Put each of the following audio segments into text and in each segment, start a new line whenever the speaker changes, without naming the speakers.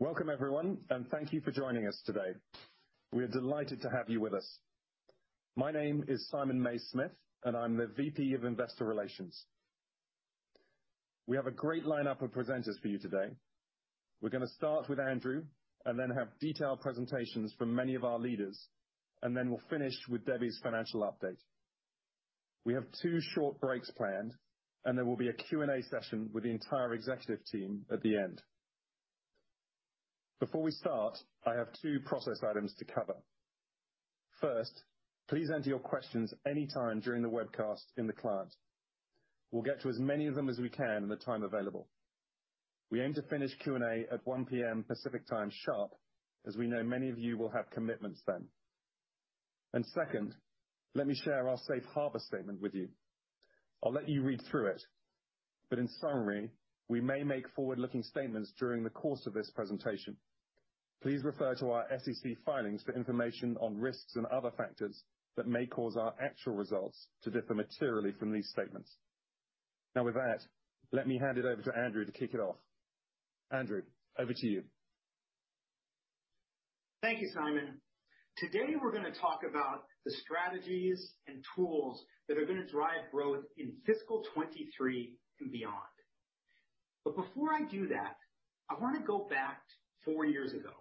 Welcome everyone. Thank you for joining us today. We are delighted to have you with us. My name is Simon Mays-Smith. I'm the VP of Investor Relations. We have a great lineup of presenters for you today. We're going to start with Andrew. Then have detailed presentations from many of our leaders. Then we'll finish with Debbie's financial update. We have two short breaks planned. There will be a Q&A session with the entire Executive Team at the end. Before we start, I have two process items to cover. First, please enter your questions any time during the webcast in the cloud. We'll get to as many of them as we can in the time available. We aim to finish Q&A at 1:00 P.M. Pacific Time sharp, as we know many of you will have commitments then. Second, let me share our safe harbor statement with you. I'll let you read through it, in summary, we may make forward-looking statements during the course of this presentation. Please refer to our SEC filings for information on risks and other factors that may cause our actual results to differ materially from these statements. With that, let me hand it over to Andrew to kick it off. Andrew, over to you.
Thank you, Simon. Today, we're gonna talk about the strategies and tools that are gonna drive growth in fiscal 2023 and beyond. Before I do that, I wanna go back four years ago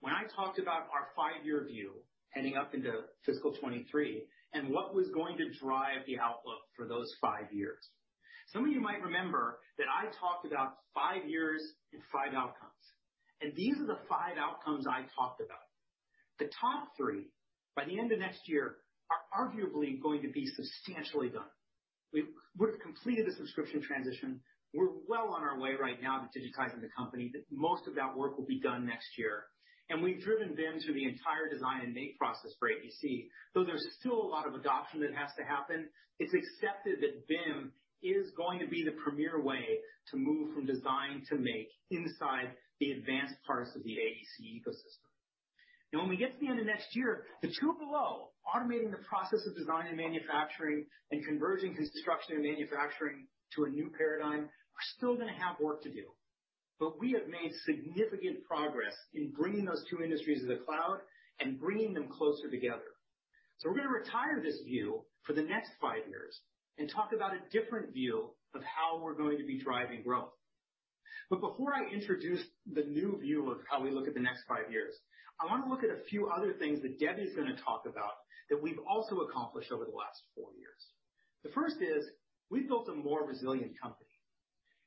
when I talked about our five-year view heading up into fiscal 2023, and what was going to drive the outlook for those five years. Some of you might remember that I talked about five years and five outcomes, and these are the five outcomes I talked about. The top three by the end of next year are arguably going to be substantially done. We've completed the subscription transition. We're well on our way right now to digitizing the company, that most of that work will be done next year. We've driven BIM through the entire design and make process for AEC. Though there's still a lot of adoption that has to happen, it's accepted that BIM is going to be the premier way to move from design to make inside the advanced parts of the AEC ecosystem. When we get to the end of next year, the two below, automating the process of design and manufacturing and converging construction and manufacturing to a new paradigm, we're still gonna have work to do. We have made significant progress in bringing those two industries to the cloud and bringing them closer together. We're gonna retire this view for the next five years and talk about a different view of how we're going to be driving growth. Before I introduce the new view of how we look at the next five years, I wanna look at a few other things that Debbie is gonna talk about that we've also accomplished over the last four years. The first is we've built a more resilient company.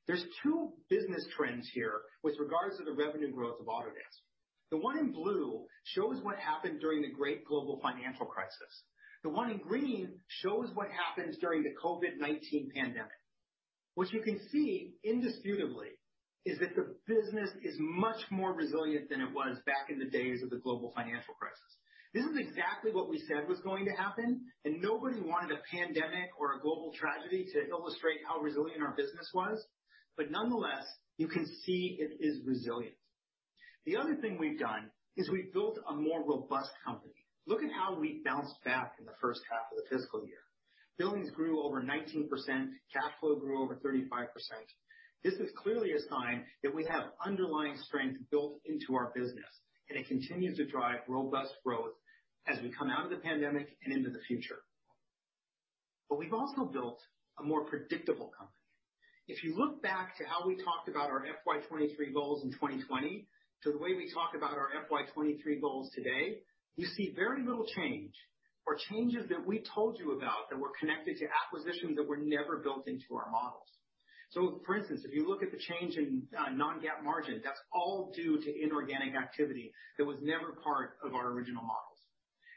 There's two business trends here with regards to the revenue growth of Autodesk. The one in blue shows what happened during the great global financial crisis. The one in green shows what happens during the COVID-19 pandemic. What you can see indisputably is that the business is much more resilient than it was back in the days of the global financial crisis. This is exactly what we said was going to happen, and nobody wanted a pandemic or a global tragedy to illustrate how resilient our business was. Nonetheless, you can see it is resilient. The other thing we've done is we've built a more robust company. Look at how we bounced back in the first half of the fiscal year. Billings grew over 19%, cash flow grew over 35%. This is clearly a sign that we have underlying strength built into our business, and it continues to drive robust growth as we come out of the pandemic and into the future. We've also built a more predictable company. If you look back to how we talked about our FY 2023 goals in 2020 to the way we talk about our FY 2023 goals today, you see very little change or changes that we told you about that were connected to acquisitions that were never built into our models. For instance, if you look at the change in non-GAAP margin, that's all due to inorganic activity that was never part of our original models.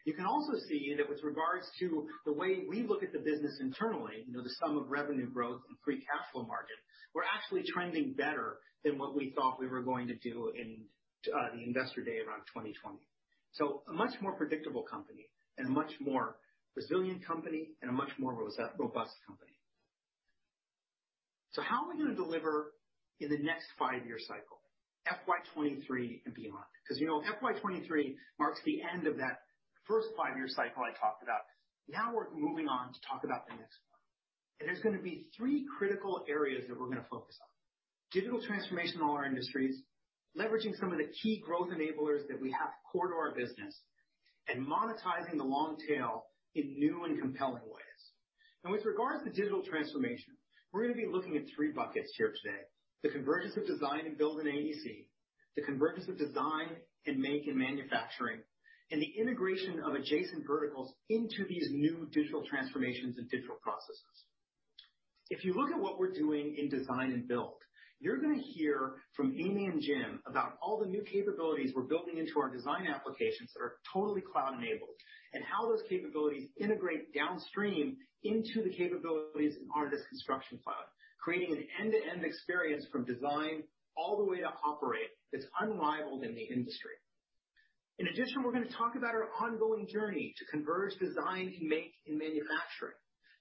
You can also see that with regards to the way we look at the business internally, you know, the sum of revenue growth and free cash flow margin, we're actually trending better than what we thought we were going to do in the Investor Day around 2020. A much more predictable company and a much more resilient company and a much more robust company. How are we gonna deliver in the next five-year cycle, FY 2023 and beyond? 'Cause, you know, FY 2023 marks the end of that first five-year cycle I talked about. Now we're moving on to talk about the next one. There's gonna be three critical areas that we're gonna focus on. Digital transformation in all our industries, leveraging some of the key growth enablers that we have core to our business, and monetizing the long tail in new and compelling ways. Now, with regards to digital transformation, we're gonna be looking at three buckets here today, the convergence of design and build in AEC, the convergence of design and make in manufacturing, and the integration of adjacent verticals into these new digital transformations and digital processes. If you look at what we're doing in design and build, you're gonna hear from Amy and Jim about all the new capabilities we're building into our design applications that are totally cloud-enabled, and how those capabilities integrate downstream into the capabilities in Autodesk Construction Cloud, creating an end-to-end experience from design all the way to operate that's unrivaled in the industry. In addition, we're going to talk about our ongoing journey to converge design, make, and manufacturing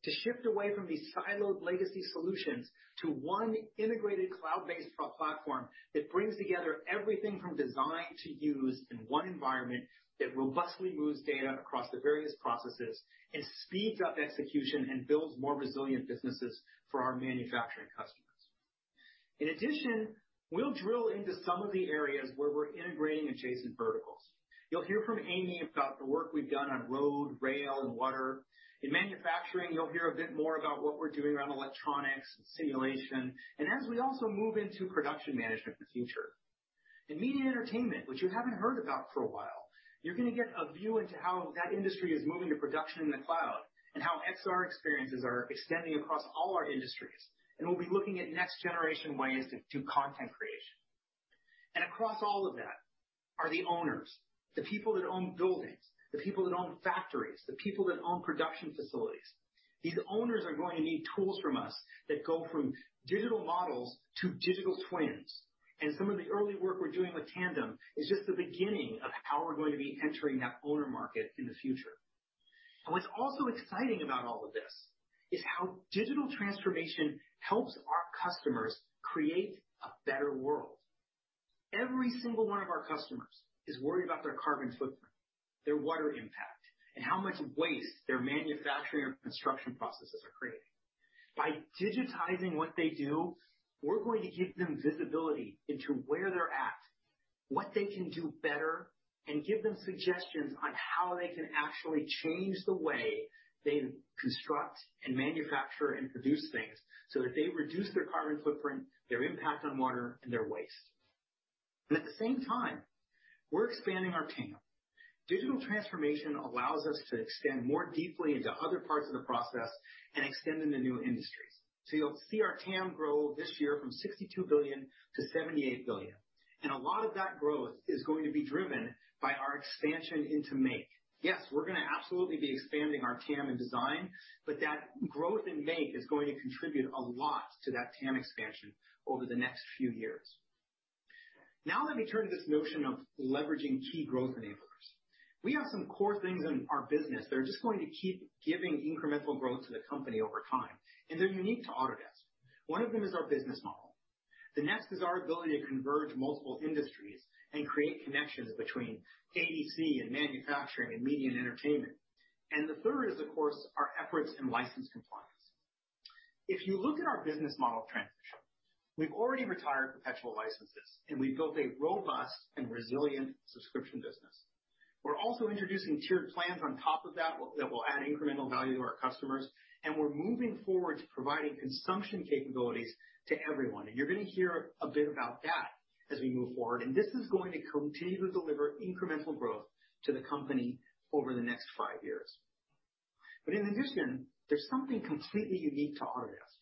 to shift away from these siloed legacy solutions to one integrated cloud-based pro platform that brings together everything, from design to use in one environment that robustly moves data across the various processes and speeds up execution and builds more resilient businesses for our manufacturing customers. In addition, we'll drill into some of the areas where we're integrating adjacent verticals. You'll hear from Amy about the work we've done on road, rail, and water. In manufacturing, you'll hear a bit more about what we're doing around electronics and simulation, and as we also move into production management for the future. In media and entertainment, which you haven't heard about for a while, you're gonna get a view into how that industry is moving to production in the cloud and how XR experiences are extending across all our industries. We'll be looking at next-generation ways to do content creation. Across all of that are the owners, the people that own buildings, the people that own factories, the people that own production facilities. These owners are going to need tools from us that go from digital models to digital twins. Some of the early work we're doing with Tandem is just the beginning of how we're going to be entering that owner market in the future. What's also exciting about all of this is how digital transformation helps our customers create a better world. Every single one of our customers is worried about their carbon footprint, their water impact, and how much waste their manufacturing or construction processes are creating. By digitizing what they do, we're going to give them visibility into where they're at, what they can do better, and give them suggestions on how they can actually change the way they construct and manufacture and produce things so that they reduce their carbon footprint, their impact on water, and their waste. At the same time, we're expanding our TAM. Digital transformation allows us to extend more deeply into other parts of the process and extend into new industries. You'll see our TAM grow this year from $62 billion to $78 billion. A lot of that growth is going to be driven by our expansion into Make. Yes, we're gonna absolutely be expanding our TAM in design, but that growth in Make is going to contribute a lot to that TAM expansion over the next few years. Let me turn to this notion of leveraging key growth enablers. We have some core things in our business that are just going to keep giving incremental growth to the company over time, and they're unique to Autodesk. One of them is our business model. The next is our ability to converge multiple industries and create connections between AEC and manufacturing and media and entertainment. The third is, of course, our efforts in license compliance. If you look at our business model transition, we've already retired perpetual licenses, and we've built a robust and resilient subscription business. We're also introducing tiered plans on top of that that will add incremental value to our customers. We're moving forward to providing consumption capabilities to everyone. You're gonna hear a bit about that as we move forward. This is going to continue to deliver incremental growth to the company over the next five years. In addition, there's something completely unique to Autodesk.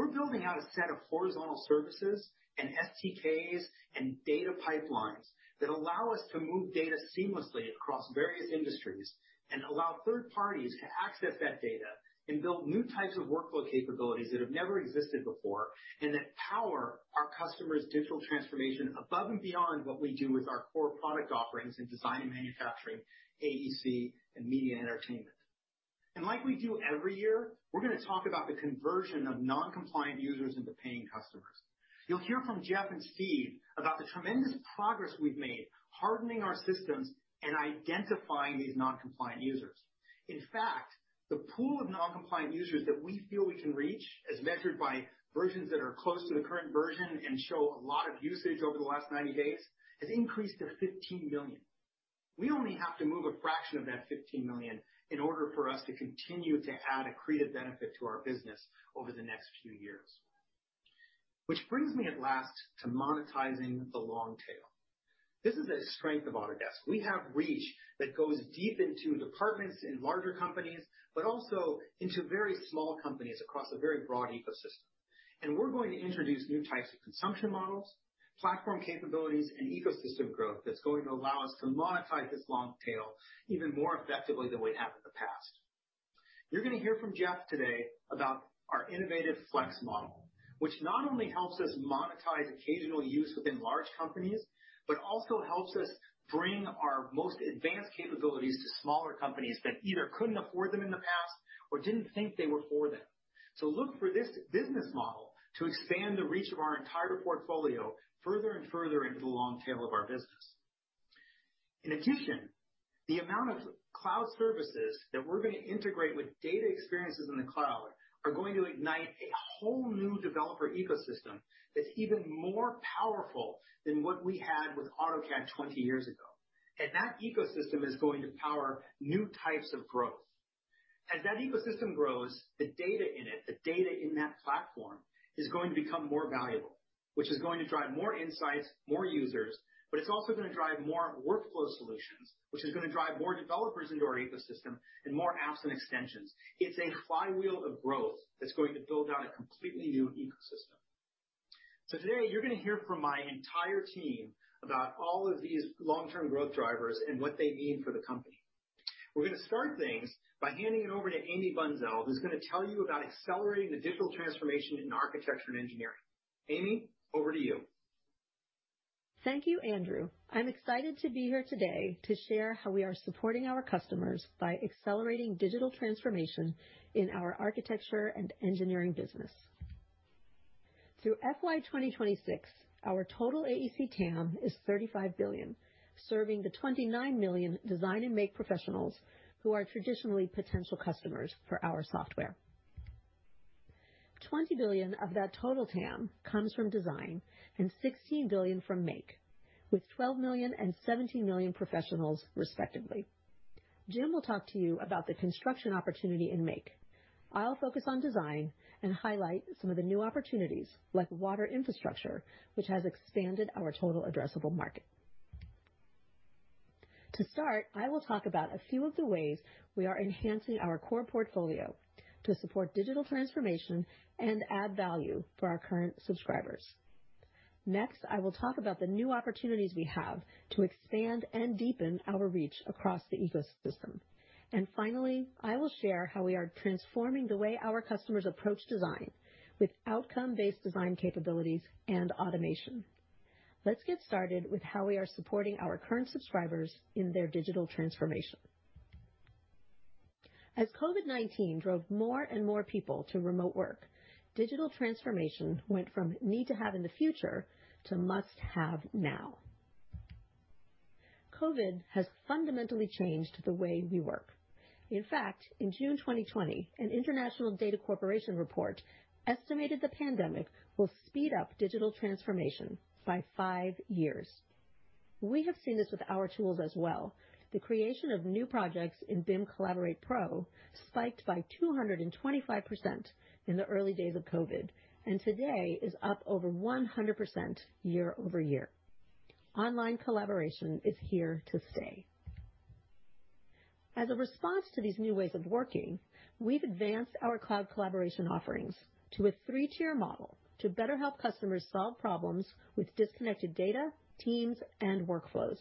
We're building out a set of horizontal services and SDKs and data pipelines that allow us to move data seamlessly across various industries and allow third parties to access that data and build new types of workflow capabilities that have never existed before, and that power our customers' digital transformation above and beyond what we do with our core product offerings in design and manufacturing, AEC, and media and entertainment. Like we do every year, we're gonna talk about the conversion of non-compliant users into paying customers. You'll hear from Jeff and Steve about the tremendous progress we've made hardening our systems and identifying these non-compliant users. In fact, the pool of non-compliant users that we feel we can reach, as measured by versions that are close to the current version and show a lot of usage over the last 90 days, has increased to 15 million. We only have to move a fraction of that 15 million in order for us to continue to add accretive benefit to our business over the next few years. Which brings me at last to monetizing the long tail. This is a strength of Autodesk. We have reach that goes deep into departments in larger companies, but also into very small companies across a very broad ecosystem. We're going to introduce new types of consumption models, platform capabilities, and ecosystem growth that's going to allow us to monetize this long tail even more effectively than we have in the past. You're gonna hear from Jeff today about our innovative Flex model, which not only helps us monetize occasional use within large companies, but also helps us bring our most advanced capabilities to smaller companies that either couldn't afford them in the past or didn't think they were for them. Look for this business model to expand the reach of our entire portfolio further and further into the long tail of our business. In addition, the amount of cloud services that we're gonna integrate with data experiences in the cloud are going to ignite a whole new developer ecosystem that's even more powerful than what we had with AutoCAD 20 years ago. That ecosystem is going to power new types of growth. As that ecosystem grows, the data in it, the data in that platform, is going to become more valuable, which is going to drive more insights, more users, but it's also gonna drive more workflow solutions, which is gonna drive more developers into our ecosystem and more apps and extensions. It's a flywheel of growth that's going to build out a completely new ecosystem. Today, you're gonna hear from my entire team about all of these long-term growth drivers and what they mean for the company. We're gonna start things by handing it over to Amy Bunszel, who's gonna tell you about accelerating the digital transformation in architecture and engineering. Amy, over to you.
Thank you, Andrew. I'm excited to be here today to share how we are supporting our customers by accelerating digital transformation in our architecture and engineering business. Through FY 2026, our total AEC TAM is $35 billion, serving the 29 million design and make professionals who are traditionally potential customers for our software. $20 billion of that total TAM comes from design and $16 billion from make, with 12 million and 17 million professionals respectively. Jim will talk to you about the construction opportunity in Make. I'll focus on design and highlight some of the new opportunities, like water infrastructure, which has expanded our total addressable market. To start, I will talk about a few of the ways we are enhancing our core portfolio to support digital transformation and add value for our current subscribers. Next, I will talk about the new opportunities we have to expand and deepen our reach across the ecosystem. Finally, I will share how we are transforming the way our customers approach design with outcome-based design capabilities and automation. Let's get started with how we are supporting our current subscribers in their digital transformation. As COVID-19 drove more and more people to remote work, digital transformation went from need to have in the future to must have now. COVID has fundamentally changed the way we work. In fact, in June 2020, an International Data Corporation report estimated the pandemic will speed up digital transformation by five years. We have seen this with our tools as well. The creation of new projects in BIM Collaborate Pro spiked by 225% in the early days of COVID, and today is up over 100% year-over-year. Online collaboration is here to stay. As a response to these new ways of working, we've advanced our cloud collaboration offerings to a three-tier model to better help customers solve problems with disconnected data, teams, and workflows.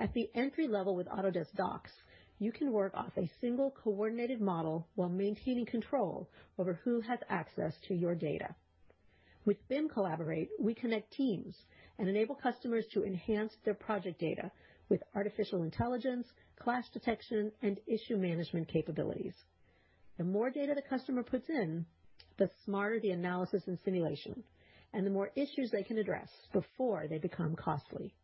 At the entry level with Autodesk Docs, you can work off a single coordinated model while maintaining control over who has access to your data. With BIM Collaborate, we connect teams and enable customers to enhance their project data with artificial intelligence, clash detection, and issue management capabilities. The more data the customer puts in, the smarter the analysis and simulation, and the more issues they can address before they become costly.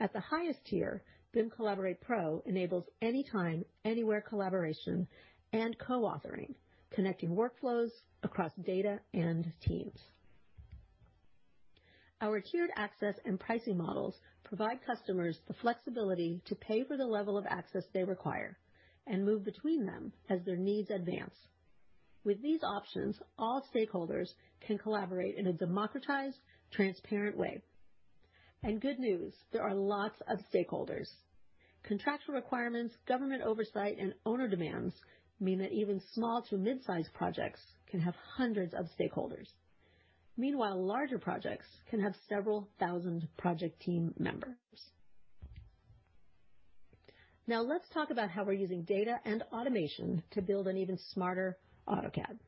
At the highest tier, BIM Collaborate Pro enables anytime, anywhere collaboration and co-authoring, connecting workflows across data and teams. Our tiered access and pricing models provide customers the flexibility to pay for the level of access they require and move between them as their needs advance. With these options, all stakeholders can collaborate in a democratized, transparent way. Good news, there are lots of stakeholders. Contractual requirements, government oversight, and owner demands mean that even small to mid-sized projects can have hundreds of stakeholders. Meanwhile, larger projects can have several thousand project team members. Now let's talk about how we're using data and automation to build an even smarter AutoCAD.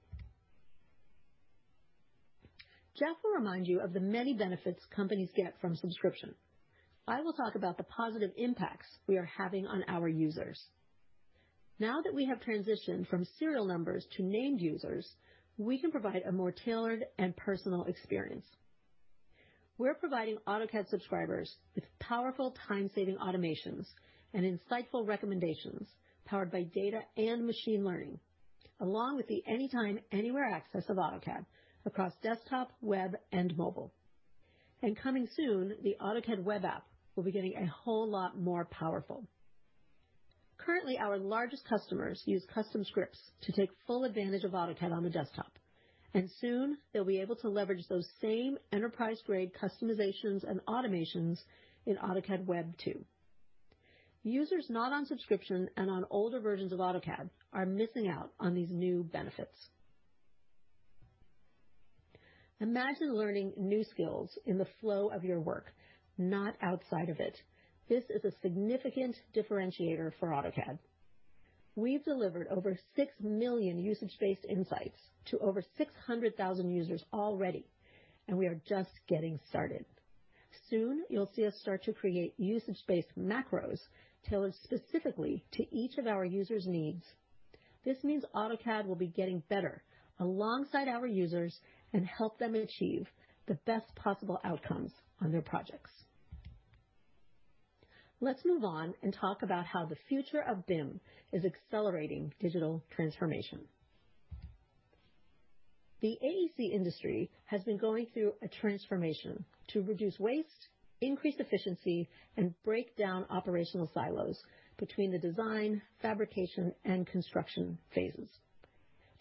Jeff will remind you of the many benefits companies get from subscription. I will talk about the positive impacts we are having on our users. Now that we have transitioned from serial numbers to named users, we can provide a more tailored and personal experience. We're providing AutoCAD subscribers with powerful time-saving automations and insightful recommendations powered by data and machine learning, along with the anytime, anywhere access of AutoCAD across desktop, web, and mobile. Coming soon, the AutoCAD web app will be getting a whole lot more powerful. Currently, our largest customers use custom scripts to take full advantage of AutoCAD on the desktop, and soon they'll be able to leverage those same enterprise-grade customizations and automations in AutoCAD web too. Users not on subscription and on older versions of AutoCAD are missing out on these new benefits. Imagine learning new skills in the flow of your work, not outside of it. This is a significant differentiator for AutoCAD. We've delivered over 6 million usage-based insights to over 600,000 users already. We are just getting started. Soon, you'll see us start to create usage-based macros tailored specifically to each of our users' needs. This means AutoCAD will be getting better alongside our users and help them achieve the best possible outcomes on their projects. Let's move on and talk about how the future of BIM is accelerating digital transformation. The AEC industry has been going through a transformation to reduce waste, increase efficiency, and break down operational silos between the design, fabrication, and construction phases.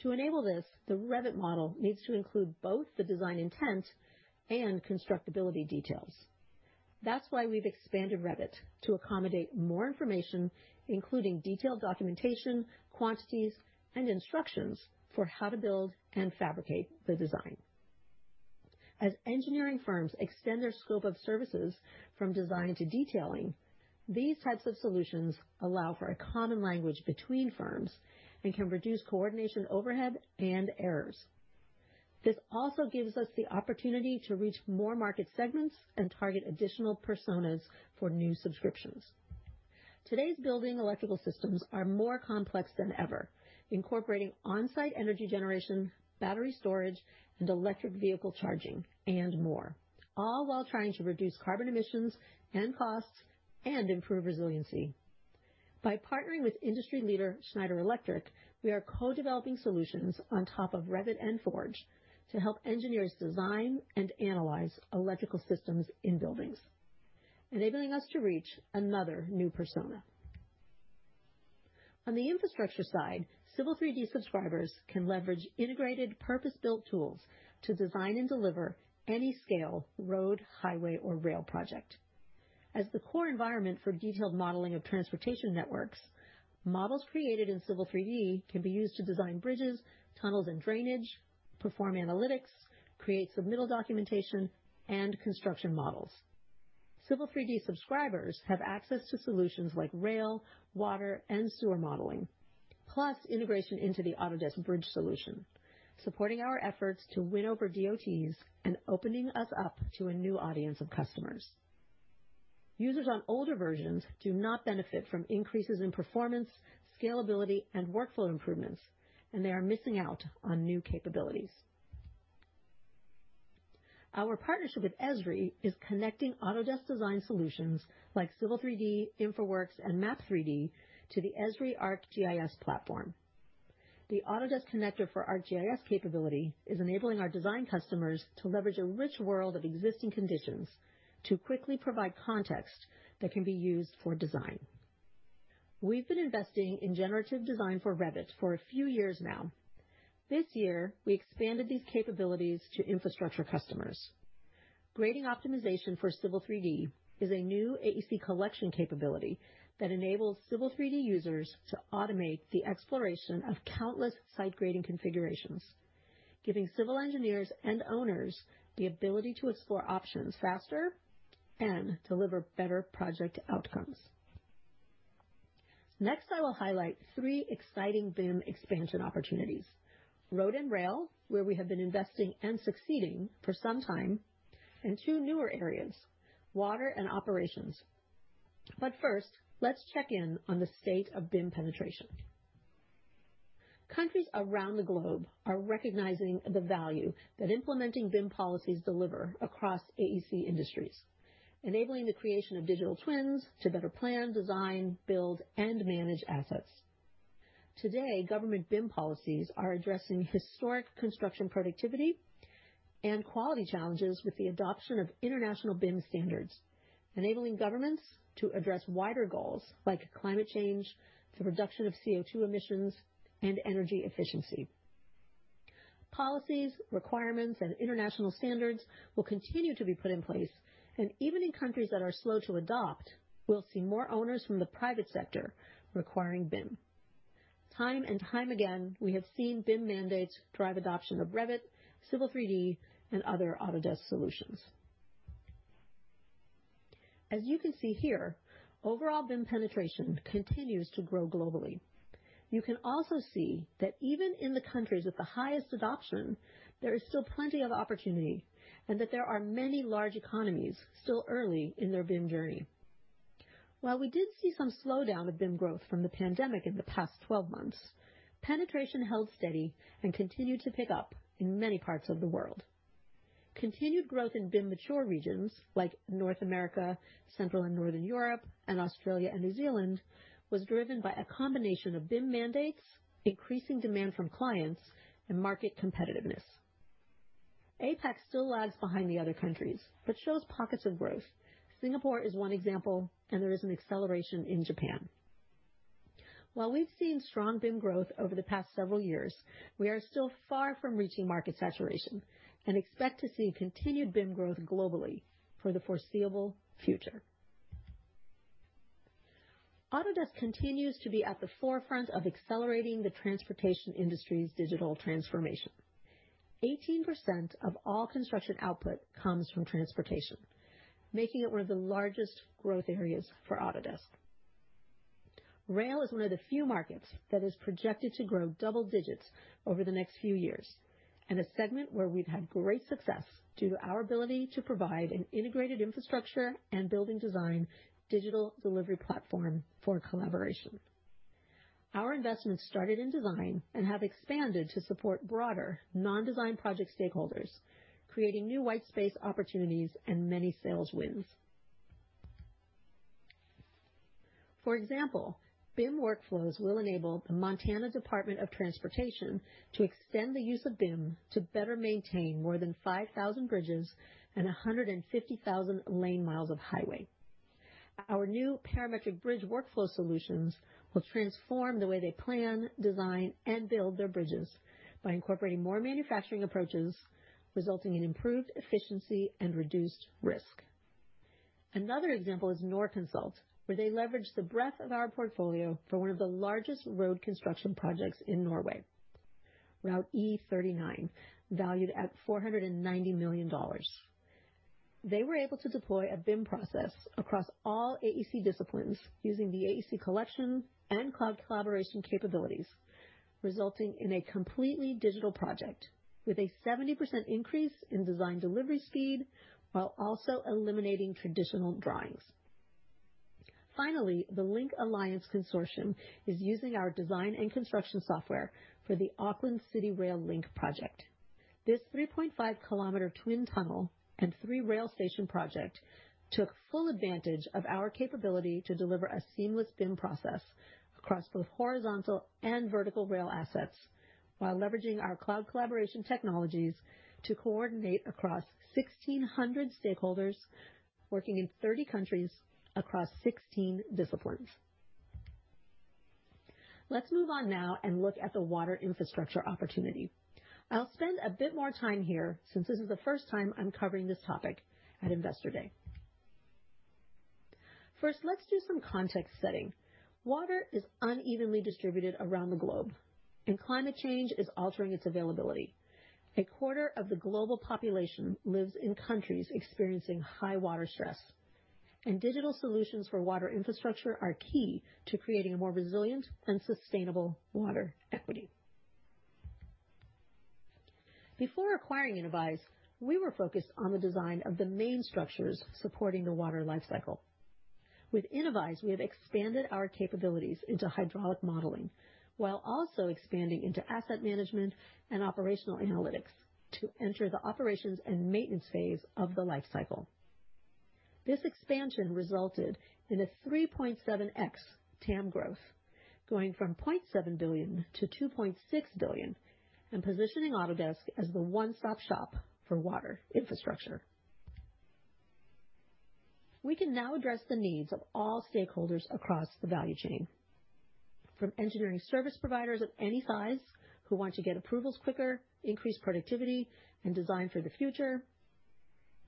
To enable this, the Revit model needs to include both the design intent and constructability details. That's why we've expanded Revit to accommodate more information, including detailed documentation, quantities, and instructions for how to build and fabricate the design. As engineering firms extend their scope of services from design to detailing, these types of solutions allow for a common language between firms and can reduce coordination overhead and errors. This also gives us the opportunity to reach more market segments and target additional personas for new subscriptions. Today's building electrical systems are more complex than ever, incorporating on-site energy generation, battery storage, and electric vehicle charging, and more, all while trying to reduce carbon emissions and costs and improve resiliency. By partnering with industry leader Schneider Electric, we are co-developing solutions on top of Revit and Forge to help engineers design and analyze electrical systems in buildings, enabling us to reach another new persona. On the infrastructure side, Civil 3D subscribers can leverage integrated purpose-built tools to design and deliver any scale road, highway, or rail project. As the core environment for detailed modeling of transportation networks, models created in Civil 3D can be used to design bridges, tunnels, and drainage, perform analytics, create submittal documentation, and construction models. Civil 3D subscribers have access to solutions like rail, water, and sewer modeling, plus integration into the Autodesk Bridge solution, supporting our efforts to win over DOTs and opening us up to a new audience of customers. Users on older versions do not benefit from increases in performance, scalability, and workflow improvements. They are missing out on new capabilities. Our partnership with Esri is connecting Autodesk design solutions like Civil 3D, InfraWorks, and Map 3D to the Esri ArcGIS platform. The Autodesk Connector for ArcGIS capability is enabling our design customers to leverage a rich world of existing conditions to quickly provide context that can be used for design. We've been investing in generative design for Revit for a few years now. This year, we expanded these capabilities to infrastructure customers. Grading optimization for Civil 3D is a new AEC Collection capability that enables Civil 3D users to automate the exploration of countless site grading configurations, giving civil engineers and owners the ability to explore options faster and deliver better project outcomes. Next, I will highlight three exciting BIM expansion opportunities. Road and rail, where we have been investing and succeeding for some time, and two newer areas, water and operations. First, let's check in on the state of BIM penetration. Countries around the globe are recognizing the value that implementing BIM policies deliver across AEC industries, enabling the creation of digital twins to better plan, design, build, and manage assets. Today, government BIM policies are addressing historic construction productivity and quality challenges with the adoption of international BIM standards, enabling governments to address wider goals like climate change, the reduction of CO2 emissions, and energy efficiency. Policies, requirements, and international standards will continue to be put in place, and even in countries that are slow to adopt, we'll see more owners from the private sector requiring BIM. Time and time again, we have seen BIM mandates drive adoption of Revit, Civil 3D, and other Autodesk solutions. As you can see here, overall BIM penetration continues to grow globally. You can also see that even in the countries with the highest adoption, there is still plenty of opportunity and that there are many large economies still early in their BIM journey. While we did see some slowdown of BIM growth from the pandemic in the past 12 months, penetration held steady and continued to pick up in many parts of the world. Continued growth in BIM-mature regions like North America, Central and Northern Europe, and Australia and New Zealand was driven by a combination of BIM mandates, increasing demand from clients, and market competitiveness. APAC still lags behind the other countries, but shows pockets of growth. Singapore is one example, and there is an acceleration in Japan. While we've seen strong BIM growth over the past several years, we are still far from reaching market saturation and expect to see continued BIM growth globally for the foreseeable future. Autodesk continues to be at the forefront of accelerating the transportation industry's digital transformation. 18% of all construction output comes from transportation, making it one of the largest growth areas for Autodesk. Rail is one of the few markets that is projected to grow double digits over the next few years, and a segment where we've had great success due to our ability to provide an integrated infrastructure and building design digital delivery platform for collaboration. Our investments started in design and have expanded to support broader non-design project stakeholders, creating new whitespace opportunities and many sales wins. For example, BIM workflows will enable the Montana Department of Transportation to extend the use of BIM to better maintain more than 5,000 bridges and 150,000 lane miles of highway. Our new parametric bridge workflow solutions will transform the way they plan, design, and build their bridges by incorporating more manufacturing approaches, resulting in improved efficiency and reduced risk. Another example is Norconsult, where they leveraged the breadth of our portfolio for one of the largest road construction projects in Norway, Route E39, valued at $490 million. They were able to deploy a BIM process across all AEC disciplines using the AEC Collection and cloud collaboration capabilities, resulting in a completely digital project with a 70% increase in design delivery speed while also eliminating traditional drawings. The Link Alliance Consortium is using our design and construction software for the Auckland City Rail Link project. This 3.5-km twin tunnel and three-rail station project took full advantage of our capability to deliver a seamless BIM process across both horizontal and vertical rail assets, while leveraging our cloud collaboration technologies to coordinate across 1,600 stakeholders working in 30 countries across 16 disciplines. Let's move on now and look at the water infrastructure opportunity. I'll spend a bit more time here since this is the first time I'm covering this topic at Investor Day. Let's do some context setting. Water is unevenly distributed around the globe, climate change is altering its availability. A quarter of the global population lives in countries experiencing high water stress, digital solutions for water infrastructure are key to creating a more resilient and sustainable water equity. Before acquiring Innovyze, we were focused on the design of the main structures supporting the water life cycle. With Innovyze, we have expanded our capabilities into hydraulic modeling, while also expanding into asset management and operational analytics to enter the operations and maintenance phase of the life cycle. This expansion resulted in a 3.7x TAM growth, going from $0.7 billion to $2.6 billion, positioning Autodesk as the one-stop shop for water infrastructure. We can now address the needs of all stakeholders across the value chain, from engineering service providers of any size who want to get approvals quicker, increase productivity, and design for the future,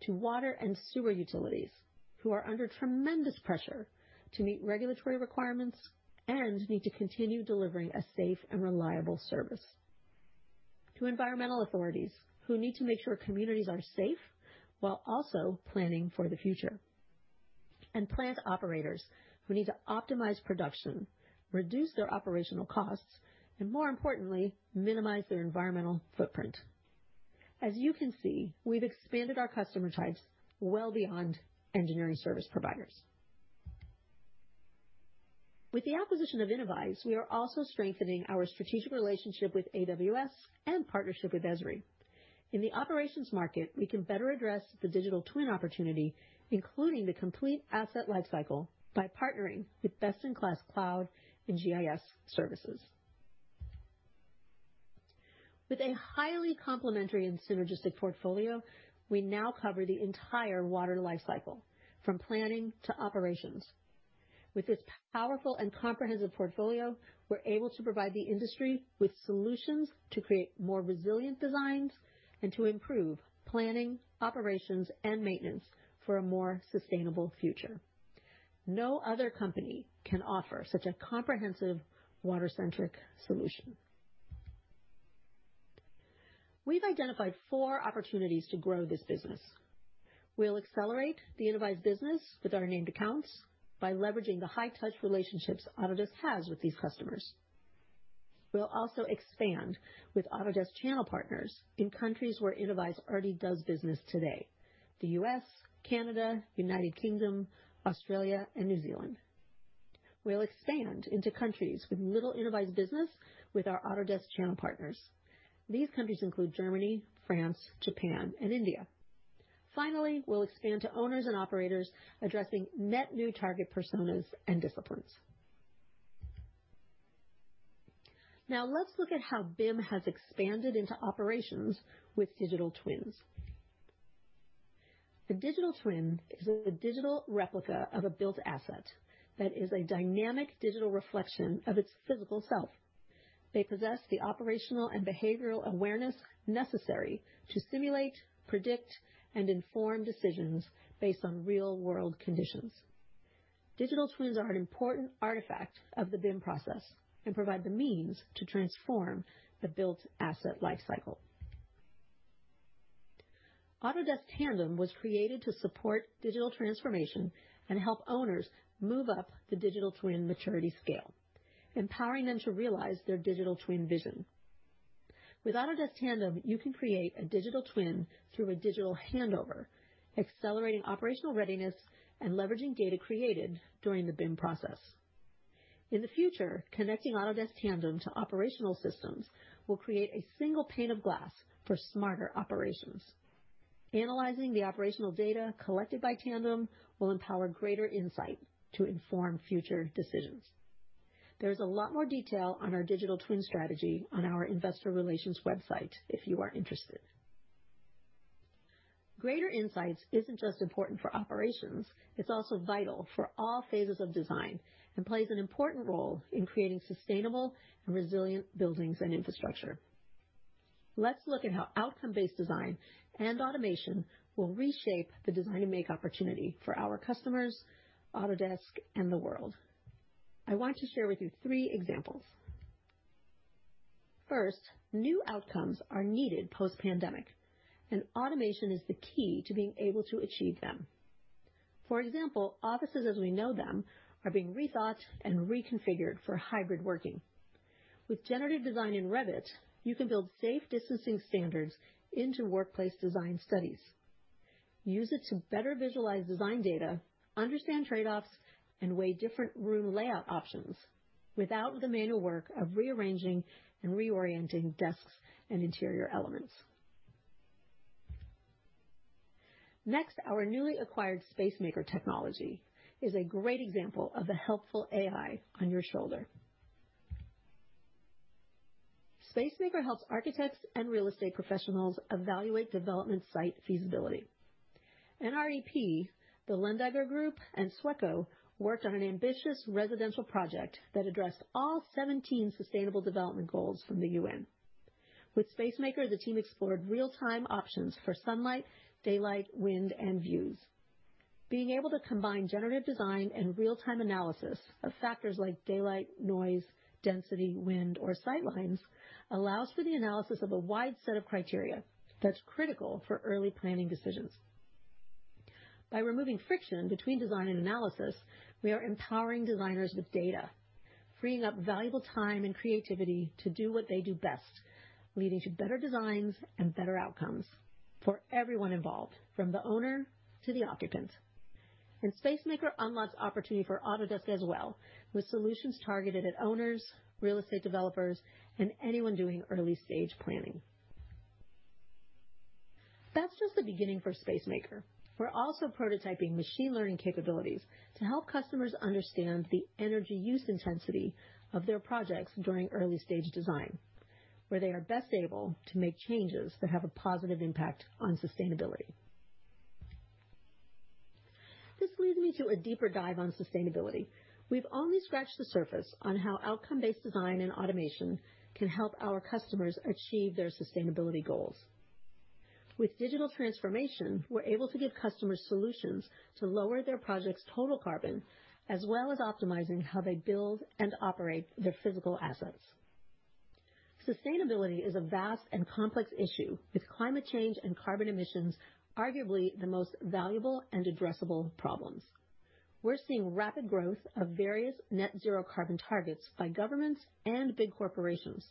to water and sewer utilities who are under tremendous pressure to meet regulatory requirements and need to continue delivering a safe and reliable service. To environmental authorities who need to make sure communities are safe while also planning for the future. Plant operators who need to optimize production, reduce their operational costs, and more importantly, minimize their environmental footprint. As you can see, we've expanded our customer types well beyond engineering service providers. With the acquisition of Innovyze, we are also strengthening our strategic relationship with AWS and partnership with Esri. In the operations market, we can better address the digital twin opportunity, including the complete asset life cycle, by partnering with best-in-class cloud and GIS services. With a highly complementary and synergistic portfolio, we now cover the entire water life cycle, from planning to operations. With this powerful and comprehensive portfolio, we're able to provide the industry with solutions to create more resilient designs and to improve planning, operations, and maintenance for a more sustainable future. No other company can offer such a comprehensive water-centric solution. We've identified four opportunities to grow this business. We'll accelerate the Innovyze business with our named accounts by leveraging the high-touch relationships Autodesk has with these customers. We'll also expand with Autodesk channel partners in countries where Innovyze already does business today: the U.S., Canada, U.K., Australia, and New Zealand. We'll expand into countries with little Innovyze business with our Autodesk channel partners. These countries include Germany, France, Japan, and India. Finally, we'll expand to owners and operators addressing net new target personas and disciplines. Now, let's look at how BIM has expanded into operations with digital twins. A digital twin is a digital replica of a built asset that is a dynamic digital reflection of its physical self. They possess the operational and behavioral awareness necessary to simulate, predict, and inform decisions based on real-world conditions. Digital twins are an important artifact of the BIM process and provide the means to transform the built asset life cycle. Autodesk Tandem was created to support digital transformation and help owners move up the digital twin maturity scale, empowering them to realize their digital twin vision. With Autodesk Tandem, you can create a digital twin through a digital handover, accelerating operational readiness and leveraging data created during the BIM process. In the future, connecting Autodesk Tandem to operational systems will create a single pane of glass for smarter operations. Analyzing the operational data collected by Tandem will empower greater insight to inform future decisions. There is a lot more detail on our digital twin strategy on our investor relations website if you are interested. Greater insights isn't just important for operations, it's also vital for all phases of design and plays an important role in creating sustainable and resilient buildings and infrastructure. Let's look at how outcome-based design and automation will reshape the design and make opportunity for our customers, Autodesk, and the world. I want to share with you three examples. First, new outcomes are needed post-pandemic, and automation is the key to being able to achieve them. For example, offices as we know them are being rethought and reconfigured for hybrid working. With generative design in Revit, you can build safe distancing standards into workplace design studies. Use it to better visualize design data, understand trade-offs, and weigh different room layout options without the manual work of rearranging and reorienting desks and interior elements. Our newly acquired Spacemaker technology is a great example of the helpful AI on your shoulder. Spacemaker helps architects and real estate professionals evaluate development site feasibility. NREP, the Lendager Group and Sweco worked on an ambitious residential project that addressed all 17 sustainable development goals from the UN. With Spacemaker, the team explored real-time options for sunlight, daylight, wind, and views. Being able to combine generative design and real-time analysis of factors like daylight, noise, density, wind, or sight lines allows for the analysis of a wide set of criteria that is critical for early planning decisions. By removing friction between design and analysis, we are empowering designers with data, freeing up valuable time and creativity to do what they do best, leading to better designs and better outcomes for everyone involved, from the owner to the occupant. Spacemaker unlocks opportunity for Autodesk as well, with solutions targeted at owners, real estate developers, and anyone doing early-stage planning. That is just the beginning for Spacemaker. We are also prototyping machine learning capabilities to help customers understand the energy use intensity of their projects during early-stage design, where they are best able to make changes that have a positive impact on sustainability. This leads me to a deeper dive on sustainability. We've only scratched the surface on how outcome-based design and automation can help our customers achieve their sustainability goals. With digital transformation, we're able to give customers solutions to lower their project's total carbon, as well as optimizing how they build and operate their physical assets. Sustainability is a vast and complex issue, with climate change and carbon emissions arguably the most solvable and addressable problems. We're seeing rapid growth of various net zero carbon targets by governments and big corporations.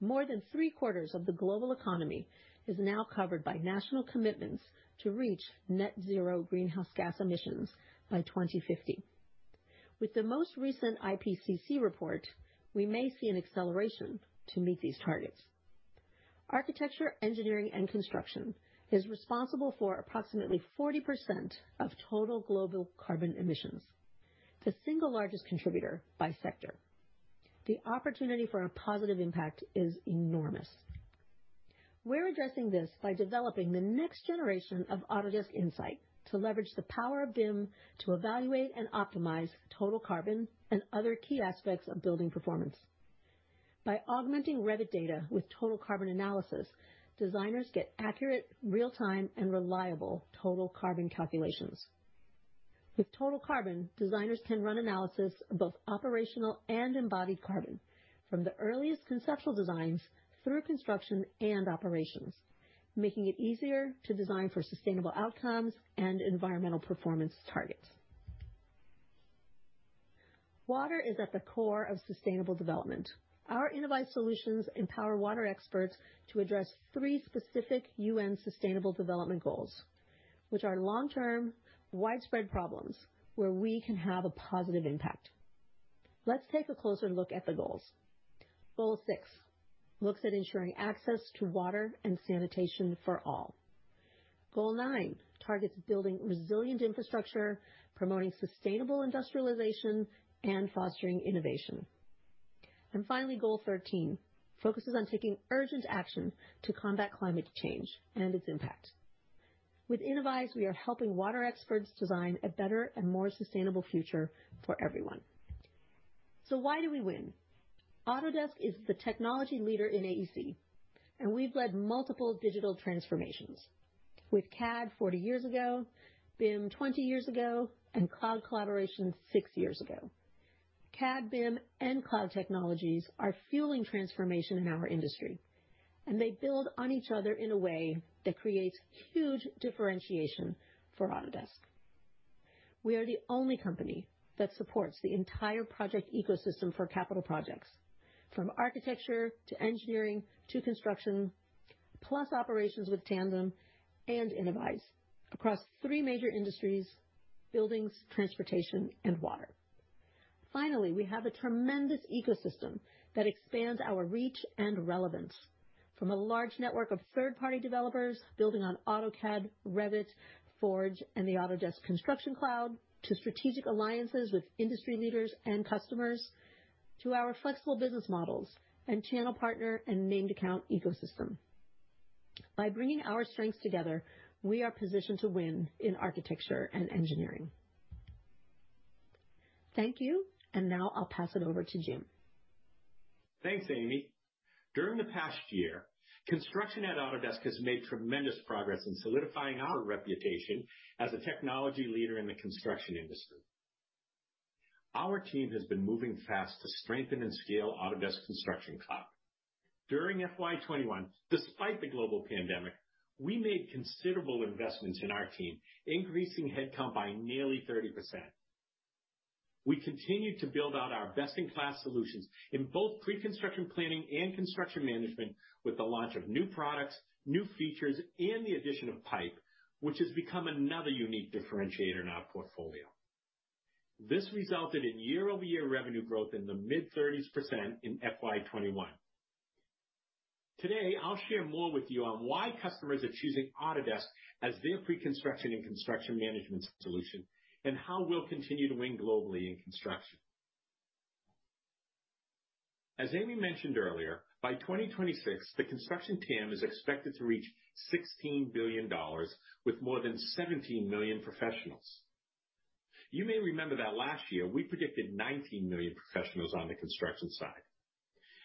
More than three-quarters of the global economy is now covered by national commitments to reach net zero greenhouse gas emissions by 2050. With the most recent IPCC report, we may see an acceleration to meet these targets. Architecture, engineering, and construction is responsible for approximately 40% of total global carbon emissions, the single one largest contributor by sector. The opportunity for a positive impact is enormous. We're addressing this by developing the next generation of Autodesk Insight to leverage the power of BIM to evaluate and optimize total carbon and other key aspects of building performance. By augmenting Revit data with total carbon analysis, designers get accurate, real-time, and reliable total carbon calculations. With total carbon, designers can run analysis of both operational and embodied carbon from the earliest conceptual designs through construction and operations, making it easier to design for sustainable outcomes and environmental performance targets. Water is at the core of sustainable development. Our Innovyze solutions empower water experts to address three specific UN Sustainable Development Goals, which are long-term, widespread problems where we can have a positive impact. Let's take a closer look at the goals. Goal 6 looks at ensuring access to water and sanitation for all. Goal 9 targets building resilient infrastructure, promoting sustainable industrialization, and fostering innovation. Finally, goal 13 focuses on taking urgent action to combat climate change and its impact. With Innovyze, we are helping water experts design a better and more sustainable future for everyone. Why do we win? Autodesk is the technology leader in AEC, and we've led multiple digital transformations. With CAD 40 years ago, BIM 20 years ago, and cloud collaboration six years ago. CAD, BIM, and cloud technologies are fueling transformation in our industry, and they build on each other in a way that creates huge differentiation for Autodesk. We are the only company that supports the entire project ecosystem for capital projects, from architecture to engineering to construction, plus operations with Tandem and Innovyze across three major industries, buildings, transportation, and water. We have a tremendous ecosystem that expands our reach and relevance from a large network of third-party developers building on AutoCAD, Revit, Forge, and the Autodesk Construction Cloud to strategic alliances with industry leaders and customers to our flexible business models and channel partner and named account ecosystem. By bringing our strengths together, we are positioned to win in architecture and engineering. Thank you. Now I'll pass it over to Jim.
Thanks, Amy. During the past year, construction at Autodesk has made tremendous progress in solidifying our reputation as a technology leader in the construction industry. Our team has been moving fast to strengthen and scale Autodesk Construction Cloud. During FY 2021, despite the global pandemic, we made considerable investments in our team, increasing headcount by nearly 30%. We continued to build out our best-in-class solutions in both pre-construction planning and construction management with the launch of new products, new features, and the addition of Pype, which has become another unique differentiator in our portfolio. This resulted in year-over-year revenue growth in the mid-30s% in FY 2021. Today, I'll share more with you on why customers are choosing Autodesk as their pre-construction and construction management solution, and how we'll continue to win globally in construction. As Amy mentioned earlier, by 2026, the construction TAM is expected to reach $16 billion with more than 17 million professionals. You may remember that last year we predicted 19 million professionals on the construction side.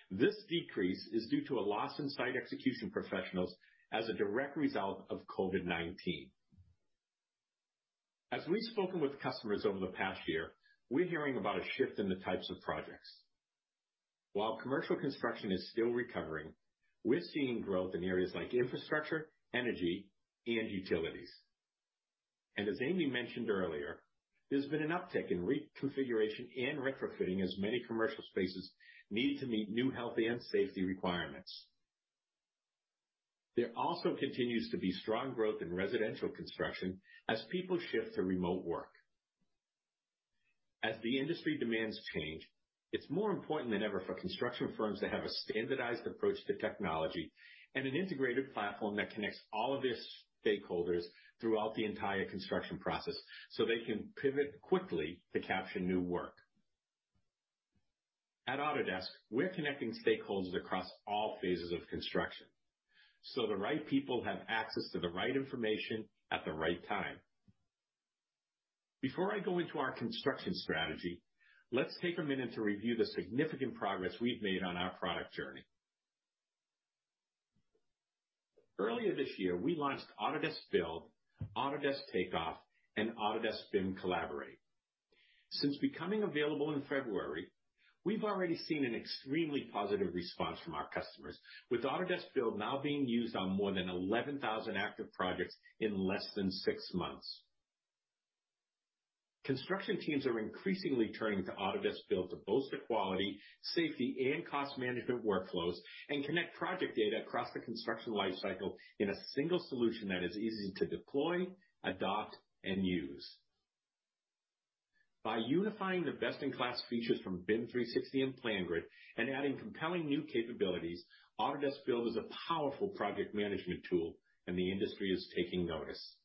This decrease is due to a loss in site execution professionals as a direct result of COVID-19. As we've spoken with customers over the past year, we're hearing about a shift in the types of projects. While commercial construction is still recovering, we're seeing growth in areas like infrastructure, energy, and utilities. As Amy mentioned earlier, there's been an uptick in reconfiguration and retrofitting as many commercial spaces need to meet new health and safety requirements. There also continues to be strong growth in residential construction as people shift to remote work. As the industry demands change, it's more important than ever for construction firms to have a standardized approach to technology and an integrated platform that connects all of its stakeholders throughout the entire construction process, so they can pivot quickly to capture new work. At Autodesk, we're connecting stakeholders across all phases of construction, so the right people have access to the right information at the right time. Before I go into our construction strategy, let's take a minute to review the significant progress we've made on our product journey. Earlier this year, we launched Autodesk Build, Autodesk Takeoff, and Autodesk BIM Collaborate. Since becoming available in February, we've already seen an extremely positive response from our customers, with Autodesk Build now being used on more than 11,000 active projects in less than six months. Construction teams are increasingly turning to Autodesk Build to bolster quality, safety, and cost management workflows, and connect project data across the construction lifecycle in a single solution that is easy to deploy, adopt, and use. By unifying the best-in-class features from BIM 360 and PlanGrid and adding compelling new capabilities, Autodesk Build is a powerful project management tool, and the industry is taking notice.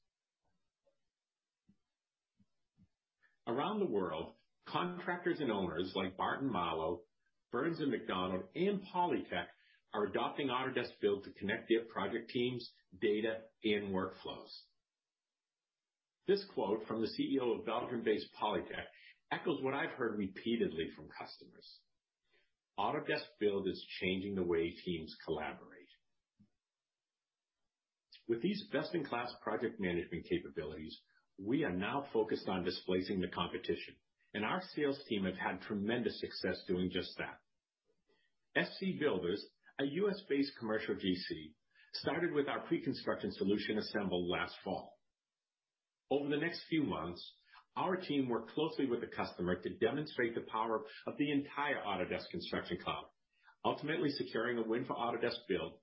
Around the world, contractors and owners like Barton Malow, Burns & McDonnell, and Polytech are adopting Autodesk Build to connect their project teams, data, and workflows. This quote from the CEO of Belgium-based Polytech echoes what I've heard repeatedly from customers. Autodesk Build is changing the way teams collaborate. With these best-in-class project management capabilities, we are now focused on displacing the competition, and our sales team have had tremendous success doing just that. SC Builders, a U.S.-based commercial GC, started with our pre-construction solution Autodesk Assemble last fall. Over the next few months, our team worked closely with the customer to demonstrate the power of the entire Autodesk Construction Cloud, ultimately securing a win for Autodesk Build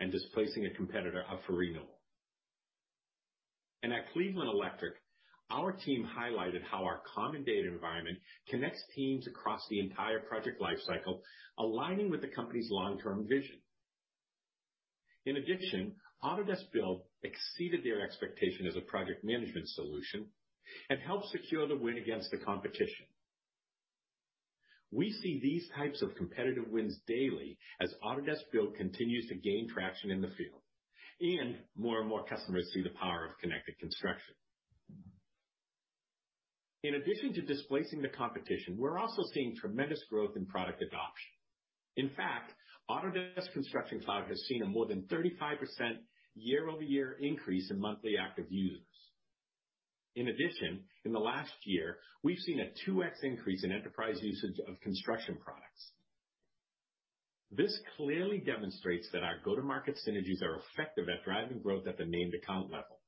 and displacing a competitor up for renewal. At Cleveland Electric Company, our team highlighted how our common data environment connects teams across the entire project lifecycle, aligning with the company's long-term vision. In addition, Autodesk Build exceeded their expectation as a project management solution and helped secure the win against the competition. We see these types of competitive wins daily as Autodesk Build continues to gain traction in the field, and more and more customers see the power of connected construction. In addition to displacing the competition, we're also seeing tremendous growth in product adoption. In fact, Autodesk Construction Cloud has seen a more than 35% year-over-year increase in monthly active users. In addition, in the last year, we've seen a 2x increase in enterprise usage of construction products. This clearly demonstrates that our go-to-market synergies are effective at driving growth at the named account level.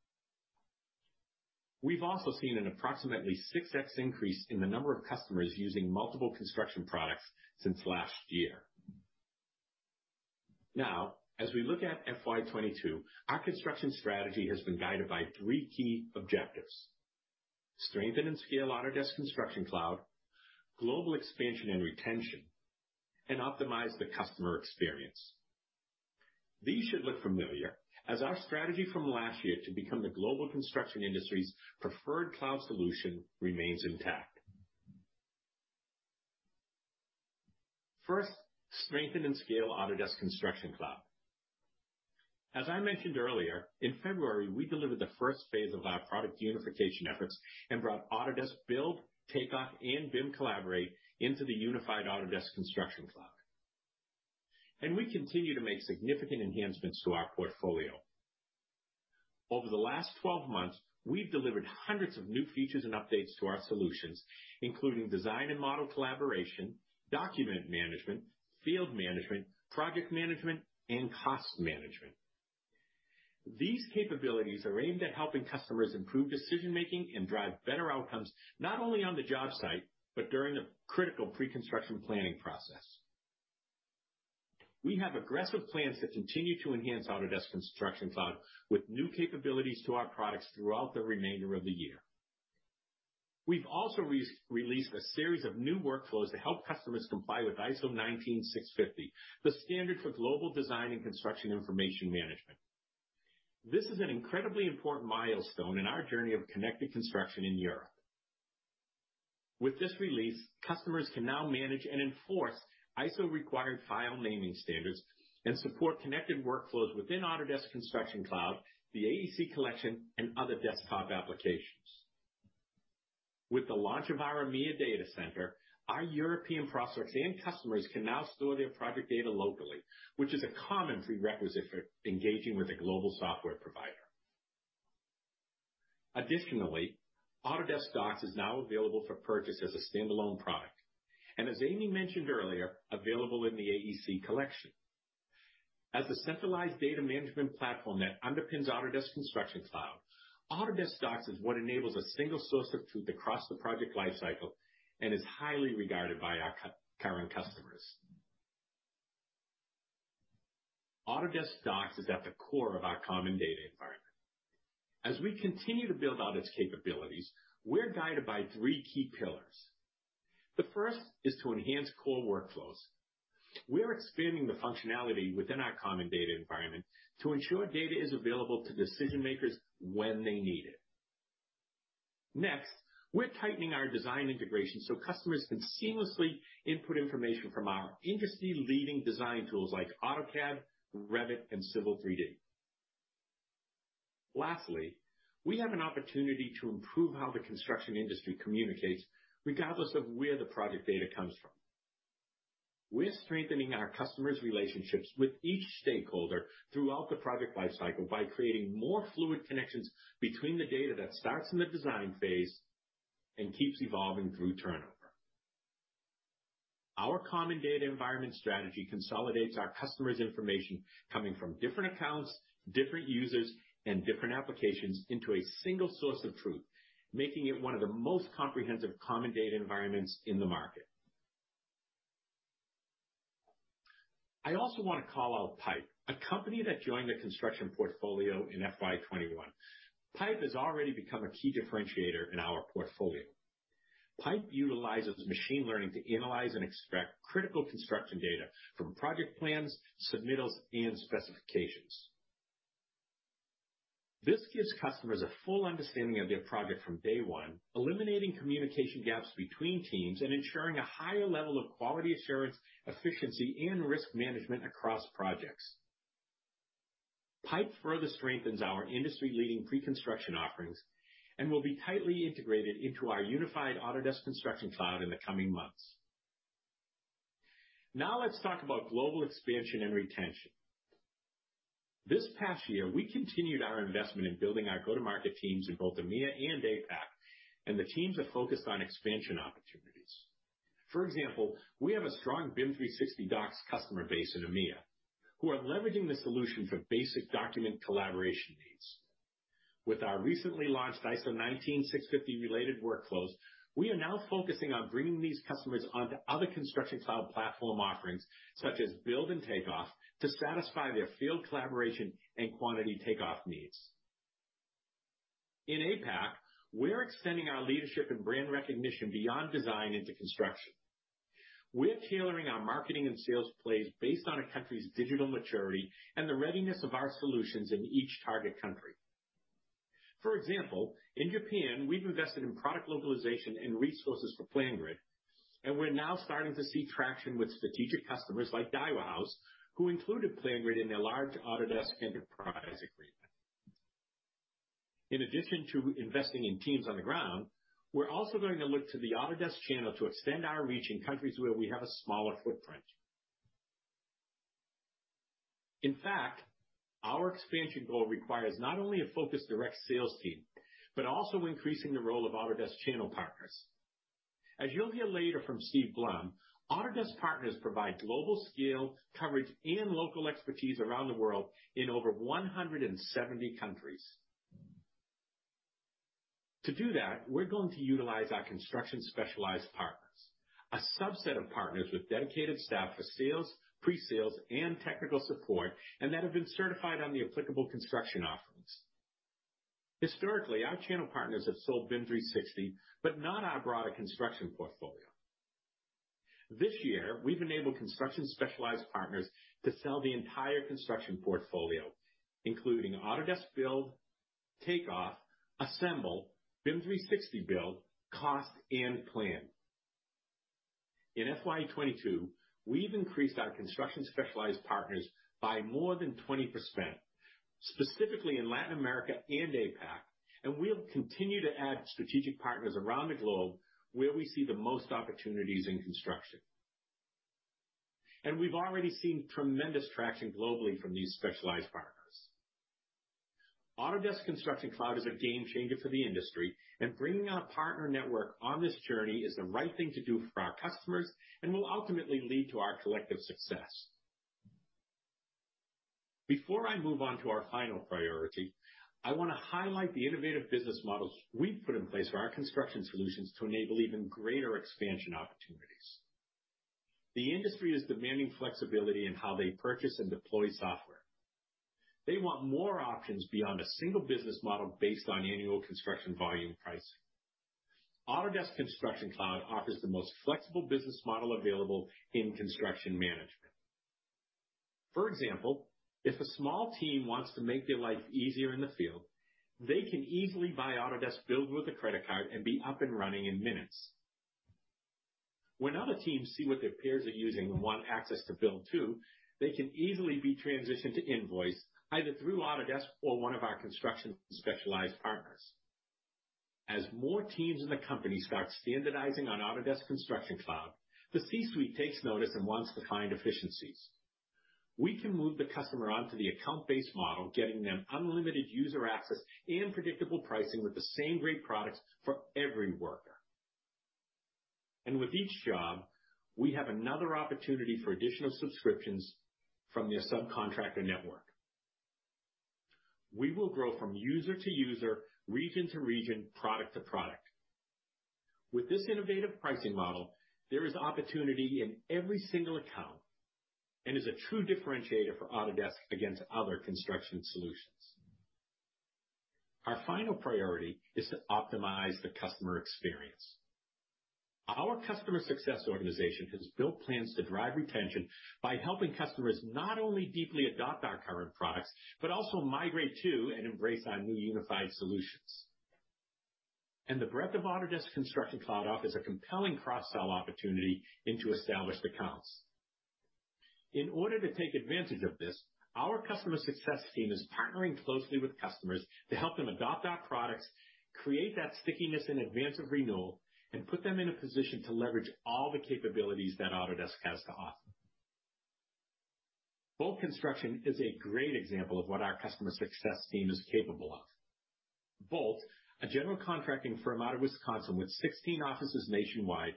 We've also seen an approximately 6x increase in the number of customers using multiple construction products since last year. Now, as we look at FY 2022, our construction strategy has been guided by three key objectives. Strengthen and scale Autodesk Construction Cloud, global expansion and retention, and optimize the customer experience. These should look familiar as our strategy from last year to become the global construction industry's preferred cloud solution remains intact. First, strengthen and scale Autodesk Construction Cloud. As I mentioned earlier, in February, we delivered the first phase of our product unification efforts and brought Autodesk Build, Takeoff, and BIM Collaborate into the unified Autodesk Construction Cloud. We continue to make significant enhancements to our portfolio. Over the last 12 months, we've delivered hundreds of new features and updates to our solutions, including design and model collaboration, document management, field management, project management, and cost management. These capabilities are aimed at helping customers improve decision-making and drive better outcomes, not only on the job site, but during the critical pre-construction planning process. We have aggressive plans to continue to enhance Autodesk Construction Cloud with new capabilities to our products throughout the remainder of the year. We've also re-released a series of new workflows to help customers comply with ISO 19650, the standard for global design and construction information management. This is an incredibly important milestone in our journey of connected construction in Europe. With this release, customers can now manage and enforce ISO-required file naming standards and support connected workflows within Autodesk Construction Cloud, the AEC Collection, and other desktop applications. With the launch of our EMEA Data Center, our European prospects and customers can now store their project data locally, which is a common prerequisite for engaging with a global software provider. Additionally, Autodesk Docs is now available for purchase as a standalone product, and as Amy mentioned earlier, available in the AEC Collection. As a centralized data management platform that underpins Autodesk Construction Cloud, Autodesk Docs is what enables a single source of truth across the project lifecycle and is highly regarded by our current customers. Autodesk Docs is at the core of our common data environment. As we continue to build out its capabilities, we're guided by three key pillars. The first is to enhance core workflows. We are expanding the functionality within our common data environment to ensure data is available to decision-makers when they need it. Next, we're tightening our design integration so customers can seamlessly input information from our industry-leading design tools like AutoCAD, Revit, and Civil 3D. Lastly, we have an opportunity to improve how the construction industry communicates, regardless of where the project data comes from. We're strengthening our customers' relationships with each stakeholder throughout the project lifecycle by creating more fluid connections between the data that starts in the design phase and keeps evolving through turnover. Our common data environment strategy consolidates our customers' information coming from different accounts, different users, and different applications into a single source of truth, making it one of the most comprehensive common data environments in the market. I also wanna call out Pype, a company that joined the construction portfolio in FY 2021. Pype has already become a key differentiator in our portfolio. Pype utilizes machine learning to analyze and extract critical construction data from project plans, submittals, and specifications. This gives customers a full understanding of their project from day one, eliminating communication gaps between teams and ensuring a higher level of quality assurance, efficiency, and risk management across projects. Pype further strengthens our industry-leading pre-construction offerings and will be tightly integrated into our unified Autodesk Construction Cloud in the coming months. Now let's talk about global expansion and retention. This past year, we continued our investment in building our go-to-market teams in both EMEA and APAC, and the teams are focused on expansion opportunities. For example, we have a strong BIM 360 Docs customer base in EMEA who are leveraging the solution for basic document collaboration needs. With our recently launched ISO 19650 related workflows, we are now focusing on bringing these customers onto other construction cloud platform offerings such as Build and Takeoff to satisfy their field collaboration and quantity takeoff needs. In APAC, we're extending our leadership and brand recognition beyond design into construction. We're tailoring our marketing and sales plays based on a country's digital maturity and the readiness of our solutions in each target country. For example, in Japan, we've invested in product localization and resources for PlanGrid, and we're now starting to see traction with strategic customers like Daiwa House, who included PlanGrid in their large Autodesk enterprise agreement. In addition to investing in teams on the ground, we're also going to look to the Autodesk channel to extend our reach in countries where we have a smaller footprint. Our expansion goal requires not only a focused direct sales team, but also increasing the role of Autodesk channel partners. As you'll hear later from Steve Blum, Autodesk partners provide global scale, coverage, and local expertise around the world in over 170 countries. To do that, we're going to utilize our construction-specialized partners, a subset of partners with dedicated staff for sales, pre-sales, and technical support, and that have been certified on the applicable construction offerings. Historically, our channel partners have sold BIM 360, but not our broader construction portfolio. This year, we've enabled construction-specialized partners to sell the entire construction portfolio, including Autodesk Build, Takeoff, Assemble, BIM 360 Build, Cost, and Plan. In FY 2022, we've increased our construction-specialized partners by more than 20%, specifically in Latin America and APAC, we'll continue to add strategic partners around the globe where we see the most opportunities in construction. We've already seen tremendous traction globally from these specialized partners. Autodesk Construction Cloud is a game changer for the industry, and bringing our partner network on this journey is the right thing to do for our customers and will ultimately lead to our collective success. Before I move on to our final priority, I wanna highlight the innovative business models we've put in place for our construction solutions to enable even greater expansion opportunities. The industry is demanding flexibility in how they purchase and deploy software. They want more options beyond a one business model based on annual construction volume pricing. Autodesk Construction Cloud offers the most flexible business model available in construction management. For example, if a small team wants to make their life easier in the field, they can easily buy Autodesk Build with a credit card and be up and running in minutes. When other teams see what their peers are using and want access to Build too, they can easily be transitioned to invoice, either through Autodesk or one of our construction specialized partners. As more teams in the company start standardizing on Autodesk Construction Cloud, the C-suite takes notice and wants to find efficiencies. We can move the customer onto the account-based model, getting them unlimited user access and predictable pricing with the same great products for every worker. With each job, we have another opportunity for additional subscriptions from their subcontractor network. We will grow from user to user, region to region, product to product. With this innovative pricing model, there is opportunity in every single account and is a true differentiator for Autodesk against other construction solutions. Our final priority is to optimize the customer experience. Our customer success organization has built plans to drive retention by helping customers not only deeply adopt our current products, but also migrate to and embrace our new unified solutions. The breadth of Autodesk Construction Cloud offers a compelling cross-sell opportunity into established accounts. In order to take advantage of this, our customer success team is partnering closely with customers to help them adopt our products, create that stickiness in advance of renewal, and put them in a position to leverage all the capabilities that Autodesk has to offer. The Boldt Company is a great example of what our customer success team is capable of. Boldt, a general contracting firm out of Wisconsin with 16 offices nationwide,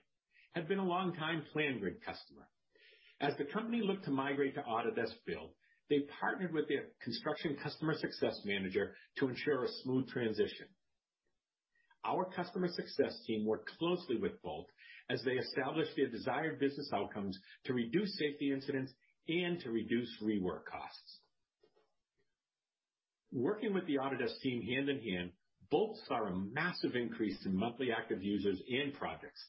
had been a longtime PlanGrid customer. As the company looked to migrate to Autodesk Build, they partnered with their construction customer success manager to ensure a smooth transition. Our customer success team worked closely with Boldt as they established their desired business outcomes to reduce safety incidents and to reduce rework costs. Working with the Autodesk team hand in hand, Boldt saw a massive increase in monthly active users and projects.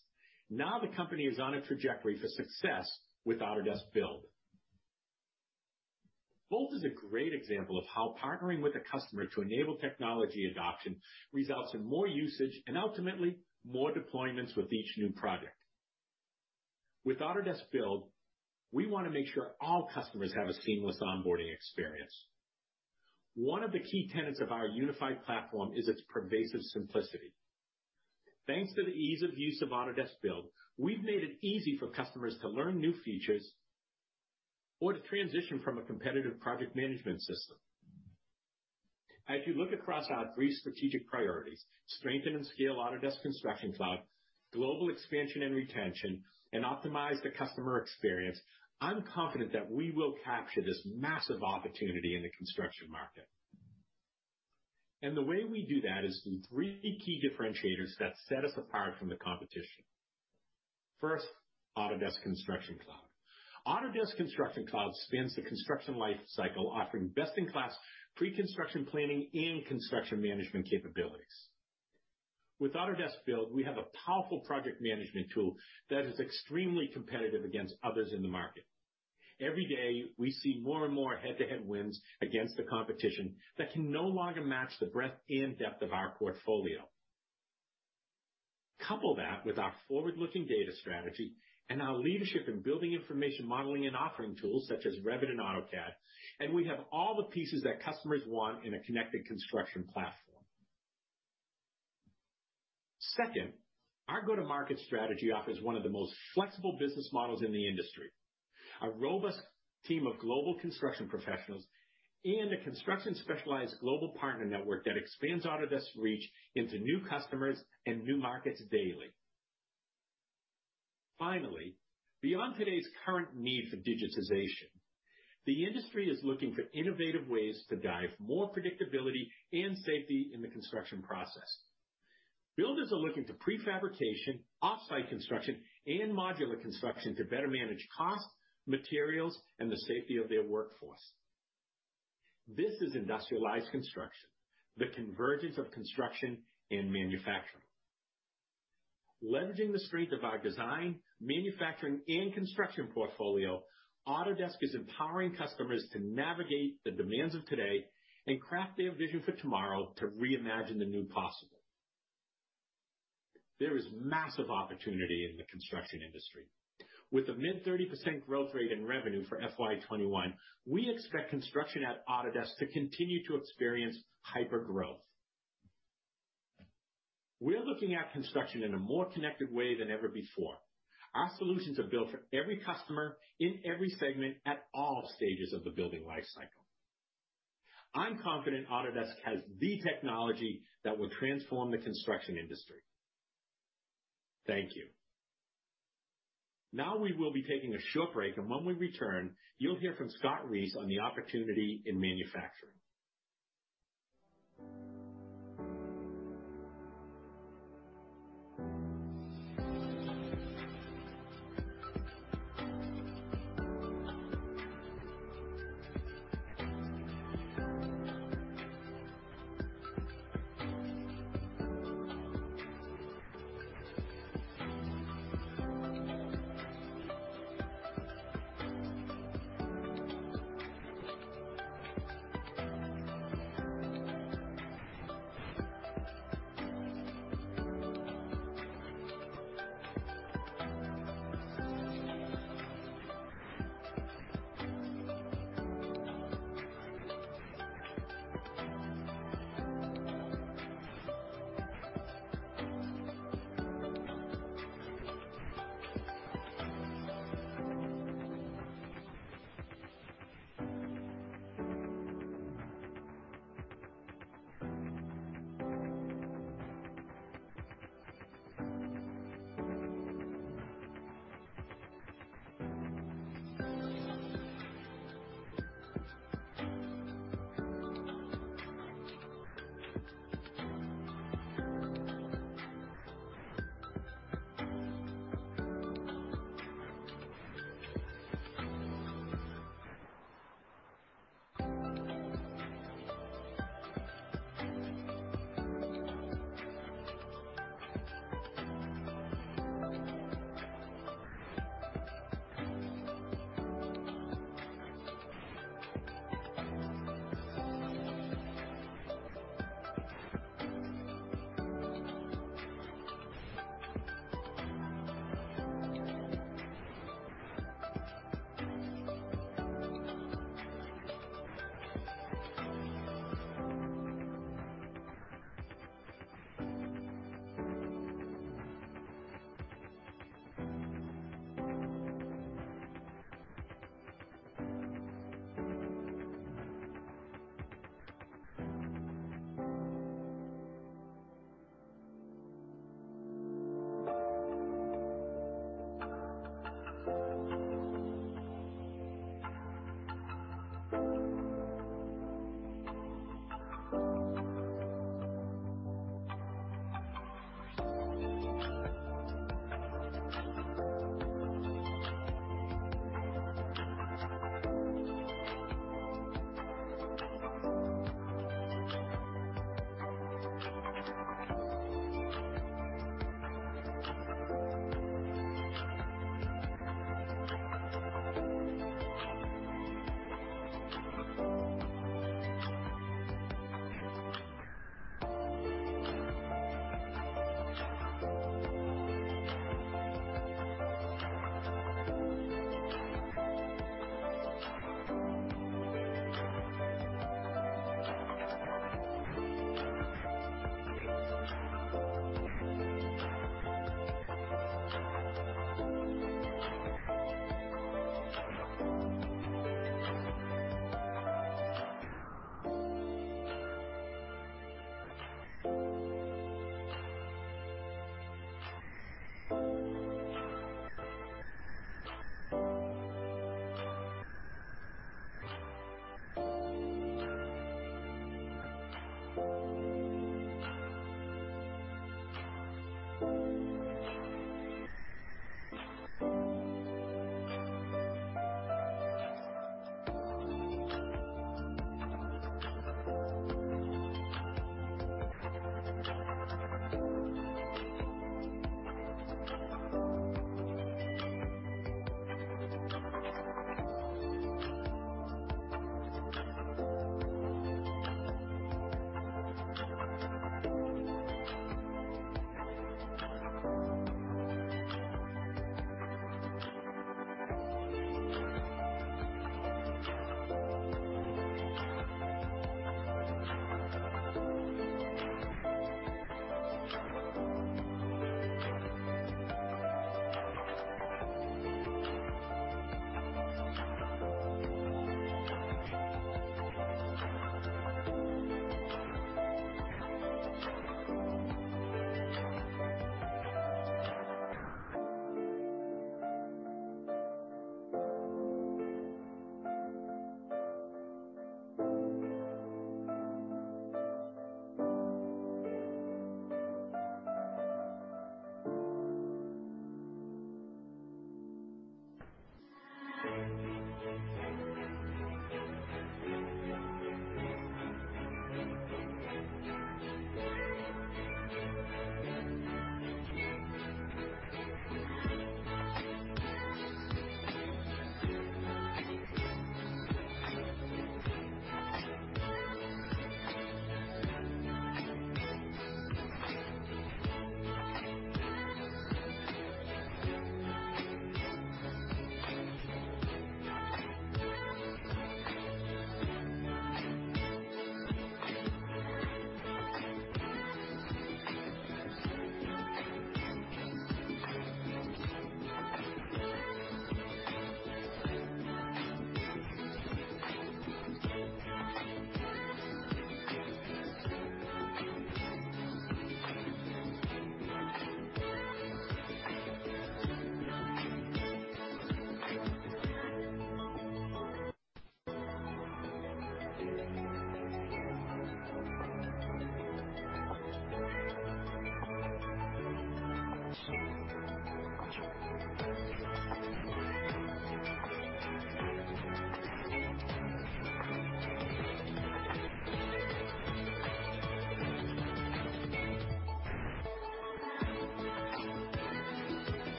Now the company is on a trajectory for success with Autodesk Build. Boldt is a great example of how partnering with a customer to enable technology adoption results in more usage and ultimately more deployments with each new project. With Autodesk Build, we wanna make sure all customers have a seamless onboarding experience. One of the key tenets of our unified platform is its pervasive simplicity. Thanks to the ease of use of Autodesk Build, we've made it easy for customers to learn new features or to transition from a competitive project management system. As you look across our three strategic priorities, strengthen and scale Autodesk Construction Cloud, global expansion and retention, and optimize the customer experience, I'm confident that we will capture this massive opportunity in the construction market. The way we do that is through three key differentiators that set us apart from the competition. First, Autodesk Construction Cloud. Autodesk Construction Cloud spans the construction life cycle, offering best-in-class pre-construction planning and construction management capabilities. With Autodesk Build, we have a powerful project management tool that is extremely competitive against others in the market. Every day, we see more and more head-to-head wins against the competition that can no longer match the breadth and depth of our portfolio. Couple that with our forward-looking data strategy and our leadership in building information modeling and offering tools such as Revit and AutoCAD, we have all the pieces that customers want in a connected construction platform. Second, our go-to-market strategy offers one of the most flexible business models in the industry. A robust team of global construction professionals and a construction specialized global partner network that expands Autodesk's reach into new customers and new markets daily. Finally, beyond today's current need for digitization, the industry is looking for innovative ways to drive more predictability and safety in the construction process. Builders are looking to pre-fabrication, off-site construction, and modular construction to better manage cost, materials, and the safety of their workforce. This is industrialized construction, the convergence of construction and manufacturing. Leveraging the strength of our design, manufacturing, and construction portfolio, Autodesk is empowering customers to navigate the demands of today and craft their vision for tomorrow to reimagine the new possible. There is massive opportunity in the construction industry. With a mid 30% growth rate in revenue for FY 2021, we expect construction at Autodesk to continue to experience hypergrowth. We're looking at construction in a more connected way than ever before. Our solutions are built for every customer in every segment at all stages of the building lifecycle. I'm confident Autodesk has the technology that will transform the construction industry. Thank you.
Now we will be taking a short break, and when we return, you'll hear from Scott Reese on the opportunity in manufacturing.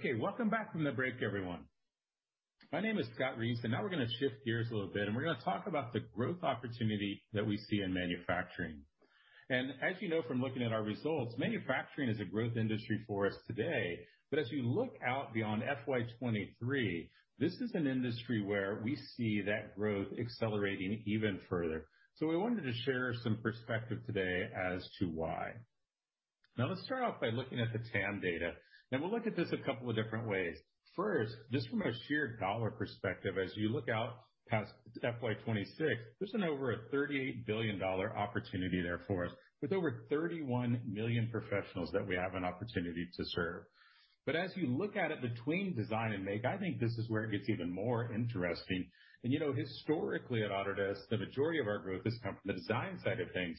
Okay. Welcome back from the break, everyone. My name is Scott Reese, and now we're gonna shift gears a little bit, and we're gonna talk about the growth opportunity that we see in manufacturing. As you know from looking at our results, manufacturing is a growth industry for us today. As you look out beyond FY 2023, this is an industry where we see that growth accelerating even further. We wanted to share some perspective today as to why. Let's start off by looking at the TAM data, and we'll look at this a couple of different ways. First, just from a sheer dollar perspective, as you look out past FY 2026, there's an over a $38 billion opportunity there for us, with over 31 million professionals that we have an opportunity to serve. As you look at it between design and make, I think this is where it gets even more interesting. You know, historically at Autodesk, the majority of our growth has come from the design side of things.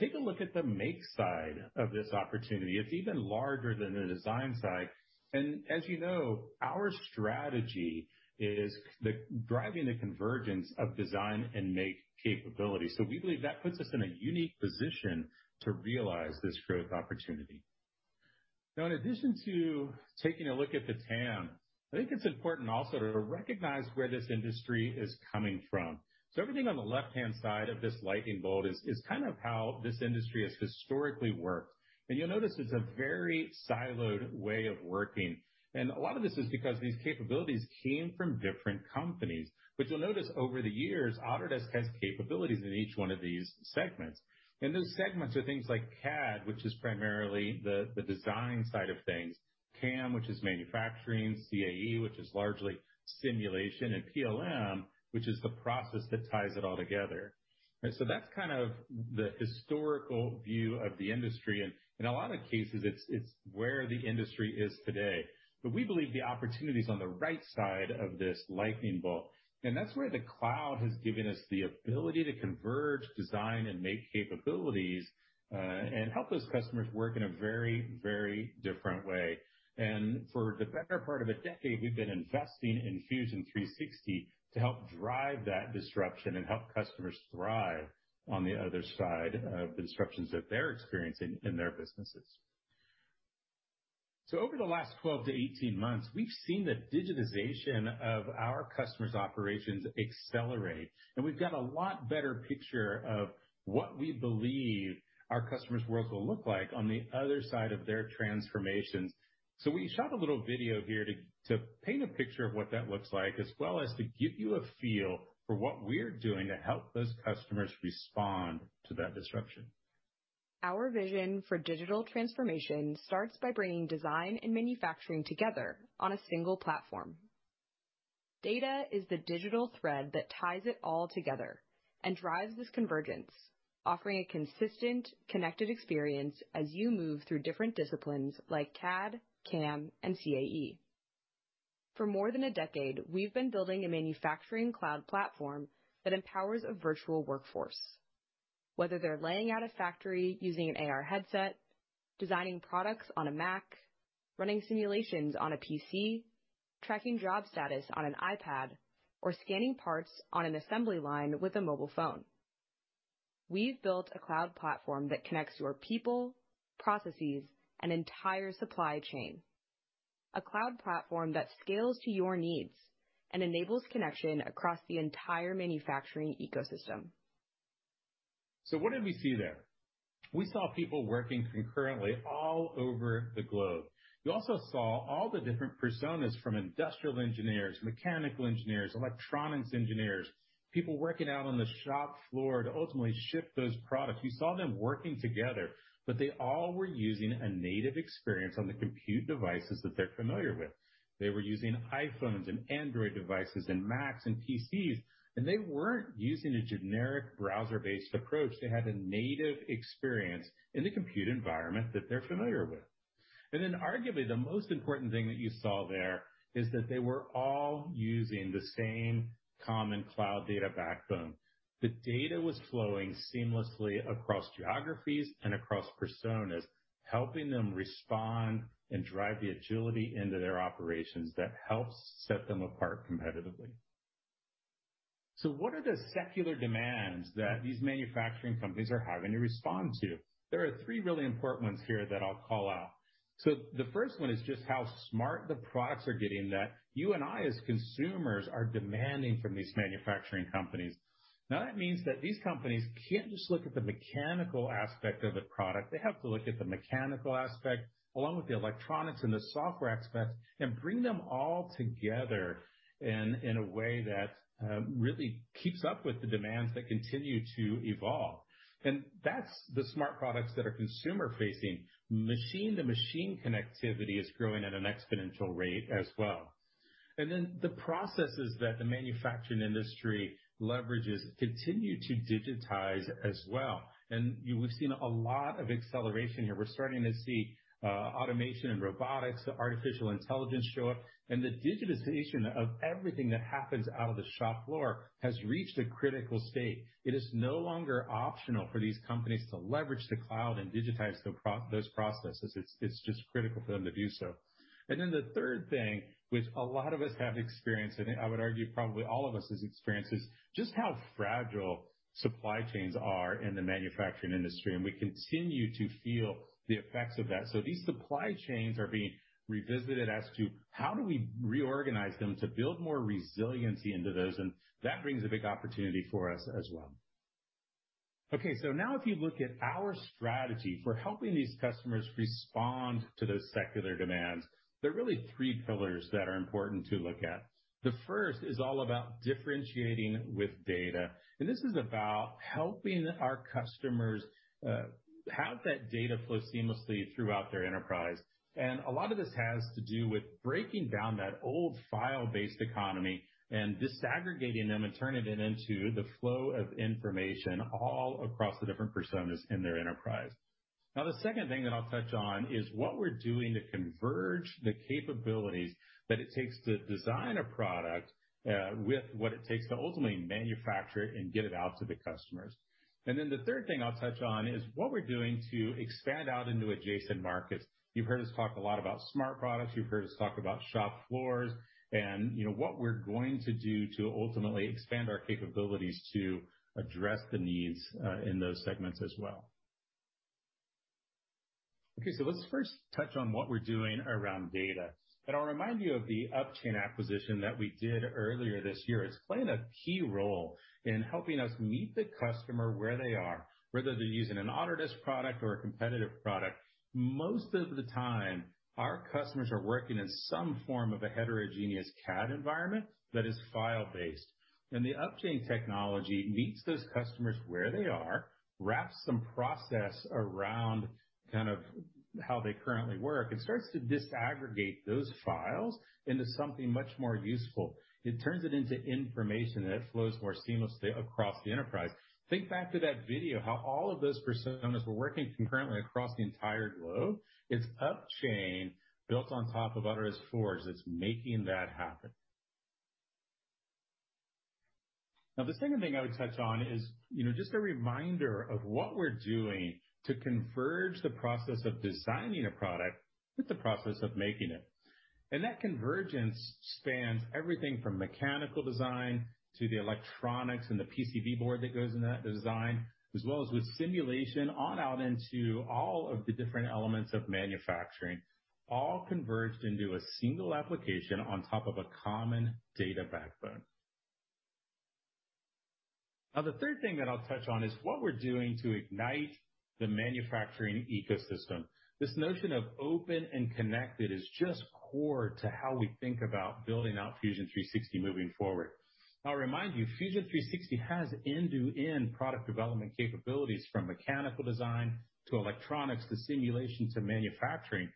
Take a look at the make side of this opportunity. It's even larger than the design side. As you know, our strategy is the driving the convergence of design and make capability. We believe that puts us in a unique position to realize this growth opportunity. Now, in addition to taking a look at the TAM, I think it's important also to recognize where this industry is coming from. Everything on the left-hand side of this lightning bolt is kind of how this industry has historically worked. You'll notice it's a very siloed way of working. A lot of this is because these capabilities came from different companies. You'll notice over the years, Autodesk has capabilities in each one of these segments. Those segments are things like CAD, which is primarily the design side of things. CAM, which is manufacturing. CAE, which is largely simulation. PLM, which is the process that ties it all together. That's kind of the historical view of the industry. In a lot of cases, it's where the industry is today. We believe the opportunity is on the right side of this lightning bolt. That's where the cloud has given us the ability to converge design and make capabilities and help those customers work in a very different way. For the better part of a decade, we've been investing in Fusion 360 to help drive that disruption and help customers thrive on the other side of the disruptions that they're experiencing in their businesses. Over the last 12 to 18 months, we've seen the digitization of our customers' operations accelerate. We've got a lot better picture of what we believe our customers' worlds will look like on the other side of their transformations. We shot a little video here to paint a picture of what that looks like, as well as to give you a feel for what we're doing to help those customers respond to that disruption.
Our vision for digital transformation starts by bringing design and manufacturing together on a single platform. Data is the digital thread that ties it all together and drives this convergence, offering a consistent, connected experience as you move through different disciplines like CAD, CAM, and CAE. For more than a decade, we've been building a manufacturing cloud platform that empowers a virtual workforce. Whether they're laying out a factory using an AR headset, designing products on a Mac, running simulations on a PC, tracking job status on an iPad, or scanning parts on an assembly line with a mobile phone. We've built a cloud platform that connects your people, processes, and entire supply chain. A cloud platform that scales to your needs and enables connection across the entire manufacturing ecosystem.
What did we see there? We saw people working concurrently all over the globe. You also saw all the different personas from industrial engineers, mechanical engineers, electronics engineers, people working out on the shop floor to ultimately ship those products. You saw them working together, but they all were using a native experience on the compute devices that they're familiar with. They were using iPhones and Android devices and Macs and PCs, and they weren't using a generic browser-based approach. They had a native experience in the compute environment that they're familiar with. Arguably the most important thing that you saw there is that they were all using the same common cloud data backbone. The data was flowing seamlessly across geographies and across personas, helping them respond and drive the agility into their operations that helps set them apart competitively. What are the secular demands that these manufacturing companies are having to respond to? There are three really important ones here that I'll call out. The first one is just how smart the products are getting that you and I as consumers are demanding from these manufacturing companies. Now, that means that these companies can't just look at the mechanical aspect of a product. They have to look at the mechanical aspect along with the electronics and the software aspects and bring them all together in a way that really keeps up with the demands that continue to evolve. That's the smart products that are consumer-facing. Machine-to-machine connectivity is growing at an exponential rate as well. The processes that the manufacturing industry leverages continue to digitize as well. We've seen a lot of acceleration here. We're starting to see automation and robotics, artificial intelligence show up. The digitization of everything that happens out of the shop floor has reached a critical state. It is no longer optional for these companies to leverage the cloud and digitize those processes. It's just critical for them to do so. The third thing, which a lot of us have experienced, and I would argue probably all of us has experienced, is just how fragile supply chains are in the manufacturing industry, and we continue to feel the effects of that. These supply chains are being revisited as to how do we reorganize them to build more resiliency into those, and that brings a big opportunity for us as well. Okay, now if you look at our strategy for helping these customers respond to those secular demands, there are really three pillars that are important to look at. The first is all about differentiating with data. This is about helping our customers have that data flow seamlessly throughout their enterprise. A lot of this has to do with breaking down that old file-based economy and disaggregating them and turning it into the flow of information all across the different personas in their enterprise. The second thing that I'll touch on is what we're doing to converge the capabilities that it takes to design a product with what it takes to ultimately manufacture it and get it out to the customers. The third thing I'll touch on is what we're doing to expand out into adjacent markets. You've heard us talk a lot about smart products. You've heard us talk about shop floors and, you know, what we're going to do to ultimately expand our capabilities to address the needs in those segments as well. Let's first touch on what we're doing around data. I'll remind you of the Upchain acquisition that we did earlier this year. It's playing a key role in helping us meet the customer where they are, whether they're using an Autodesk product or a competitive product. Most of the time, our customers are working in some form of a heterogeneous CAD environment that is file-based. The Upchain technology meets those customers where they are, wraps some process around kind of how they currently work, and starts to disaggregate those files into something much more useful. It turns it into information that flows more seamlessly across the enterprise. Think back to that video, how all of those personas were working concurrently across the entire globe. It's Upchain built on top of Autodesk Forge that's making that happen. The second thing I would touch on is, you know, just a reminder of what we're doing to converge the process of designing a product with the process of making it. That convergence spans everything from mechanical design to the electronics and the PCB board that goes in that design, as well as with simulation on out into all of the different elements of manufacturing, all converged into a single application on top of a common data backbone. The third thing that I'll touch on is what we're doing to ignite the manufacturing ecosystem. This notion of open and connected is just core to how we think about building out Fusion 360 moving forward. I'll remind you, Fusion 360 has end-to-end product development capabilities from mechanical design to electronics to simulation to manufacturing.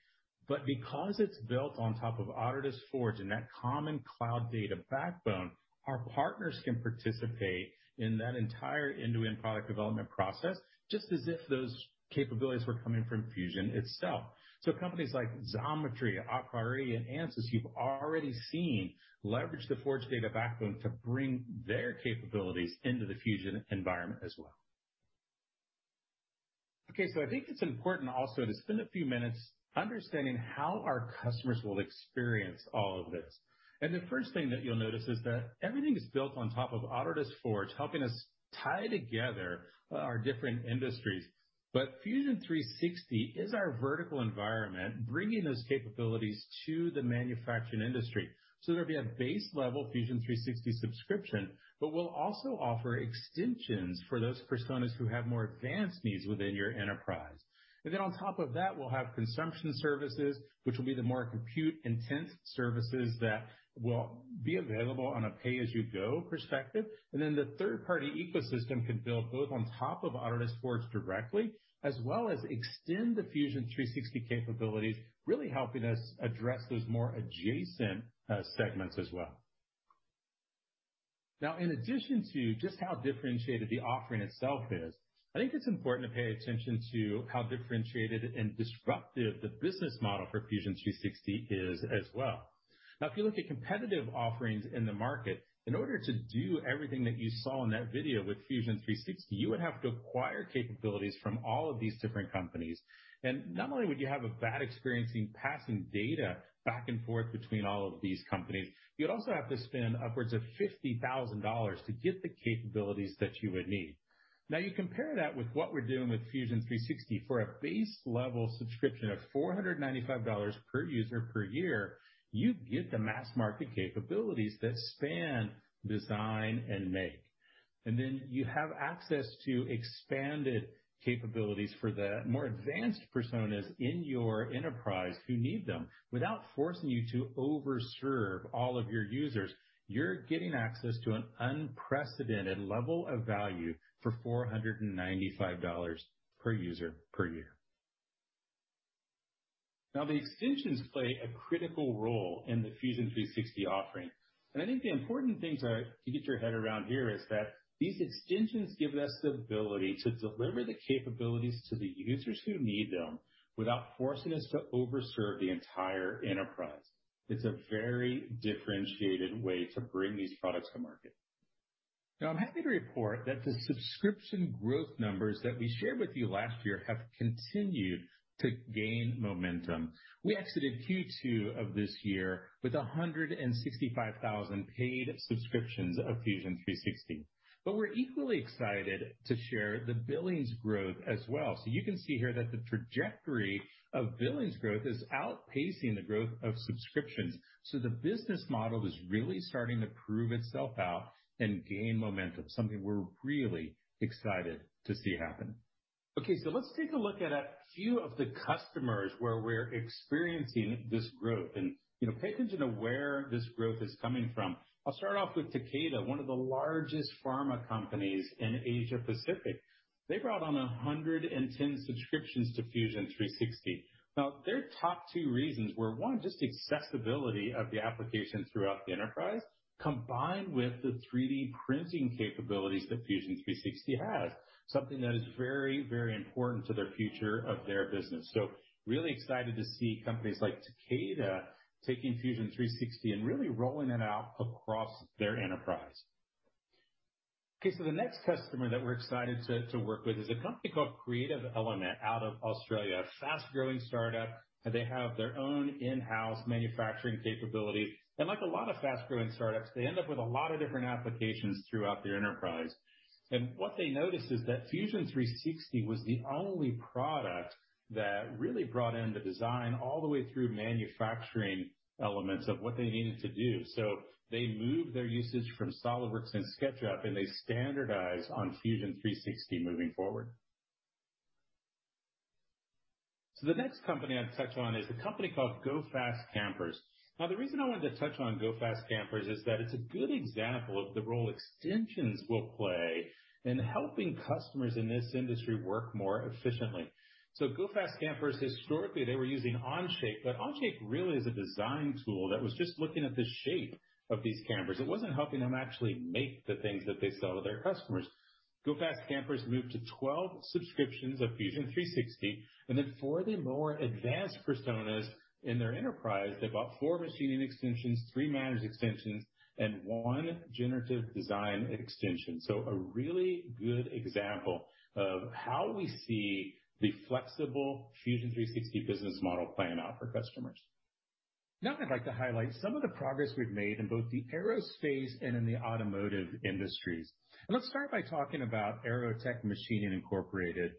Because it's built on top of Autodesk Forge and that common cloud data backbone, our partners can participate in that entire end-to-end product development process just as if those capabilities were coming from Fusion itself. Companies like Xometry, aPriori, and Ansys, you've already seen leverage the Forge data backbone to bring their capabilities into the Fusion environment as well. I think it's important also to spend a few minutes understanding how our customers will experience all of this. The first thing that you'll notice is that everything is built on top of Autodesk Forge, helping us tie together our different industries. Fusion 360 is our vertical environment, bringing those capabilities to the manufacturing industry. There'll be a base-level Fusion 360 subscription, but we'll also offer extensions for those personas who have more advanced needs within your enterprise. On top of that, we'll have consumption services, which will be the more compute-intense services that will be available on a pay-as-you-go perspective. The third-party ecosystem can build both on top of Autodesk Forge directly as well as extend the Fusion 360 capabilities, really helping us address those more adjacent segments as well. In addition to just how differentiated the offering itself is, I think it's important to pay attention to how differentiated and disruptive the business model for Fusion 360 is as well. If you look at competitive offerings in the market, in order to do everything that you saw in that video with Fusion 360, you would have to acquire capabilities from all of these different companies. Not only would you have a bad experience in passing data back and forth between all of these companies, you'd also have to spend upwards of $50,000 to get the capabilities that you would need. You compare that with what we are doing with Fusion 360. For a base-level subscription of $495 per user per year, you get the mass market capabilities that span design and make. Then you have access to expanded capabilities for the more advanced personas in your enterprise who need them without forcing you to overserve all of your users. You're getting access to an unprecedented level of value for $495 per user per year. The extensions play a critical role in the Fusion 360 offering. I think the important things are to get your head around here is that these extensions give us the ability to deliver the capabilities to the users who need them without forcing us to overserve the entire enterprise. It's a very differentiated way to bring these products to market. I'm happy to report that the subscription growth numbers that we shared with you last year have continued to gain momentum. We exited Q2 of this year with 165,000 paid subscriptions of Fusion 360. We're equally excited to share the billings growth as well. You can see here that the trajectory of billings growth is outpacing the growth of subscriptions. The business model is really starting to prove itself out and gain momentum, something we're really excited to see happen. Let's take a look at a few of the customers where we're experiencing this growth. You know, pay attention to where this growth is coming from. I'll start off with Takeda, one of the largest pharma companies in Asia-Pacific. They brought on 110 subscriptions to Fusion 360. Their top two reasons were, one, just accessibility of the application throughout the enterprise, combined with the 3D printing capabilities that Fusion 360 has, something that is very, very important to their future of their business. Really excited to see companies like Takeda taking Fusion 360 and really rolling it out across their enterprise. The next customer that we're excited to work with is a company called Creative Element out of Australia. Fast-growing startup. They have their own in-house manufacturing capability. Like a lot of fast-growing startups, they end up with a lot of different applications throughout their enterprise. What they noticed is that Fusion 360 was the only product that really brought in the design all the way through manufacturing elements of what they needed to do. They moved their usage from SolidWorks and SketchUp, and they standardized on Fusion 360 moving forward. The next company I'd touch on is a company called GoFastCampers. The reason I wanted to touch on GoFastCampers is that it's a good example of the role extensions will play in helping customers in this industry work more efficiently. GoFastCampers, historically, they were using Onshape, but Onshape really is a design tool that was just looking at the shape of these campers. It wasn't helping them actually make the things that they sell to their customers. Go Fast Campers moved to 12 subscriptions of Fusion 360, and then for the more advanced personas in their enterprise, they bought four machining extensions, three managed extensions, and one generative design extension. A really good example of how we see the flexible Fusion 360 business model playing out for customers. I'd like to highlight some of the progress we've made in both the aerospace and in the automotive industries. Let's start by talking about Aerotech Machining Incorporated.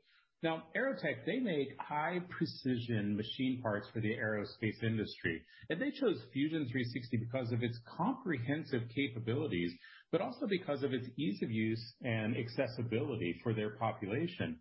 Aerotech, they make high-precision machine parts for the aerospace industry. They chose Fusion 360 because of its comprehensive capabilities, but also because of its ease of use and accessibility for their population.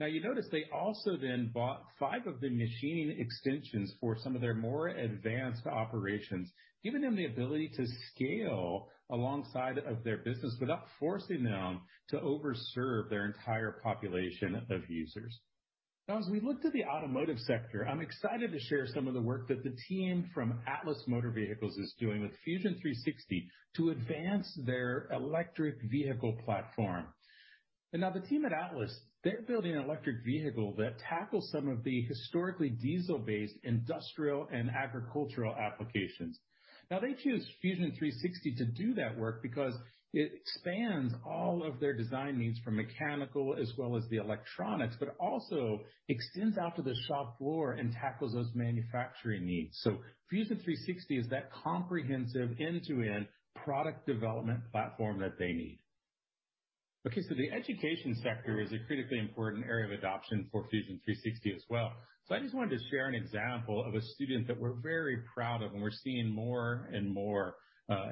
You notice they also then bought five of the machining extensions for some of their more advanced operations, giving them the ability to scale alongside of their business without forcing them to over-serve their entire population of users. As we look to the automotive sector, I'm excited to share some of the work that the team from Atlis Motor Vehicles is doing with Fusion 360 to advance their electric vehicle platform. The team at Atlis, they're building an electric vehicle that tackles some of the historically diesel-based industrial and agricultural applications. They choose Fusion 360 to do that work because it spans all of their design needs from mechanical as well as the electronics, but also extends out to the shop floor and tackles those manufacturing needs. Fusion 360 is that comprehensive end-to-end product development platform that they need. The education sector is a critically important area of adoption for Fusion 360 as well. I just wanted to share an example of a student that we're very proud of and we're seeing more and more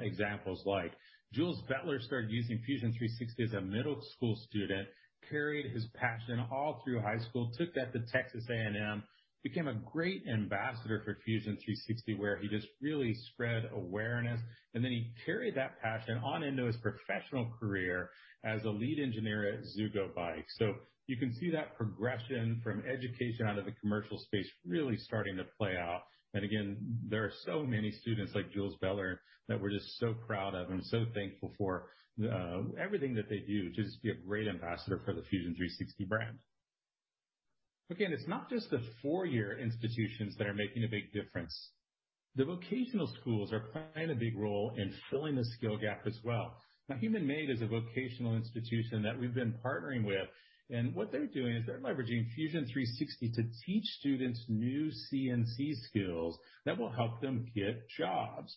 examples like. Jules Bettler started using Fusion 360 as a middle school student, carried his passion all through high school, took that to Texas A&M, became a great ambassador for Fusion 360, where he just really spread awareness. He carried that passion on into his professional career as a lead engineer at ZUGO Bike. You can see that progression from education out of the commercial space really starting to play out. There are so many students like Jules Bettler that we're just so proud of and so thankful for everything that they do to just be a great ambassador for the Fusion 360 brand. It's not just the four-year institutions that are making a big difference. The vocational schools are playing a big role in filling the skill gap as well. Humanmade is a vocational institution that we've been partnering with, and what they're doing is they're leveraging Fusion 360 to teach students new CNC skills that will help them get jobs.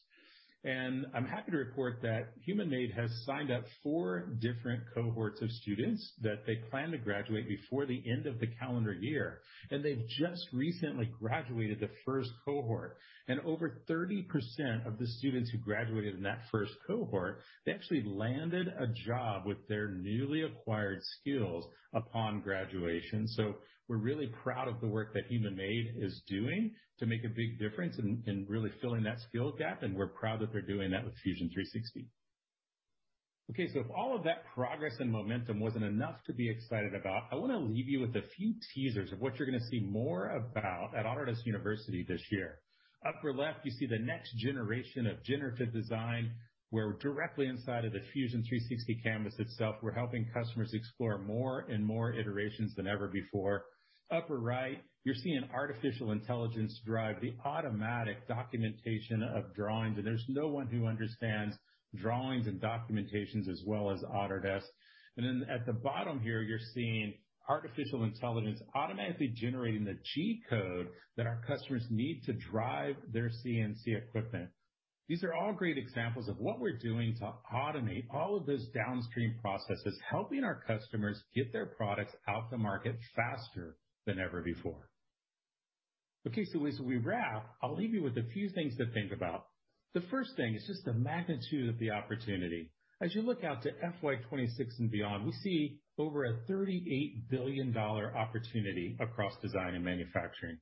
I'm happy to report that Humanmade has signed up four different cohorts of students that they plan to graduate before the end of the calendar year. They've just recently graduated the first cohort. Over 30% of the students who graduated in that first cohort, they actually landed a job with their newly acquired skills upon graduation. We're really proud of the work that Humanmade is doing to make a big difference in really filling that skill gap, and we're proud that they're doing that with Fusion 360. If all of that progress and momentum wasn't enough to be excited about, I wanna leave you with a few teasers of what you're gonna see more about at Autodesk University this year. Upper left, you see the next generation of generative design, where directly inside of the Fusion 360 canvas itself, we're helping customers explore more and more iterations than ever before. Upper right, you're seeing artificial intelligence drive the automatic documentation of drawings, there's no one who understands drawings and documentations as well as Autodesk. At the bottom here, you're seeing artificial intelligence automatically generating the G-code that our customers need to drive their CNC equipment. These are all great examples of what we're doing to automate all of those downstream processes, helping our customers get their products out to market faster than ever before. As we wrap, I'll leave you with a few things to think about. The first thing is just the magnitude of the opportunity. As you look out to FY 2026 and beyond, we see over a $38 billion opportunity across Design and Manufacturing.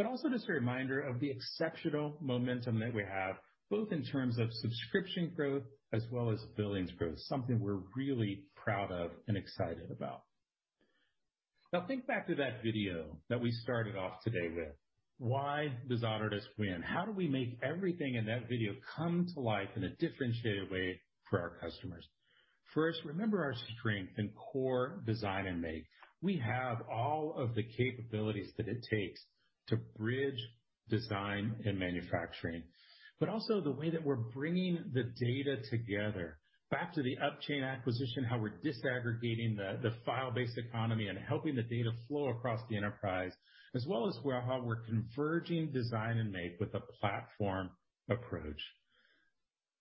Also just a reminder of the exceptional momentum that we have, both in terms of subscription growth as well as billings growth, something we're really proud of and excited about. Now think back to that video that we started off today with. Why does Autodesk win? How do we make everything in that video come to life in a differentiated way for our customers? First, remember our strength in core Design and Make. We have all of the capabilities that it takes to bridge Design and Manufacturing. Also the way that we're bringing the data together. Back to the Upchain acquisition, how we're disaggregating the file-based economy and helping the data flow across the enterprise, as well as how we're converging design and make with a platform approach.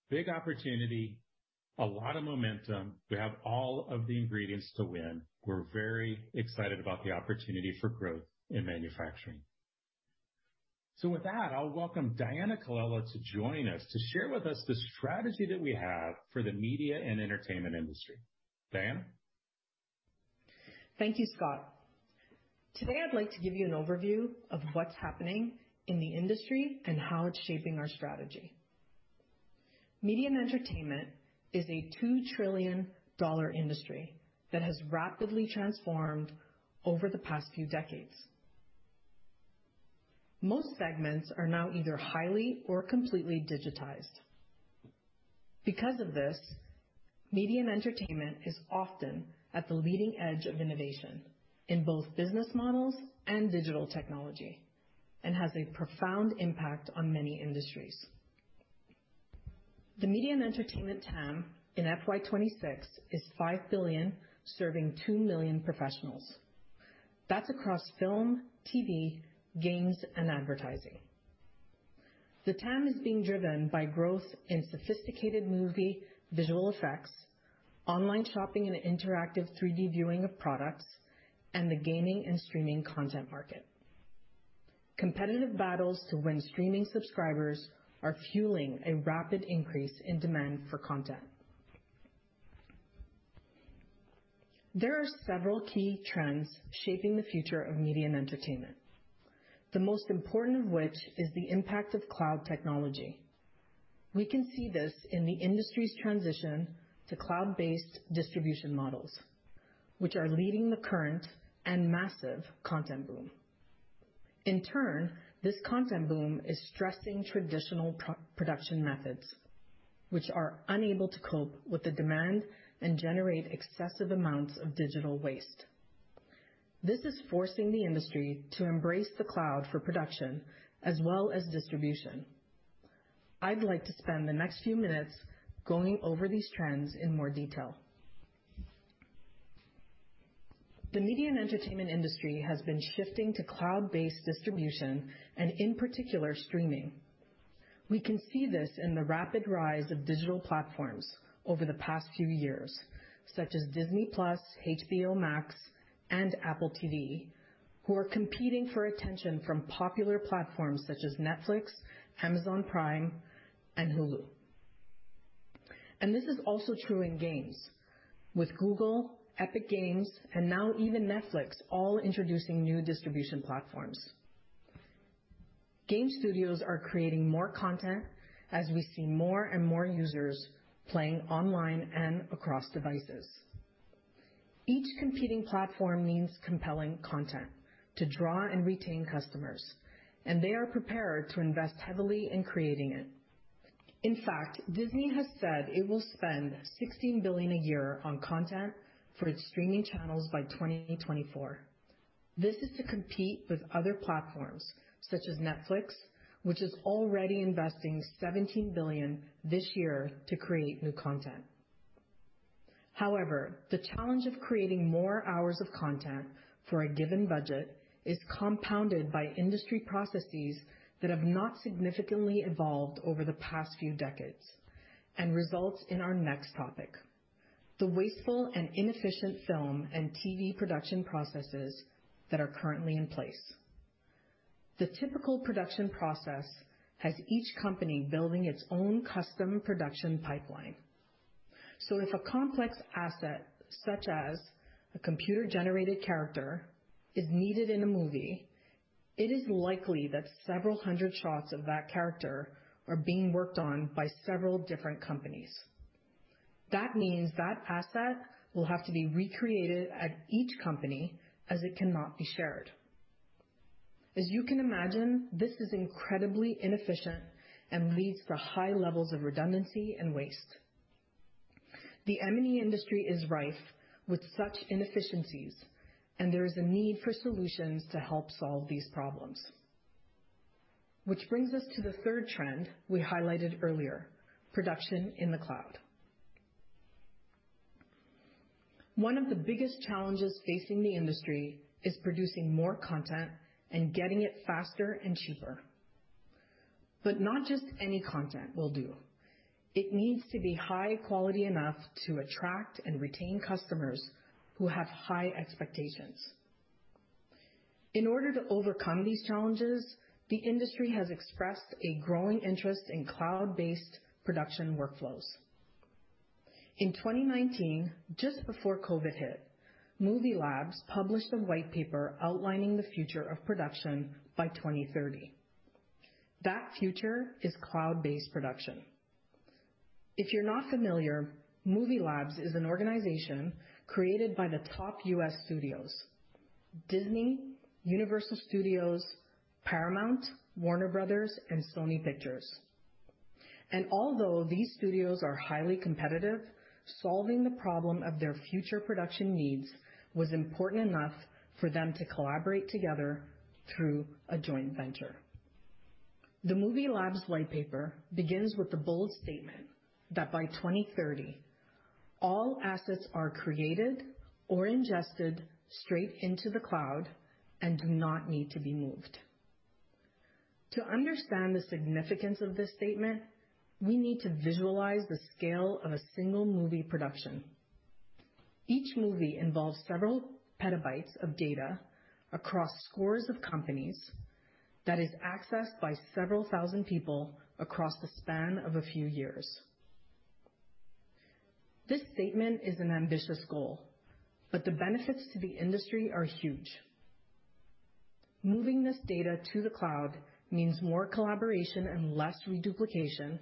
Big opportunity, a lot of momentum. We have all of the ingredients to win. We're very excited about the opportunity for growth in manufacturing. With that, I'll welcome Diana Colella to join us to share with us the strategy that we have for the media and entertainment industry. Diana.
Thank you, Scott. Today, I'd like to give you an overview of what's happening in the industry and how it's shaping our strategy. Media and entertainment is a $2 trillion industry that has rapidly transformed over the past few decades. Most segments are now either highly or completely digitized. Because of this, media and entertainment is often at the leading edge of innovation in both business models and digital technology, and has a profound impact on many industries. The media and entertainment TAM in FY 2026 is $5 billion serving 2 million professionals. That's across film, TV, games, and advertising. The TAM is being driven by growth in sophisticated movie visual effects, online shopping and interactive 360 viewing of products, and the gaming and streaming content market. Competitive battles to win streaming subscribers are fueling a rapid increase in demand for content. There are several key trends shaping the future of media and entertainment, the most important of which is the impact of cloud technology. We can see this in the industry's transition to cloud-based distribution models, which are leading the current and massive content boom. This content boom is stressing traditional post-production methods, which are unable to cope with the demand and generate excessive amounts of digital waste. This is forcing the industry to embrace the cloud for production as well as distribution. I'd like to spend the next few minutes going over these trends in more detail. The media and entertainment industry has been shifting to cloud-based distribution, and in particular, streaming. We can see this in the rapid rise of digital platforms over the past few years, such as Disney+, HBO Max, and Apple TV+, who are competing for attention from popular platforms such as Netflix, Amazon Prime, and Hulu. This is also true in games with Google, Epic Games, and now even Netflix all introducing new distribution platforms. Game studios are creating more content as we see more and more users playing online and across devices. Each competing platform needs compelling content to draw and retain customers, and they are prepared to invest heavily in creating it. In fact, Disney has said it will spend $16 billion a year on content for its streaming channels by 2024. This is to compete with other platforms such as Netflix, which is already investing $17 billion this year to create new content. However, the challenge of creating more hours of content for a given budget is compounded by industry processes that have not significantly evolved over the past few decades and results in our next topic, the wasteful and inefficient film and TV production processes that are currently in place. The typical production process has each company building its own custom production pipeline. If a complex asset, such as a computer-generated character, is needed in a movie, it is likely that several hundred shots of that character are being worked on by several different companies. That means that asset will have to be recreated at each company as it cannot be shared. As you can imagine, this is incredibly inefficient and leads to high levels of redundancy and waste. The M&E industry is rife with such inefficiencies, and there is a need for solutions to help solve these problems. Which brings us to the third trend we highlighted earlier, production in the cloud. One of the biggest challenges facing the industry is producing more content and getting it faster and cheaper. Not just any content will do. It needs to be high quality enough to attract and retain customers who have high expectations. In order to overcome these challenges, the industry has expressed a growing interest in cloud-based production workflows. In 2019, just before COVID hit, MovieLabs published a white paper outlining the future of production by 2030. That future is cloud-based production. If you're not familiar, MovieLabs is an organization created by the top U.S. studios, Disney, Universal Studios, Paramount, Warner Bros., and Sony Pictures. Although these studios are highly competitive, solving the problem of their future production needs was important enough for them to collaborate together through a joint venture. The MovieLabs whitepaper begins with the bold statement that by 2030, all assets are created or ingested straight into the cloud and do not need to be moved. To understand the significance of this statement, we need to visualize the scale of a single movie production. Each movie involves several petabytes of data across scores of companies that is accessed by several 1,000 people across the span of a few years. This statement is an ambitious goal, but the benefits to the industry are huge. Moving this data to the cloud means more collaboration and less reduplication,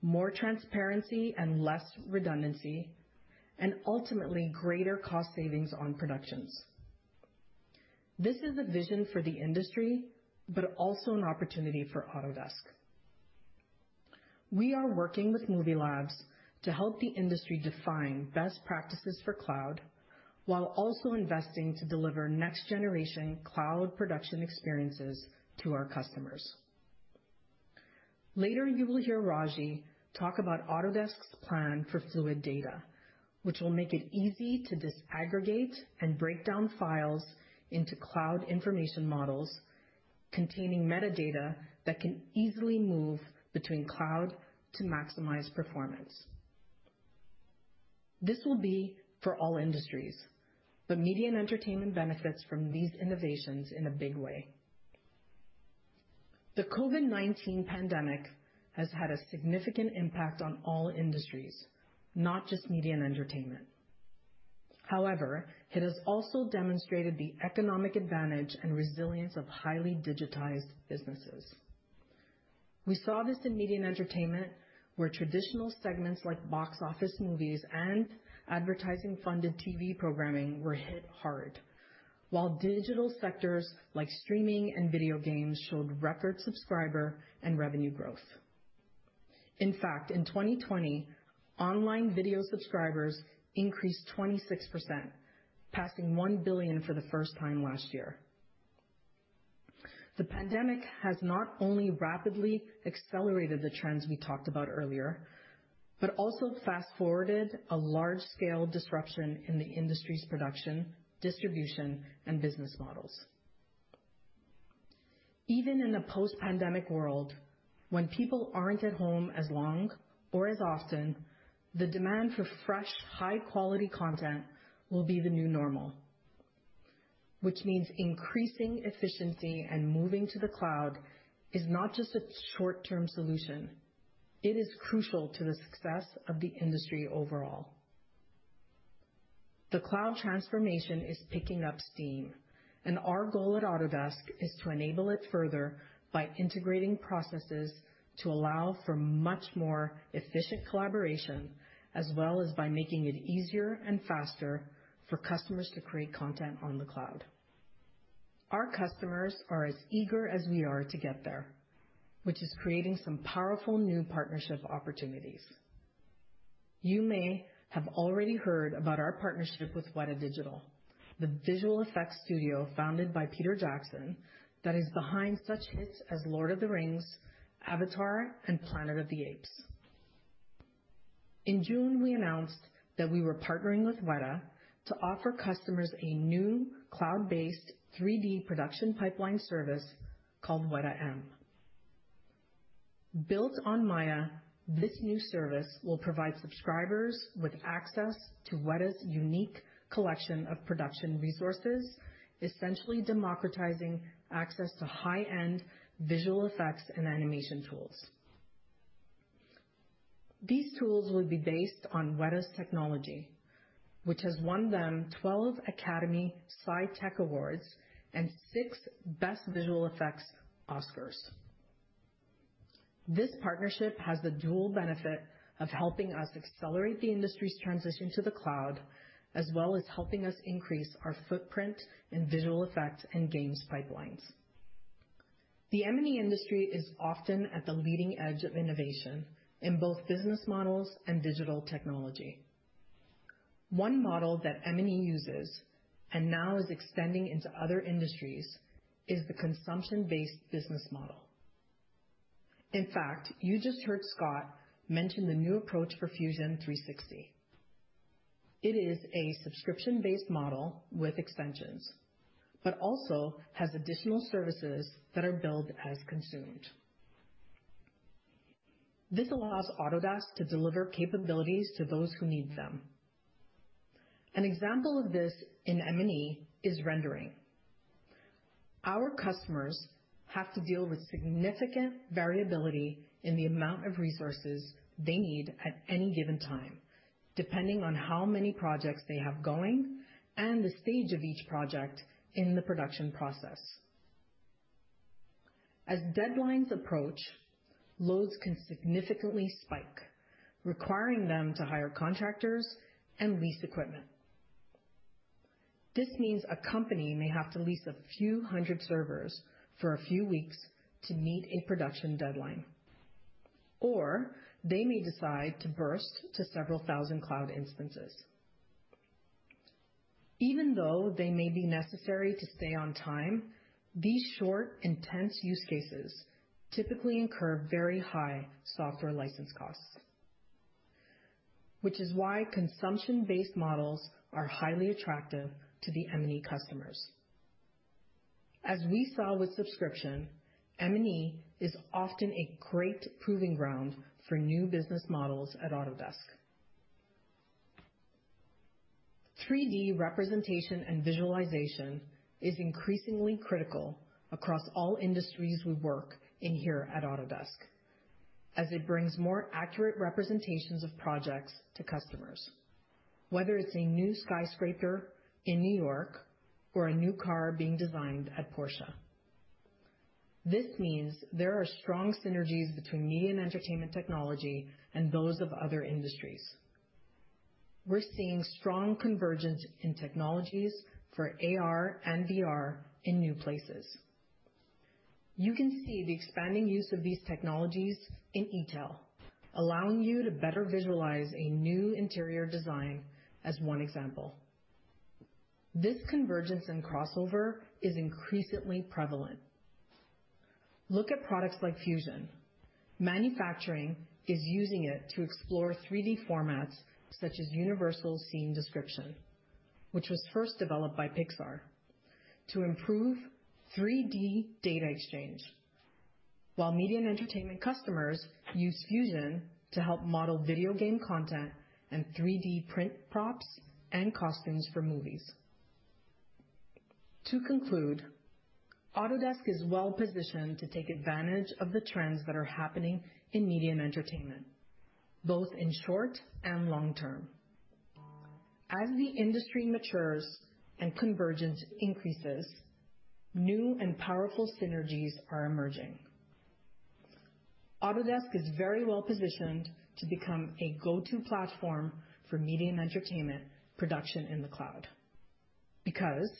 more transparency and less redundancy, and ultimately greater cost savings on productions. This is a vision for the industry, but also an opportunity for Autodesk. We are working with MovieLabs to help the industry define best practices for cloud, while also investing to deliver next-generation cloud production experiences to our customers. Later, you will hear Raji talk about Autodesk's plan for fluid data, which will make it easy to disaggregate and break down files into cloud information models containing metadata that can easily move between cloud to maximize performance. This will be for all industries, but media and entertainment benefits from these innovations in a big way. The COVID-19 pandemic has had a significant impact on all industries, not just media and entertainment. However, it has also demonstrated the economic advantage and resilience of highly digitized businesses. We saw this in media and entertainment, where traditional segments like box office movies and advertising-funded TV programming were hit hard, while digital sectors like streaming and video games showed record subscriber and revenue growth. In fact, in 2020, online video subscribers increased 26%, passing 1 billion for the first time last year. The pandemic has not only rapidly accelerated the trends we talked about earlier, but also fast-forwarded a large-scale disruption in the industry's production, distribution, and business models. Even in a post-pandemic world, when people aren't at home as long or as often, the demand for fresh, high-quality content will be the new normal, which means increasing efficiency and moving to the cloud is not just a short-term solution, it is crucial to the success of the industry overall. The cloud transformation is picking up steam, and our goal at Autodesk is to enable it further by integrating processes to allow for much more efficient collaboration, as well as by making it easier and faster for customers to create content on the cloud. Our customers are as eager as we are to get there, which is creating some powerful new partnership opportunities. You may have already heard about our partnership with Wētā Digital, the visual effects studio founded by Peter Jackson that is behind such hits as The Lord of the Rings, Avatar, and Planet of the Apes. In June, we announced that we were partnering with Wētā to offer customers a new cloud-based 3D production pipeline service called WetaM. Built on Maya, this new service will provide subscribers with access to Wētā's unique collection of production resources, essentially democratizing access to high-end visual effects and animation tools. These tools will be based on Wētā's technology, which has won them 12 Academy Sci-Tech Awards and 6 Best Visual Effects Oscars. This partnership has the dual benefit of helping us accelerate the industry's transition to the cloud, as well as helping us increase our footprint in visual effects and games pipelines. The M&E industry is often at the leading edge of innovation in both business models and digital technology. One model that M&E uses, and now is extending into other industries, is the consumption-based business model. In fact, you just heard Scott mention the new approach for Fusion 360. It is a subscription-based model with extensions, but also has additional services that are billed as consumed. This allows Autodesk to deliver capabilities to those who need them. An example of this in M&E is rendering. Our customers have to deal with significant variability in the amount of resources they need at any given time, depending on how many projects they have going and the stage of each project in the production process. As deadlines approach, loads can significantly spike, requiring them to hire contractors and lease equipment. A company may have to lease a few hundred servers for a few weeks to meet a production deadline. They may decide to burst to several thousand cloud instances. Even though they may be necessary to stay on time, these short intense use cases typically incur very high software license costs, which is why consumption-based models are highly attractive to the M&E customers. As we saw with subscription, M&E is often a great proving ground for new business models at Autodesk. 3D representation and visualization is increasingly critical across all industries we work in here at Autodesk, as it brings more accurate representations of projects to customers, whether it's a new skyscraper in New York or a new car being designed at Porsche. This means there are strong synergies between media and entertainment technology and those of other industries. We're seeing strong convergence in technologies for AR and VR in new places. You can see the expanding use of these technologies in e-tail, allowing you to better visualize a new interior design as one example. This convergence and crossover is increasingly prevalent. Look at products like Fusion. Manufacturing is using it to explore 3D formats such as Universal Scene Description, which was first developed by Pixar to improve 3D data exchange. While media and entertainment customers use Fusion to help model video game content and 3D print props and costumes for movies. To conclude, Autodesk is well-positioned to take advantage of the trends that are happening in media and entertainment, both in short and long term. As the industry matures and convergence increases, new and powerful synergies are emerging. Autodesk is very well-positioned to become a go-to platform for media and entertainment production in the cloud. Because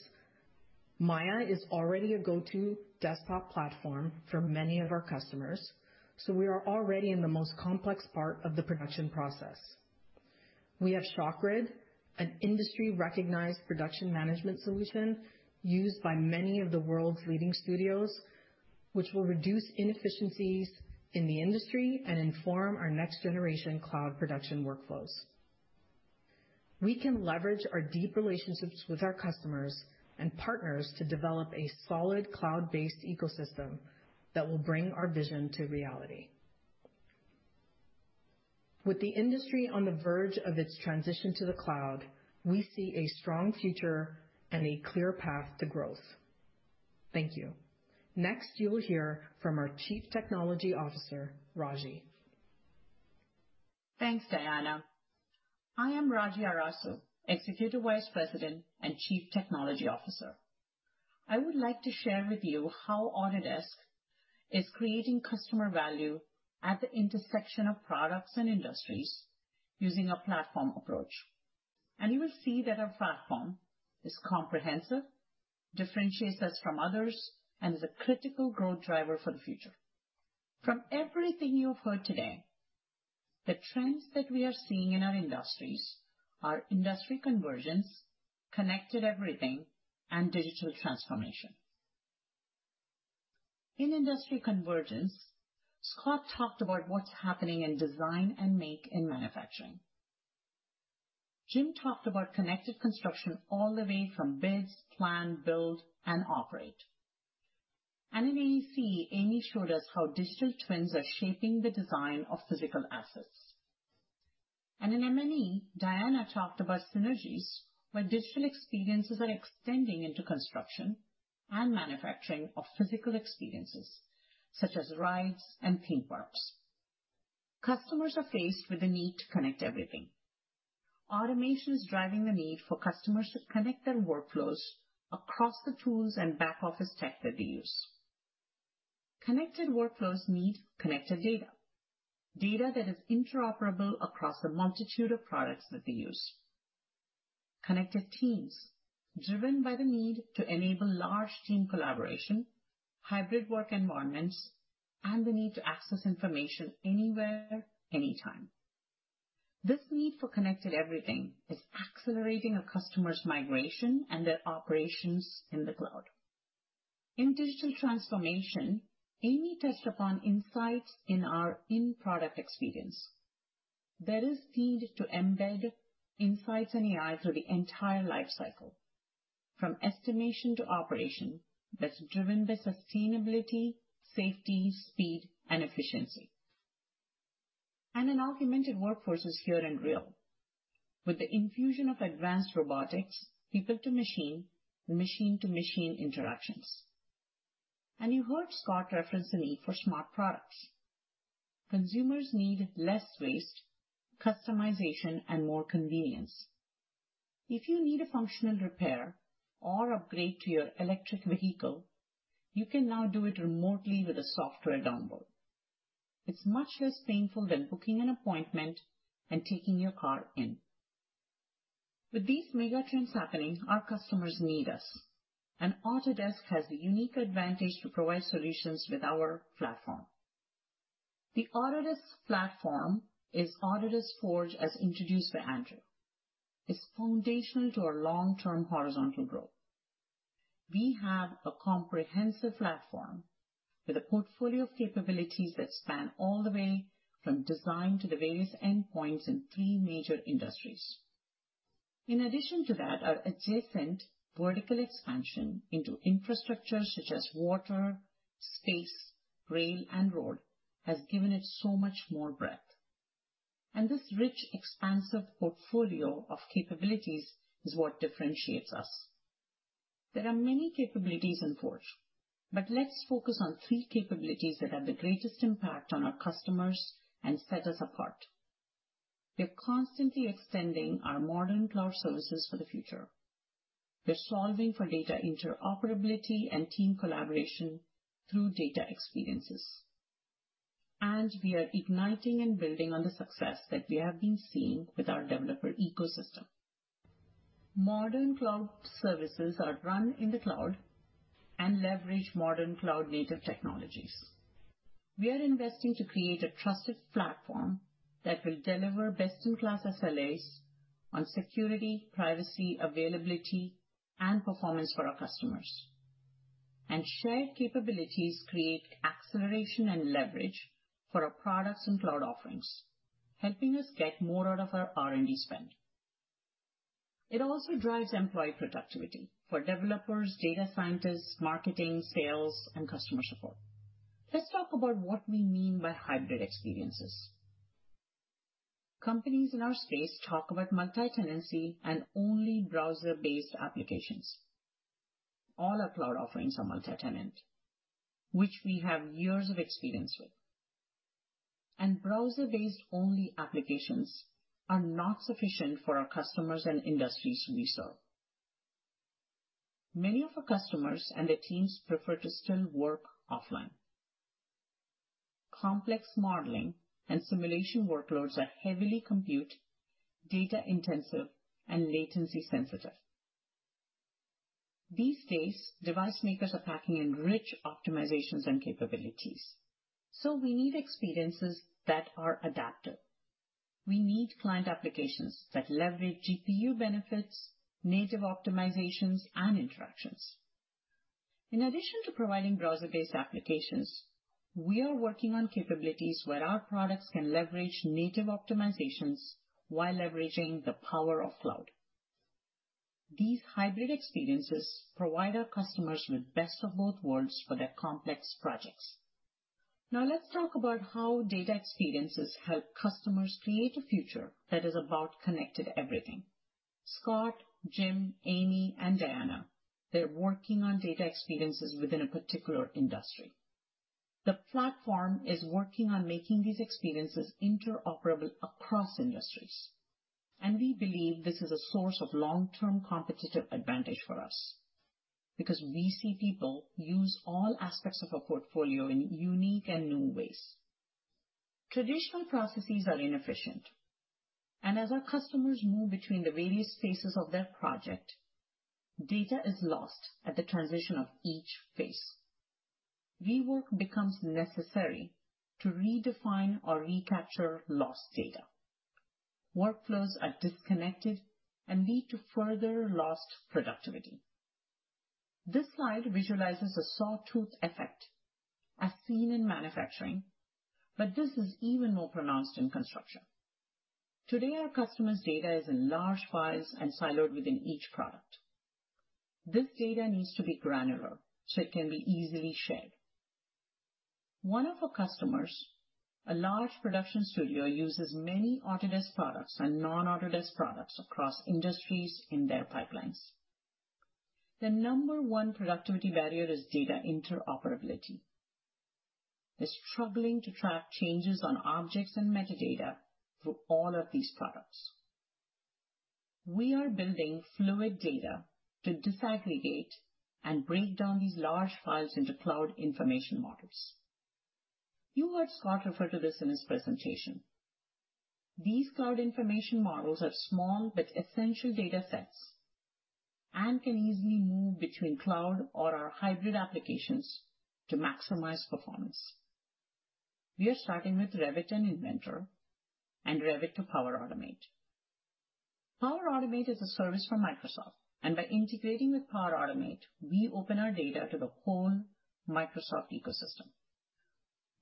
Maya is already a go-to desktop platform for many of our customers, so we are already in the most complex part of the production process. We have ShotGrid, an industry-recognized production management solution used by many of the world's leading studios, which will reduce inefficiencies in the industry and inform our next-generation cloud production workflows. We can leverage our deep relationships with our customers and partners to develop a solid cloud-based ecosystem that will bring our vision to reality. With the industry on the verge of its transition to the cloud, we see a strong future and a clear path to growth. Thank you. Next, you will hear from our Chief Technology Officer, Raji.
Thanks, Diana. I am Raji Arasu, Executive Vice President and Chief Technology Officer. I would like to share with you how Autodesk is creating customer value at the intersection of products and industries using a platform approach. You will see that our platform is comprehensive, differentiates us from others, and is a critical growth driver for the future. From everything you've heard today, the trends that we are seeing in our industries are industry convergence, connected everything, and digital transformation. In industry convergence, Scott talked about what's happening in design and make in manufacturing. Jim talked about connected construction all the way from bids, plan, build, and operate. In AEC, Amy showed us how digital twins are shaping the design of physical assets. In M&E, Diana talked about synergies, where digital experiences are extending into construction and manufacturing of physical experiences, such as rides and theme parks. Customers are faced with the need to connect everything. Automation is driving the need for customers to connect their workflows across the tools and back-office tech that they use. Connected workflows need connected data that is interoperable across the multitude of products that they use. Connected teams driven by the need to enable large team collaboration, hybrid work environments, and the need to access information anywhere, anytime. This need for connected everything is accelerating our customers' migration and their operations in the cloud. In digital transformation, Amy touched upon insights in our in-product experience. There is need to embed insights and AI through the entire life cycle, from estimation to operation, that's driven by sustainability, safety, speed, and efficiency. An augmented workforce is here and real with the infusion of advanced robotics, people-to-machine, machine-to-machine interactions. You heard Scott reference the need for smart products. Consumers need less waste, customization, and more convenience. If you need a functional repair or upgrade to your electric vehicle, you can now do it remotely with a software download. It's much less painful than booking an appointment and taking your car in. With these mega trends happening, our customers need us, Autodesk has the unique advantage to provide solutions with our platform. The Autodesk platform is Autodesk Forge, as introduced by Andrew. It's foundational to our long-term horizontal growth. We have a comprehensive platform with a portfolio of capabilities that span all the way from design to the various endpoints in three major industries. In addition to that, our adjacent vertical expansion into infrastructure such as water, space, rail, and road has given it so much more breadth. This rich, expansive portfolio of capabilities is what differentiates us. There are many capabilities in Forge, let's focus on three capabilities that have the greatest impact on our customers and set us apart. We're constantly extending our modern cloud services for the future. We're solving for data interoperability and team collaboration through data experiences. We are igniting and building on the success that we have been seeing with our developer ecosystem. Modern cloud services are run in the cloud and leverage modern cloud-native technologies. We are investing to create a trusted platform that will deliver best-in-class SLAs on security, privacy, availability, and performance for our customers. Shared capabilities create acceleration and leverage for our products and cloud offerings, helping us get more out of our R&D spend. It also drives employee productivity for developers, data scientists, marketing, sales, and customer support. Let's talk about what we mean by hybrid experiences. Companies in our space talk about multi-tenancy and only browser-based applications. All our cloud offerings are multi-tenant, which we have years of experience with. Browser-based only applications are not sufficient for our customers and industries we serve. Many of our customers and their teams prefer to still work offline. Complex modeling and simulation workloads are heavily compute, data-intensive, and latency-sensitive. These days, device makers are packing in rich optimizations and capabilities, so we need experiences that are adaptive. We need client applications that leverage GPU benefits, native optimizations, and interactions. In addition to providing browser-based applications, we are working on capabilities where our products can leverage native optimizations while leveraging the power of cloud. These hybrid experiences provide our customers with best of both worlds for their complex projects. Let's talk about how data experiences help customers create a future that is about connected everything. Scott, Jim, Amy, and Diana, they're working on data experiences within a particular industry. The platform is working on making these experiences interoperable across industries, and we believe this is a source of long-term competitive advantage for us because we see people use all aspects of a portfolio in unique and new ways. Traditional processes are inefficient, and as our customers move between the various phases of their project, data is lost at the transition of each phase. Rework becomes necessary to redefine or recapture lost data. Workflows are disconnected and lead to further lost productivity. This slide visualizes a sawtooth effect as seen in manufacturing, but this is even more pronounced in construction. Today, our customer's data is in large files and siloed within each product. This data needs to be granular so it can be easily shared. One of our customers, a large production studio, uses many Autodesk products and non-Autodesk products across industries in their pipelines. The number one productivity barrier is data interoperability. They're struggling to track changes on objects and metadata through all of these products. We are building fluid data to disaggregate and break down these large files into cloud information models. You heard Scott refer to this in his presentation. These cloud information models are small but essential data sets and can easily move between cloud or our hybrid applications to maximize performance. We are starting with Revit and Inventor and Revit to Power Automate. Power Automate is a service from Microsoft, and by integrating with Power Automate, we open our data to the whole Microsoft ecosystem.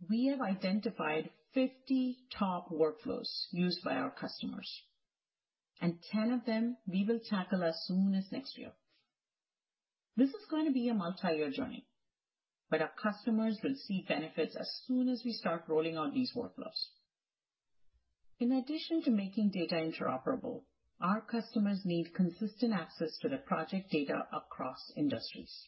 We have identified 50 top workflows used by our customers, and 10 of them we will tackle as soon as next year. This is going to be a multi-year journey, but our customers will see benefits as soon as we start rolling out these workflows. In addition to making data interoperable, our customers need consistent access to their project data across industries.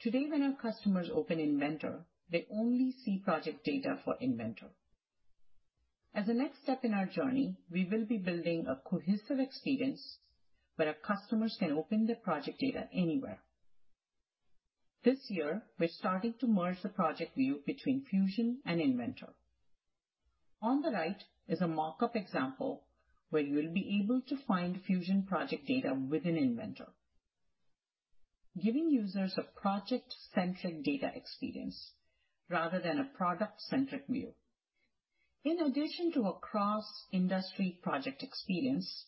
Today, when our customers open Inventor, they only see project data for Inventor. As a next step in our journey, we will be building a cohesive experience where our customers can open their project data anywhere. This year, we're starting to merge the project view between Fusion and Inventor. On the right is a mock-up example where you'll be able to find Fusion project data within Inventor, giving users a project-centric data experience rather than a product-centric view. In addition to a cross-industry project experience,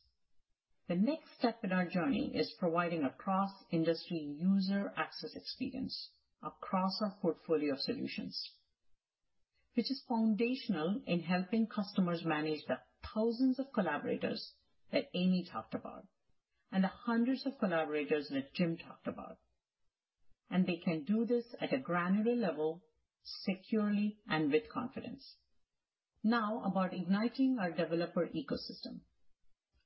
the next step in our journey is providing a cross-industry user access experience across our portfolio of solutions, which is foundational in helping customers manage the thousands of collaborators that Amy talked about, and the hundreds of collaborators that Jim talked about, and they can do this at a granular level, securely and with confidence. About igniting our developer ecosystem.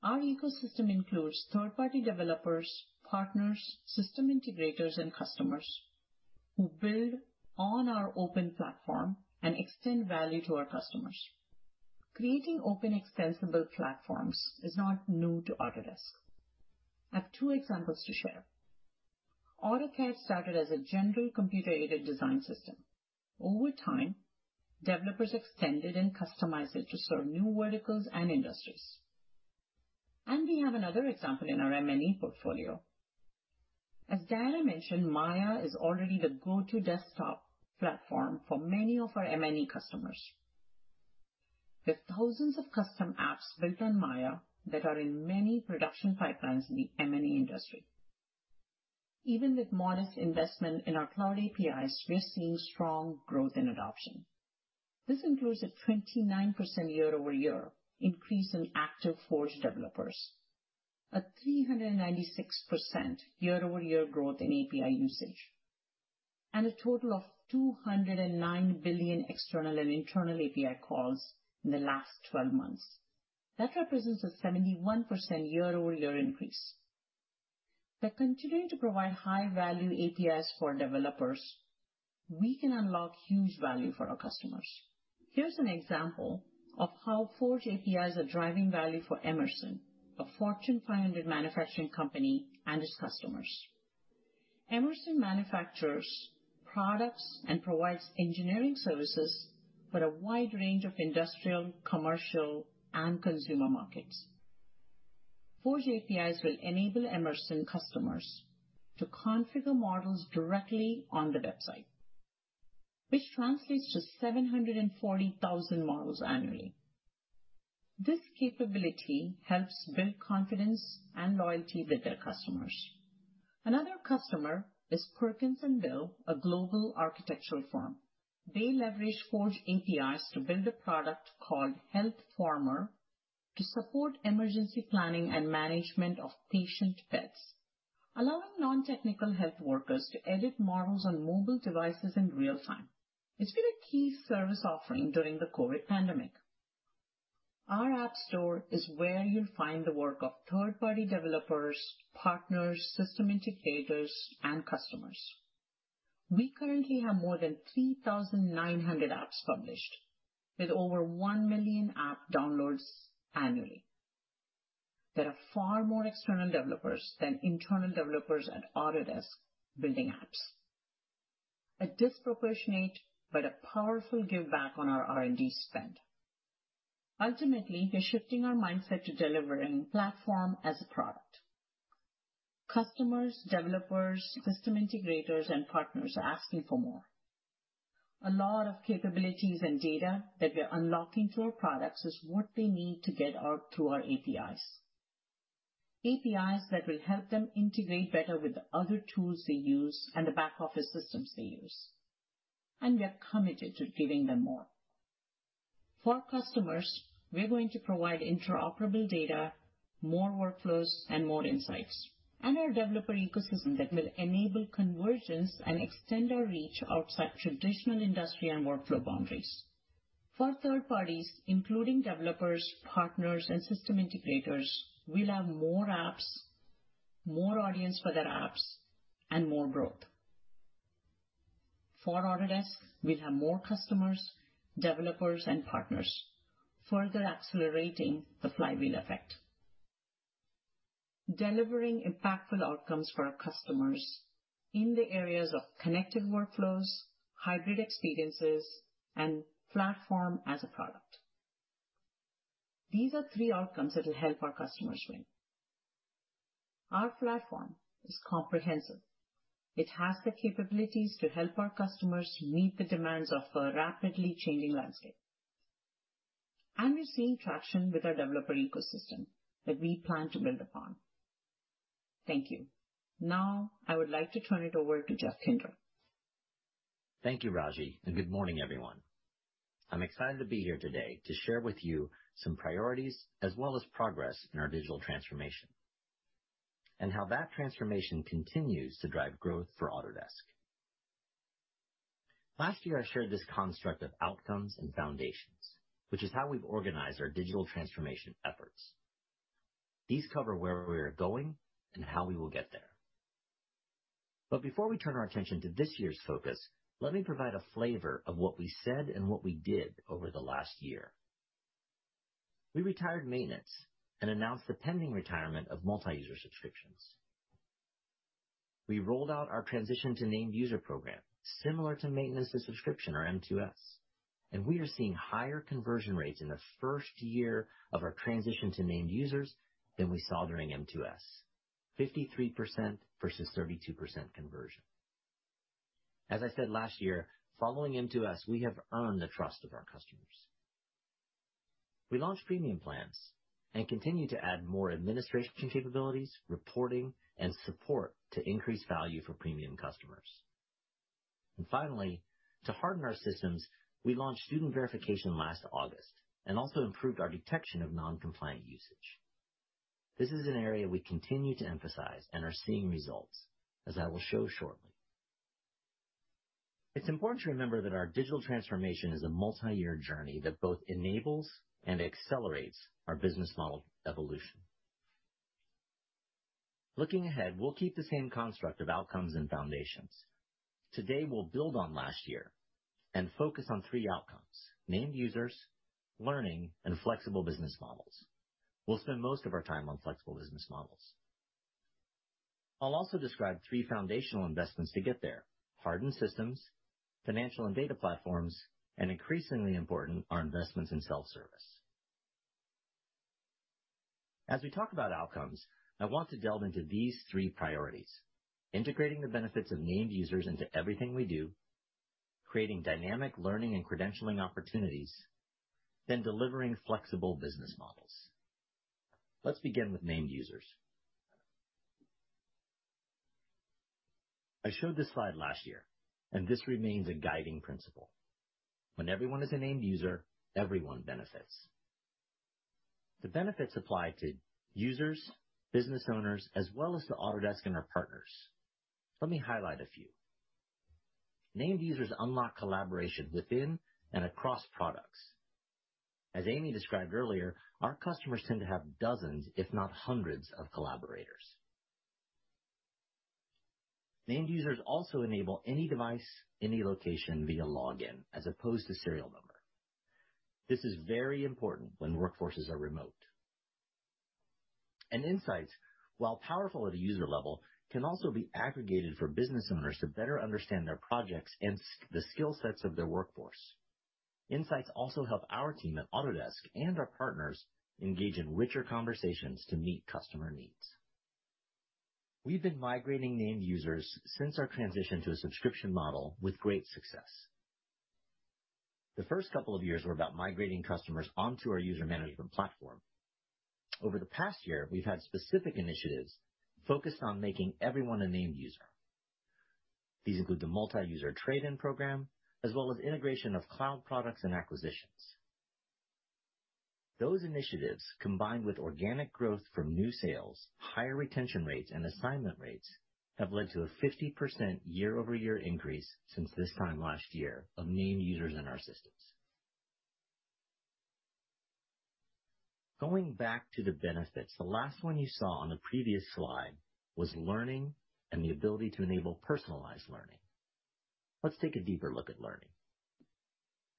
Our ecosystem includes third-party developers, partners, system integrators, and customers who build on our open platform and extend value to our customers. Creating open extensible platforms is not new to Autodesk. I have two examples to share. AutoCAD started as a general computer-aided design system. Over time, developers extended and customized it to serve new verticals and industries. We have another example in our M&E portfolio. As Diana mentioned, Maya is already the go-to desktop platform for many of our M&E customers. We have thousands of custom apps built on Maya that are in many production pipelines in the M&E industry. Even with modest investment in our cloud APIs, we are seeing strong growth and adoption. This includes a 29% year-over-year increase in active Forge developers, a 396% year-over-year growth in API usage, and a total of 209 billion external and internal API calls in the last 12 months. That represents a 71% year-over-year increase. By continuing to provide high-value APIs for developers, we can unlock huge value for our customers. Here's an example of how Forge APIs are driving value for Emerson, a Fortune 500 manufacturing company, and its customers. Emerson manufactures products and provides engineering services for a wide range of industrial, commercial, and consumer markets. Forge APIs will enable Emerson customers to configure models directly on the website, which translates to 740,000 models annually. This capability helps build confidence and loyalty with their customers. Another customer is Perkins&Will, a global architectural firm. They leverage Forge APIs to build a product called HealthFormer to support emergency planning and management of patient beds, allowing non-technical health workers to edit models on mobile devices in real time. It's been a key service offering during the COVID pandemic. Our app store is where you'll find the work of third-party developers, partners, system integrators, and customers. We currently have more than 3,900 apps published with over 1 million app downloads annually. There are far more external developers than internal developers at Autodesk building apps. A disproportionate but a powerful giveback on our R&D spend. Ultimately, we're shifting our mindset to delivering platform as a product. Customers, developers, system integrators, and partners are asking for more. A lot of capabilities and data that we are unlocking through our products is what they need to get out through our APIs. APIs that will help them integrate better with the other tools they use and the back office systems they use. We are committed to giving them more. For our customers, we are going to provide interoperable data, more workflows, and more insights. Our developer ecosystem that will enable convergence and extend our reach outside traditional industry and workflow boundaries. For third parties, including developers, partners, and system integrators, we'll have more apps, more audience for their apps, and more growth. For Autodesk, we'll have more customers, developers, and partners, further accelerating the flywheel effect. Delivering impactful outcomes for our customers in the areas of connected workflows, hybrid experiences, and platform as a product. These are three outcomes that will help our customers win. Our platform is comprehensive. It has the capabilities to help our customers meet the demands of a rapidly changing landscape. We're seeing traction with our developer ecosystem that we plan to build upon. Thank you. Now, I would like to turn it over to Jeff Kinder.
Thank you, Raji, and good morning, everyone. I'm excited to be here today to share with you some priorities as well as progress in our digital transformation, and how that transformation continues to drive growth for Autodesk. Last year, I shared this construct of outcomes and foundations, which is how we've organized our digital transformation efforts. These cover where we're going and how we will get there. Before we turn our attention to this year's focus, let me provide a flavor of what we said and what we did over the last year. We retired maintenance and announced the pending retirement of multi-user subscriptions. We rolled out our transition to Named User Program, similar to Maintenance-to-Subscription or M2S. We are seeing higher conversion rates in the first year of our transition to Named Users than we saw during M2S. 53% versus 32% conversion. As I said last year, following M2S, we have earned the trust of our customers. We launched premium plans and continue to add more administration capabilities, reporting, and support to increase value for premium customers. Finally, to harden our systems, we launched student verification last August and also improved our detection of non-compliant usage. This is an area we continue to emphasize and are seeing results, as I will show shortly. It's important to remember that our digital transformation is a multi-year journey that both enables and accelerates our business model evolution. Looking ahead, we'll keep the same construct of outcomes and foundations. Today, we'll build on last year and focus on three outcomes: named users, learning, and flexible business models. We'll spend most of our time on flexible business models. I'll also describe three foundational investments to get there: hardened systems, financial and data platforms, and increasingly important, our investments in self-service. As we talk about outcomes, I want to delve into these three priorities: integrating the benefits of named users into everything we do, creating dynamic learning and credentialing opportunities, then delivering flexible business models. Let's begin with named users. I showed this slide last year, and this remains a guiding principle. When everyone is a named user, everyone benefits. The benefits apply to users, business owners, as well as to Autodesk and our partners. Let me highlight a few. Named users unlock collaboration within and across products. As Amy described earlier, our customers tend to have dozens, if not hundreds, of collaborators. Named users also enable any device, any location via login as opposed to serial number. This is very important when workforces are remote Insights, while powerful at a user level, can also be aggregated for business owners to better understand their projects and the skill sets of their workforce. Insights also help our team at Autodesk and our partners engage in richer conversations to meet customer needs. We've been migrating named users since our transition to a subscription model with great success. The first couple of years were about migrating customers onto our user management platform. Over the past year, we've had specific initiatives focused on making everyone a named user. These include the multi-user trade-in program, as well as integration of cloud products and acquisitions. Those initiatives, combined with organic growth from new sales, higher retention rates, and assignment rates, have led to a 50% year-over-year increase since this time last year of named users in our systems. Going back to the benefits, the last one you saw on the previous slide was learning and the ability to enable personalized learning. Let's take a deeper look at learning.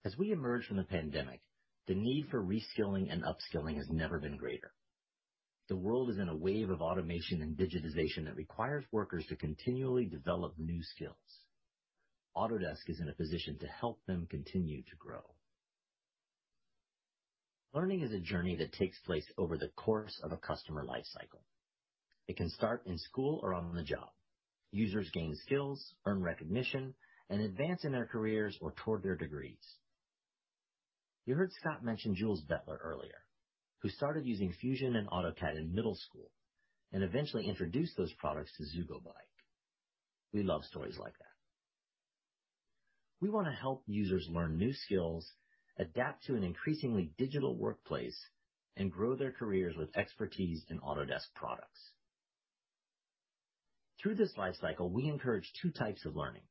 As we emerge from the pandemic, the need for reskilling and upskilling has never been greater. The world is in a wave of automation and digitization that requires workers to continually develop new skills. Autodesk is in a position to help them continue to grow. Learning is a journey that takes place over the course of a customer life cycle. It can start in school or on the job. Users gain skills, earn recognition, and advance in their careers or toward their degrees. You heard Scott mention Jules Bettler earlier, who started using Fusion and AutoCAD in middle school and eventually introduced those products to ZuGo Bike. We love stories like that. We want to help users learn new skills, adapt to an increasingly digital workplace, and grow their careers with expertise in Autodesk products. Through this life cycle, we encourage two types of learning.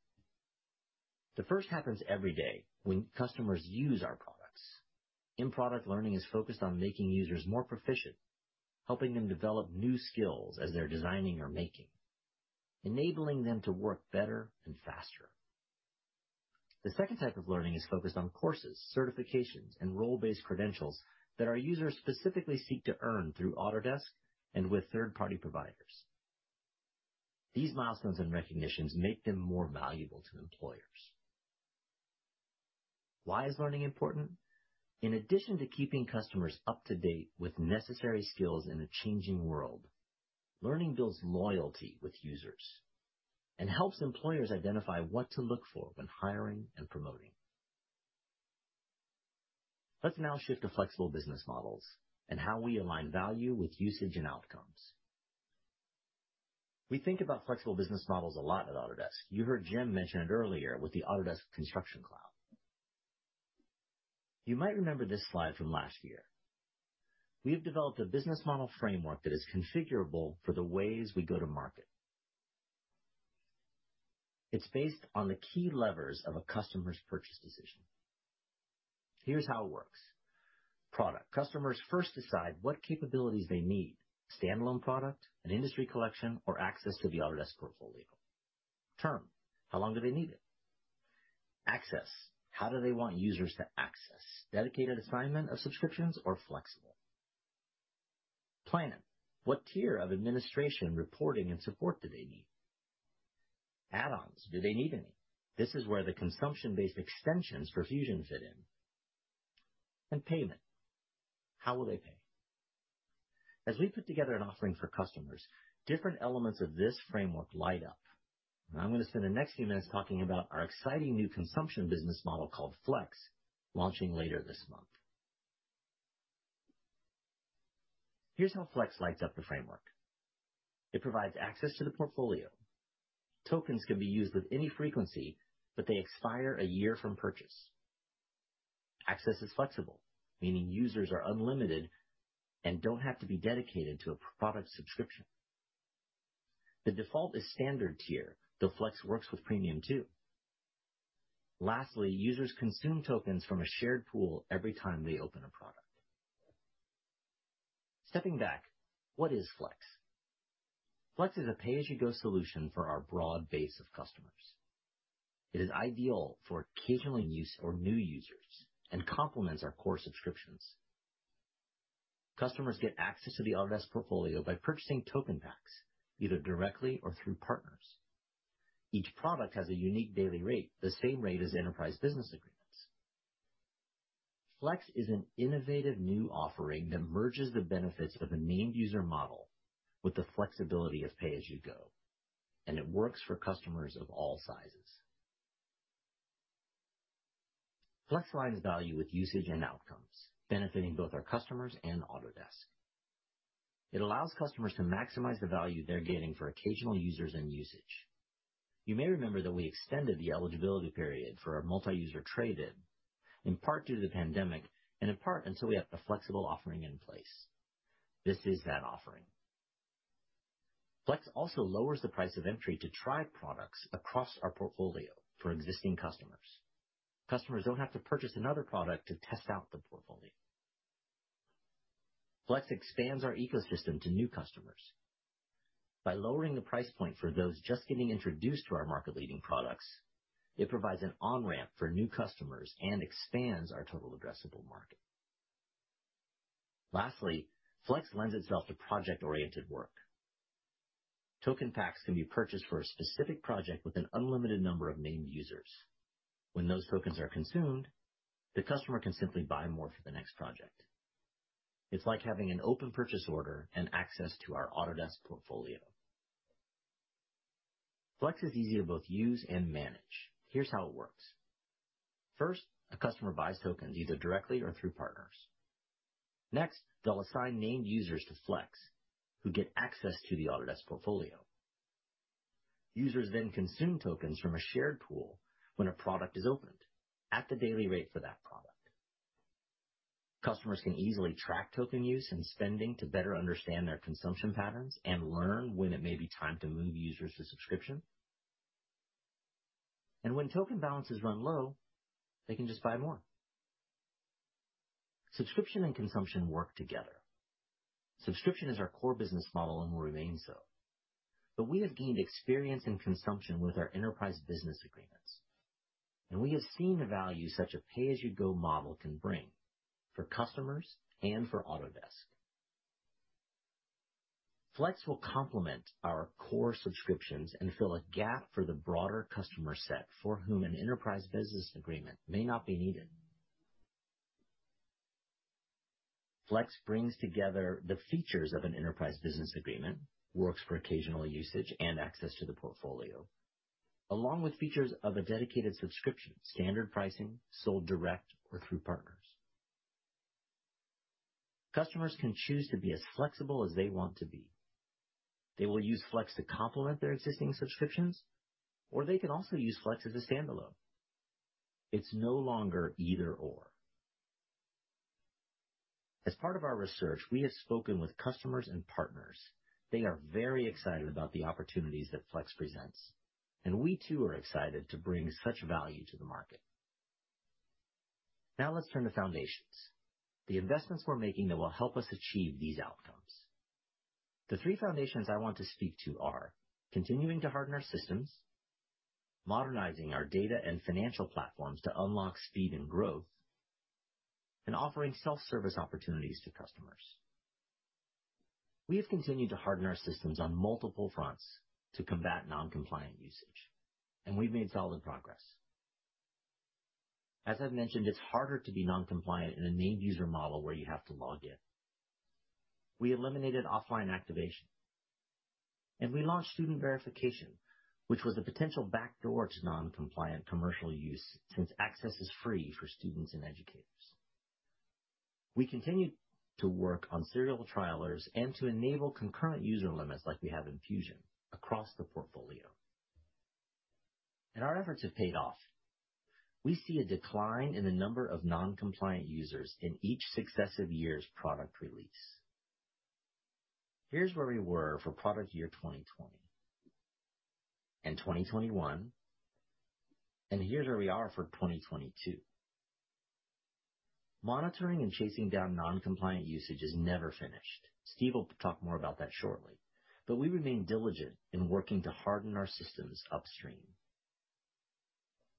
The first happens every day when customers use our products. In-product learning is focused on making users more proficient, helping them develop new skills as they're designing or making, enabling them to work better and faster. The second type of learning is focused on courses, certifications, and role-based credentials that our users specifically seek to earn through Autodesk and with third-party providers. These milestones and recognitions make them more valuable to employers. Why is learning important? In addition to keeping customers up to date with necessary skills in a changing world, learning builds loyalty with users and helps employers identify what to look for when hiring and promoting. Let's now shift to flexible business models and how we align value with usage and outcomes. We think about flexible business models a lot at Autodesk. You heard Jim mention it earlier with the Autodesk Construction Cloud. You might remember this slide from last year. We have developed a business model framework that is configurable for the ways we go to market. It's based on the key levers of a customer's purchase decision. Here's how it works. Product. Customers first decide what capabilities they need. Standalone product, an industry collection, or access to the Autodesk portfolio. Term. How long do they need it? Access. How do they want users to access? Dedicated assignment of subscriptions or flexible? Planning. What tier of administration, reporting, and support do they need? Add-ons. Do they need any? This is where the consumption-based extensions for Fusion fit in. Payment. How will they pay? As we put together an offering for customers, different elements of this framework light up. I'm gonna spend the next few minutes talking about our exciting new consumption business model called Flex, launching later this month. Here's how Flex lights up the framework. It provides access to the portfolio. Tokens can be used with any frequency, but they expire a year from purchase. Access is flexible, meaning users are unlimited and don't have to be dedicated to a product subscription. The default is standard tier, though Flex works with premium too. Lastly, users consume tokens from a shared pool every time they open a product. Stepping back, what is Flex? Flex is a pay-as-you-go solution for our broad base of customers. It is ideal for occasional use or new users and complements our core subscriptions. Customers get access to the Autodesk portfolio by purchasing token packs, either directly or through partners. Each product has a unique daily rate, the same rate as Enterprise Business Agreements. Flex is an innovative new offering that merges the benefits of a named user model with the flexibility of pay-as-you-go, and it works for customers of all sizes. Flex drives value with usage and outcomes, benefiting both our customers and Autodesk. It allows customers to maximize the value they're getting for occasional users and usage. You may remember that we extended the eligibility period for our multi-user trade-in, in part due to the pandemic and in part until we have the flexible offering in place. This is that offering. Flex also lowers the price of entry to try products across our portfolio for existing customers. Customers don't have to purchase another product to test out the portfolio. Flex expands our ecosystem to new customers. By lowering the price point for those just getting introduced to our market-leading products, it provides an on-ramp for new customers and expands our total addressable market. Lastly, Flex lends itself to project-oriented work. Token packs can be purchased for a specific project with an unlimited number of named users. When those tokens are consumed, the customer can simply buy more for the next project. It's like having an open purchase order and access to our Autodesk portfolio. Flex is easy to both use and manage. Here's how it works. First, a customer buys tokens either directly or through partners. They'll assign named users to Flex who get access to the Autodesk portfolio. Users then consume tokens from a shared pool when a product is opened at the daily rate for that product. Customers can easily track token use and spending to better understand their consumption patterns and learn when it may be time to move users to subscription. When token balances run low, they can just buy more. Subscription and consumption work together. Subscription is our core business model and will remain so. We have gained experience in consumption with our enterprise business agreements, and we have seen the value such a pay-as-you-go model can bring for customers and for Autodesk. Flex will complement our core subscriptions and fill a gap for the broader customer set for whom an enterprise business agreement may not be needed. Flex brings together the features of an enterprise business agreement, works for occasional usage and access to the portfolio, along with features of a dedicated subscription, standard pricing, sold direct or through partners. Customers can choose to be as flexible as they want to be. They will use Flex to complement their existing subscriptions, or they can also use Flex as a standalone. It's no longer either/or. As part of our research, we have spoken with customers and partners. They are very excited about the opportunities that Flex presents, and we too are excited to bring such value to the market. Now let's turn to foundations, the investments we're making that will help us achieve these outcomes. The three foundations I want to speak to are continuing to harden our systems, modernizing our data and financial platforms to unlock speed and growth, and offering self-service opportunities to customers. We have continued to harden our systems on multiple fronts to combat non-compliant usage, and we've made solid progress. As I've mentioned, it's harder to be non-compliant in a named user model where you have to log in. We eliminated offline activation, and we launched student verification, which was a potential backdoor to non-compliant commercial use since access is free for students and educators. We continued to work on serial trialers and to enable concurrent user limits like we have in Fusion across the portfolio. Our efforts have paid off. We see a decline in the number of non-compliant users in each successive year's product release. Here's where we were for product year 2020. 2021. Here's where we are for 2022. Monitoring and chasing down non-compliant usage is never finished. Steve will talk more about that shortly. We remain diligent in working to harden our systems upstream.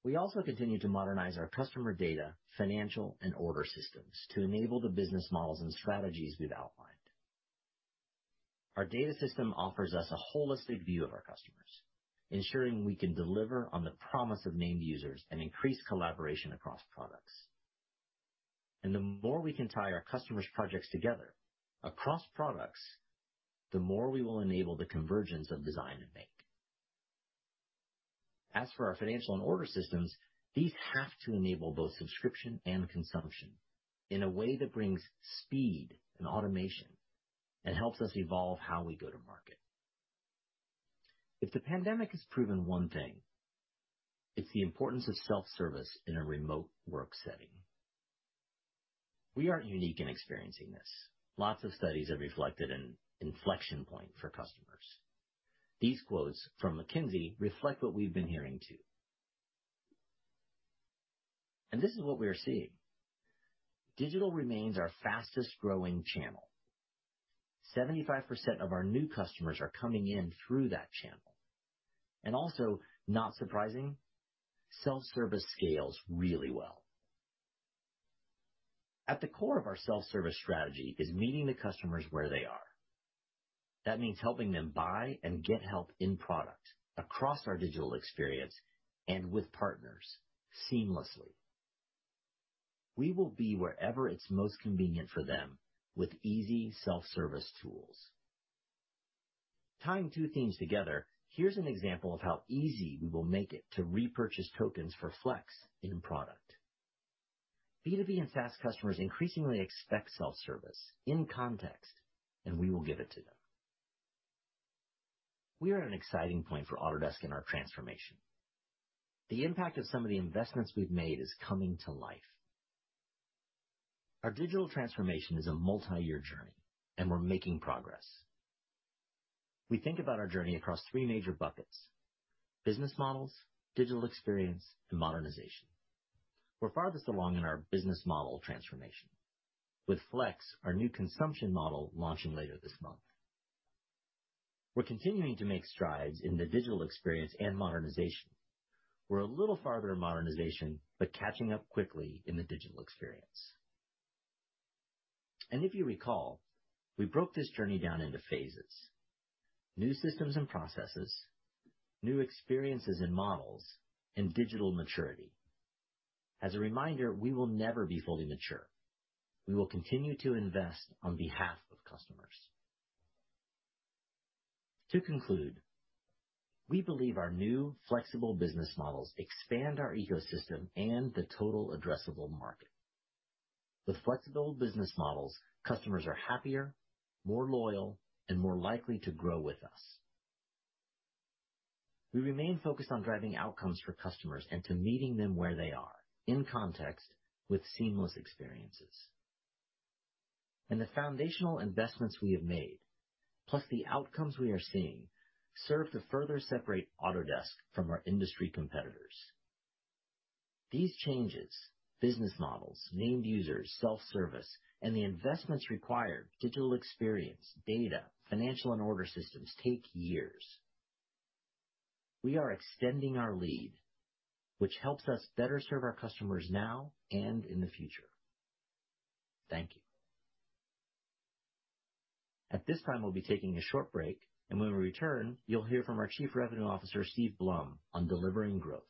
We also continue to modernize our customer data, financial, and order systems to enable the business models and strategies we've outlined. Our data system offers us a holistic view of our customers, ensuring we can deliver on the promise of named users and increase collaboration across products. The more we can tie our customers' projects together across products, the more we will enable the convergence of design and make. As for our financial and order systems, these have to enable both subscription and consumption in a way that brings speed and automation and helps us evolve how we go to market. If the pandemic has proven one thing, it's the importance of self-service in a remote work setting. We aren't unique in experiencing this. Lots of studies have reflected an inflection point for customers. These quotes from McKinsey reflect what we've been hearing, too. This is what we are seeing. Digital remains our fastest growing channel. 75% of our new customers are coming in through that channel. Also, not surprising, self-service scales really well. At the core of our self-service strategy is meeting the customers where they are. That means helping them buy and get help in product across our digital experience and with partners seamlessly. We will be wherever it's most convenient for them with easy self-service tools. Tying two themes together, here's an example of how easy we will make it to repurchase tokens for Flex in product. B2B and SaaS customers increasingly expect self-service in context, and we will give it to them. We are at an exciting point for Autodesk in our transformation. The impact of some of the investments we've made is coming to life. Our digital transformation is a multi-year journey, and we're making progress. We think about our journey across three major buckets: business models, digital experience, and modernization. We're farthest along in our business model transformation. With Flex, our new consumption model launching later this month. We're continuing to make strides in the digital experience and modernization. We're a little farther in modernization, but catching up quickly in the digital experience. If you recall, we broke this journey down into phases. New systems and processes, new experiences and models, and digital maturity. As a reminder, we will never be fully mature. We will continue to invest on behalf of customers. To conclude, we believe our new flexible business models expand our ecosystem and the total addressable market. With flexible business models, customers are happier, more loyal, and more likely to grow with us. We remain focused on driving outcomes for customers and to meeting them where they are, in context, with seamless experiences. The foundational investments we have made, plus the outcomes we are seeing, serve to further separate Autodesk from our industry competitors. These changes, business models, named users, self-service, and the investments required, digital experience, data, financial and order systems, take years. We are extending our lead, which helps us better serve our customers now and in the future. Thank you. At this time, we'll be taking a short break, and when we return, you'll hear from our Chief Revenue Officer, Steve Blum, on delivering growth.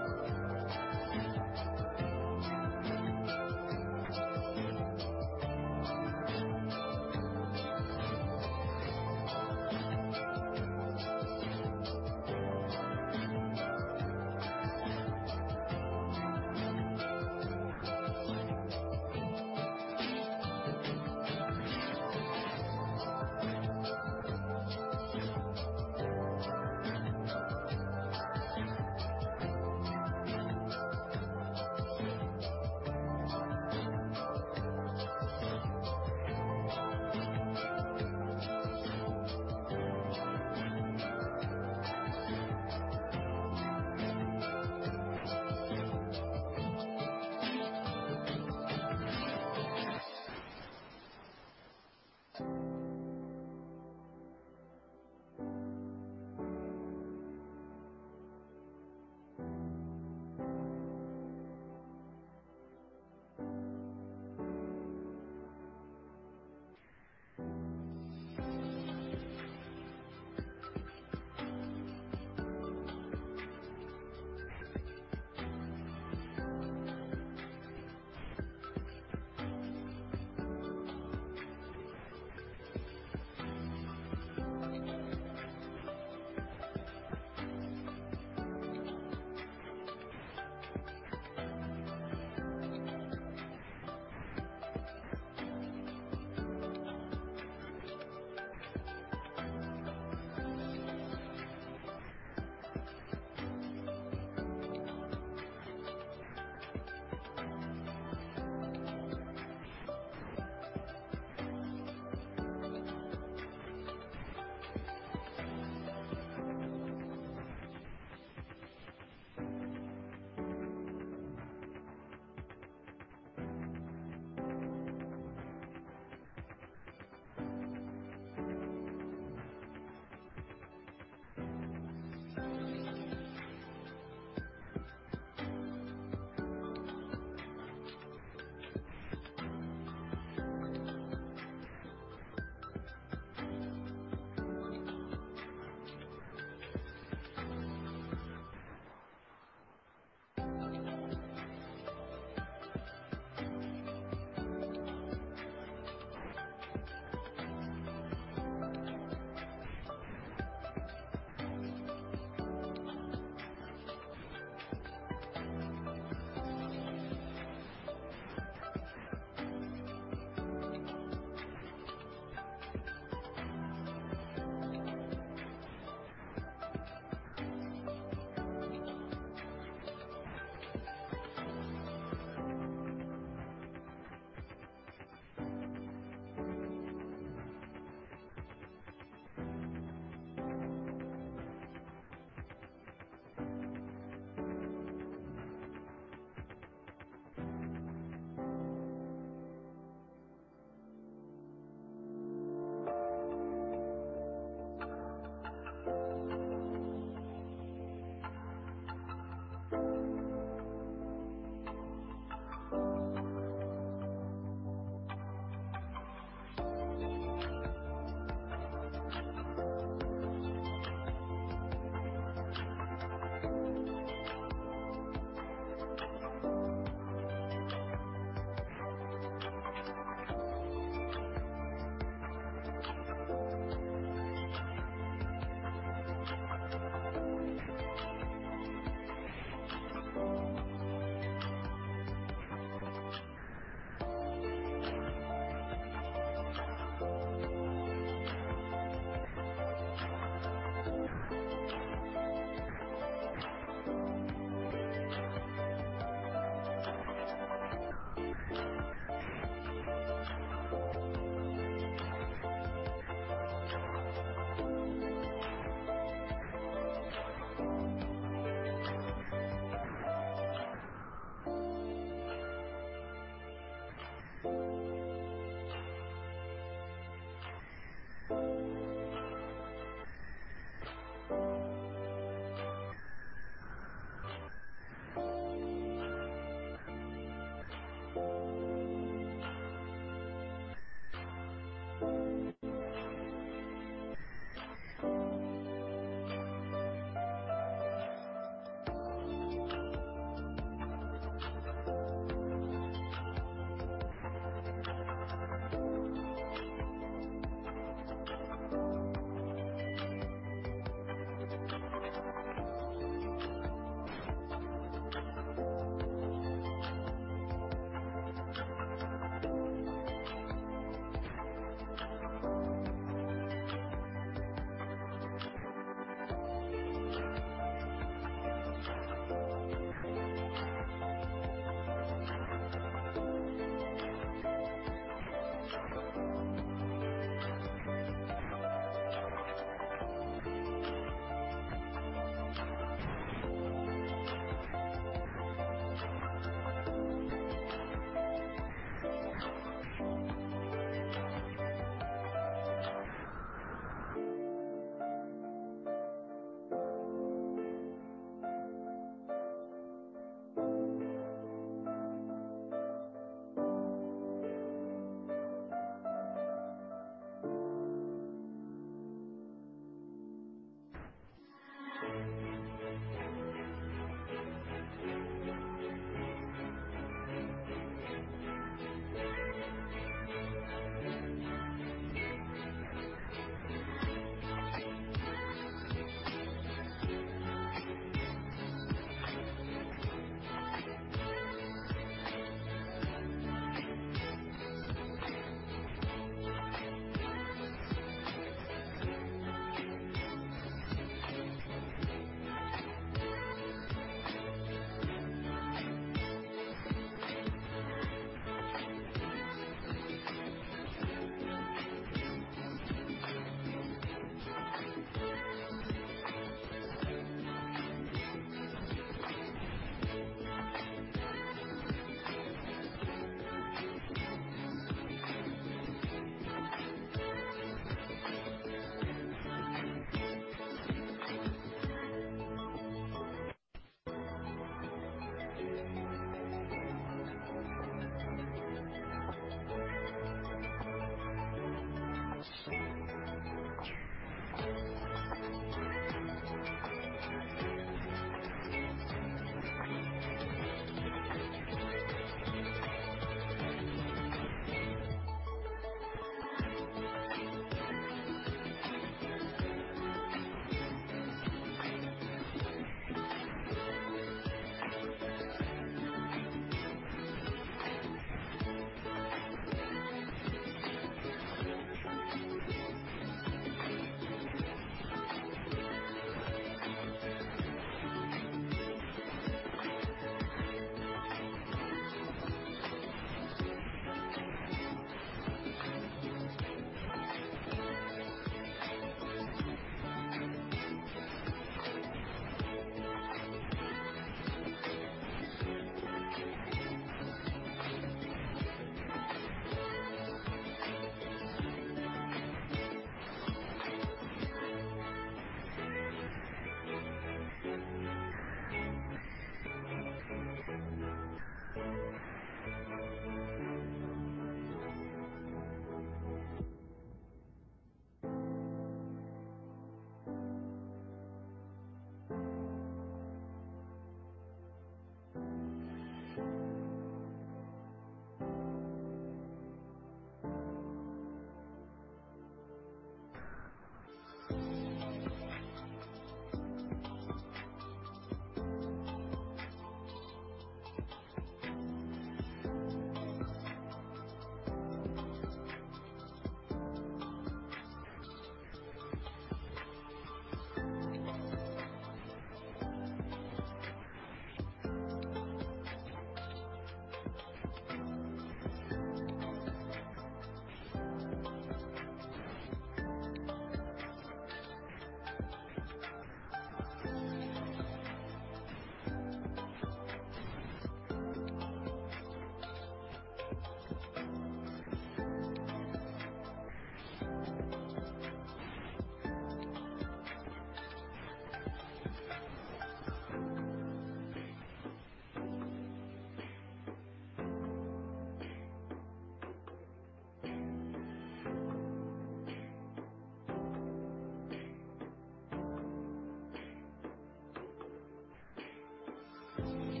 Hi,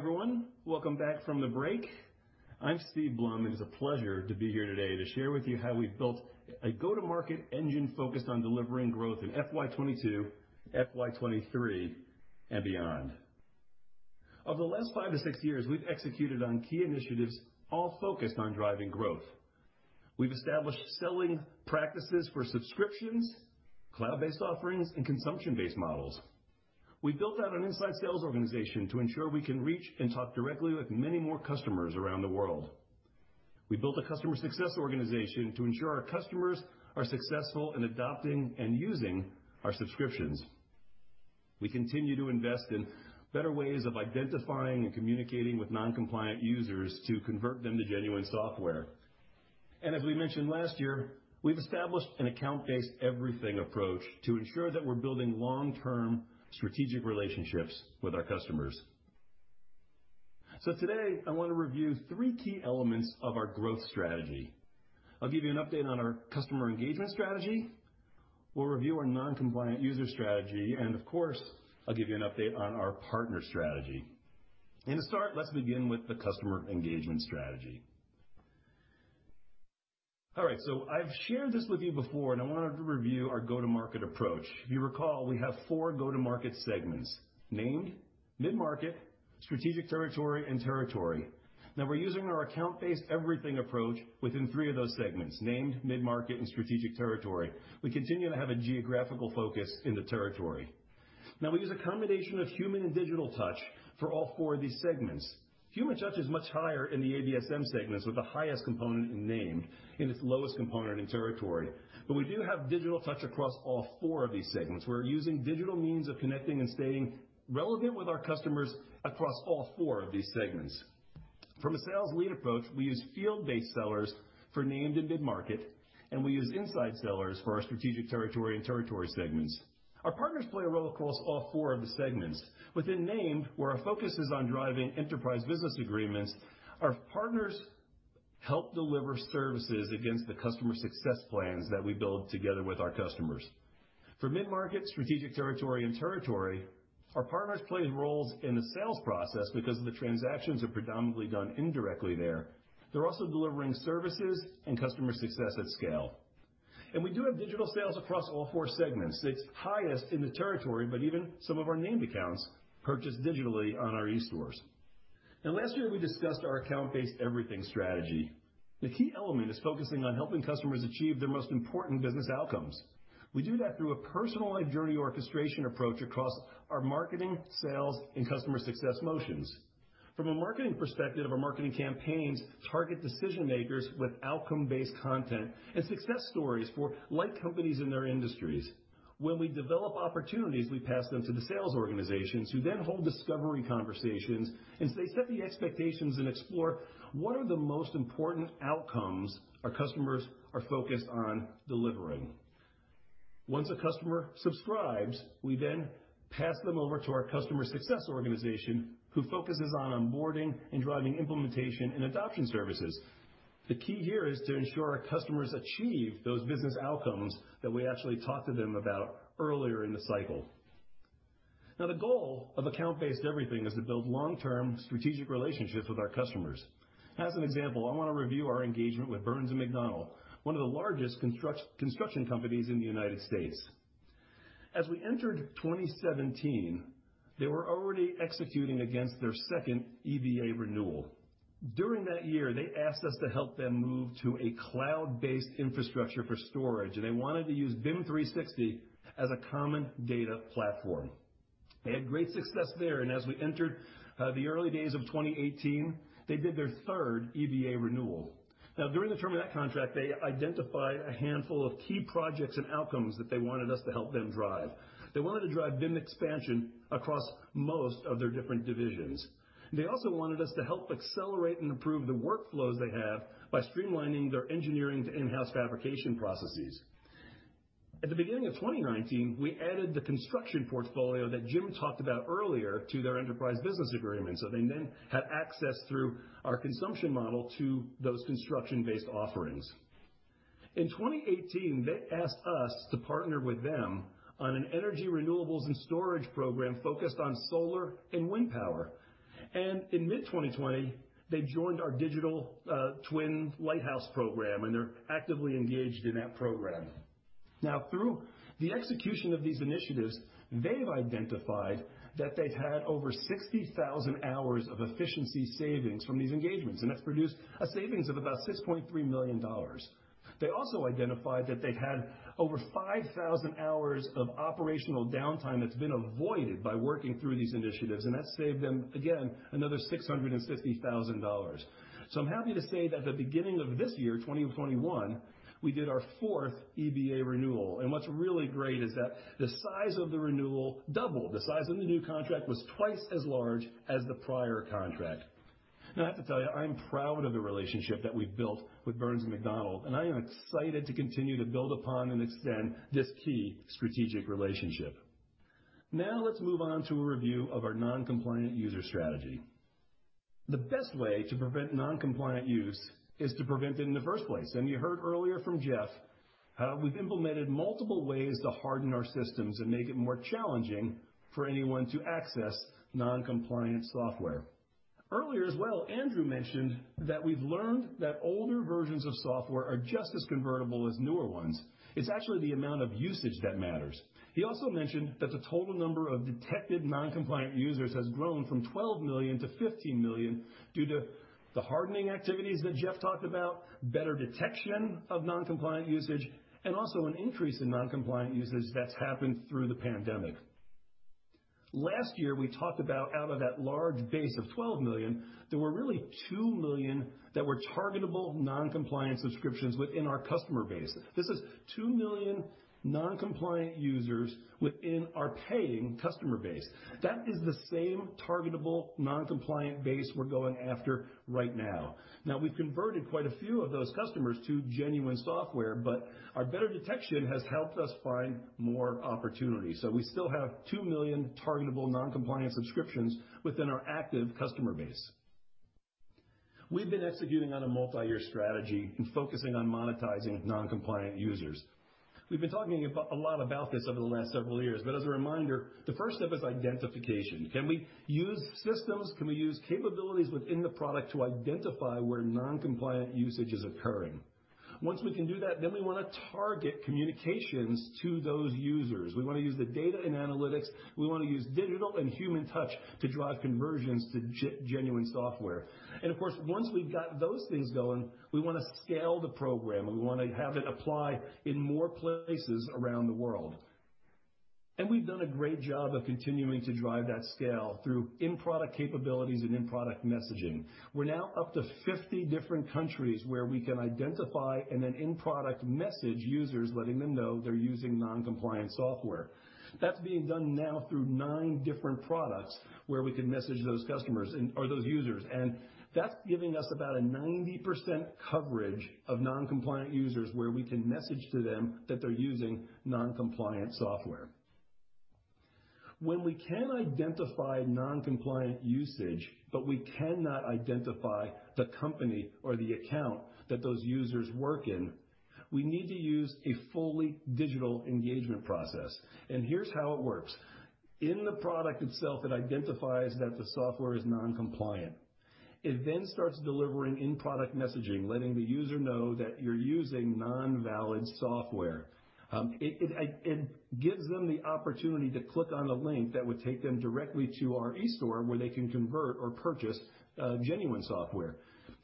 everyone. Welcome back from the break. I'm Steve Blum. It is a pleasure to be here today to share with you how we've built a go-to-market engine focused on delivering growth in FY 2022, FY 2023, and beyond. Over the last five to six years, we've executed on key initiatives all focused on driving growth. We've established selling practices for subscriptions, cloud-based offerings, and consumption-based models. We built out an inside sales organization to ensure we can reach and talk directly with many more customers around the world. We built a customer success organization to ensure our customers are successful in adopting and using our subscriptions. We continue to invest in better ways of identifying and communicating with non-compliant users to convert them to genuine software. As we mentioned last year, we've established an account-based everything approach to ensure that we're building long-term strategic relationships with our customers. Today, I want to review three key elements of our growth strategy. I'll give you an update on our customer engagement strategy. We'll review our non-compliant user strategy, and of course, I'll give you an update on our partner strategy. To start, let's begin with the customer engagement strategy. I've shared this with you before, and I wanted to review our go-to-market approach. You recall we have four go-to-market segments: named, mid-market, strategic territory, and territory. We're using our account-based everything approach within three of those segments, named, mid-market, and strategic territory. We continue to have a geographical focus in the territory. We use a combination of human and digital touch for all four of these segments. Human touch is much higher in the ABE segments, with the highest component in named and its lowest component in territory. We do have digital touch across all four of these segments. We're using digital means of connecting and staying relevant with our customers across all four of these segments. From a sales lead approach, we use field-based sellers for named and mid-market, and we use inside sellers for our strategic territory and territory segments. Our partners play a role across all four of the segments. Within named, where our focus is on driving Enterprise Business Agreements, our partners help deliver services against the customer success plans that we build together with our customers. For mid-market, strategic territory and territory, our partners play roles in the sales process because the transactions are predominantly done indirectly there. They're also delivering services and customer success at scale. We do have digital sales across all four segments. It's highest in the territory, but even some of our named accounts purchase digitally on our e-stores. Now, last year, we discussed our Account-Based Everything strategy. The key element is focusing on helping customers achieve their most important business outcomes. We do that through a personalized journey orchestration approach across our marketing, sales, and customer success motions. From a marketing perspective, our marketing campaigns target decision-makers with outcome-based content and success stories for like companies in their industries. When we develop opportunities, we pass them to the sales organizations who then hold discovery conversations, and they set the expectations and explore what are the most important outcomes our customers are focused on delivering. Once a customer subscribes, we then pass them over to our customer success organization, who focuses on onboarding and driving implementation and adoption services. The key here is to ensure our customers achieve those business outcomes that we actually talked to them about earlier in the cycle. The goal of account-based everything is to build long-term strategic relationships with our customers. As an example, I want to review our engagement with Burns & McDonnell, one of the largest construction companies in the U.S. As we entered 2017, they were already executing against their second EBA renewal. During that year, they asked us to help them move to a cloud-based infrastructure for storage, and they wanted to use BIM 360 as a common data platform. They had great success there, and as we entered the early days of 2018, they did their third EBA renewal. During the term of that contract, they identified a handful of key projects and outcomes that they wanted us to help them drive. They wanted to drive BIM expansion across most of their different divisions. They also wanted us to help accelerate and improve the workflows they have by streamlining their engineering to in-house fabrication processes. At the beginning of 2019, we added the construction portfolio that Jim talked about earlier to their Enterprise Business Agreement, they then had access through our consumption model to those construction-based offerings. In 2018, they asked us to partner with them on an energy renewables and storage program focused on solar and wind power. In mid-2020, they joined our Digital Twin Lighthouse Program, they're actively engaged in that program. Through the execution of these initiatives, they've identified that they've had over 60,000 hours of efficiency savings from these engagements, that's produced a savings of about $6.3 million. They also identified that they've had over 5,000 hours of operational downtime that's been avoided by working through these initiatives, and that's saved them, again, another $650,000. I'm happy to say that at the beginning of this year, 2021, we did our 4th EBA renewal. What's really great is that the size of the renewal doubled. The size of the new contract was twice as large as the prior contract. I have to tell you, I'm proud of the relationship that we've built with Burns & McDonnell, and I am excited to continue to build upon and extend this key strategic relationship. Let's move on to a review of our non-compliant user strategy. The best way to prevent non-compliant use is to prevent it in the first place. You heard earlier from Jeff how we've implemented multiple ways to harden our systems and make it more challenging for anyone to access non-compliant software. Earlier as well, Andrew mentioned that we've learned that older versions of software are just as convertible as newer ones. It's actually the amount of usage that matters. He also mentioned that the total number of detected non-compliant users has grown from 12 million to 15 million due to the hardening activities that Jeff talked about, better detection of non-compliant usage, and also an increase in non-compliant usage that's happened through the pandemic. Last year, we talked about out of that large base of 12 million, there were really 2 million that were targetable non-compliant subscriptions within our customer base. This is 2 million non-compliant users within our paying customer base. That is the same targetable non-compliant base we're going after right now. We've converted quite a few of those customers to genuine software, but our better detection has helped us find more opportunities. We still have 2 million targetable non-compliant subscriptions within our active customer base. We've been executing on a multi-year strategy and focusing on monetizing non-compliant users. We've been talking a lot about this over the last several years, but as a reminder, the first step is identification. Can we use systems? Can we use capabilities within the product to identify where non-compliant usage is occurring? Once we can do that, then we wanna target communications to those users. We wanna use the data and analytics. We wanna use digital and human touch to drive conversions to genuine software. Of course, once we've got those things going, we wanna scale the program, and we wanna have it apply in more places around the world. We've done a great job of continuing to drive that scale through in-product capabilities and in-product messaging. We're now up to 50 different countries where we can identify and then in-product message users, letting them know they're using non-compliant software. That's being done now through nine different products where we can message those customers or those users. That's giving us about a 90% coverage of non-compliant users where we can message to them that they're using non-compliant software. When we can identify non-compliant usage, but we cannot identify the company or the account that those users work in, we need to use a fully digital engagement process. Here's how it works. In the product itself, it identifies that the software is non-compliant. It then starts delivering in-product messaging, letting the user know that you're using non-valid software. It gives them the opportunity to click on the link that would take them directly to our eStore, where they can convert or purchase genuine software.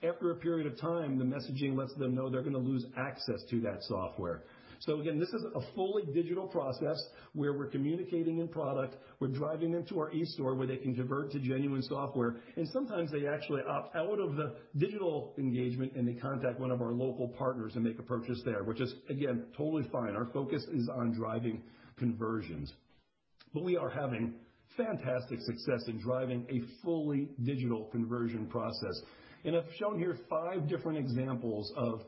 After a period of time, the messaging lets them know they're gonna lose access to that software. Again, this is a fully digital process where we're communicating in-product. We're driving them to our eStore, where they can convert to genuine software. Sometimes they actually opt out of the digital engagement, and they contact one of our local partners and make a purchase there, which is, again, totally fine. Our focus is on driving conversions. We are having fantastic success in driving a fully digital conversion process. I've shown here five different examples of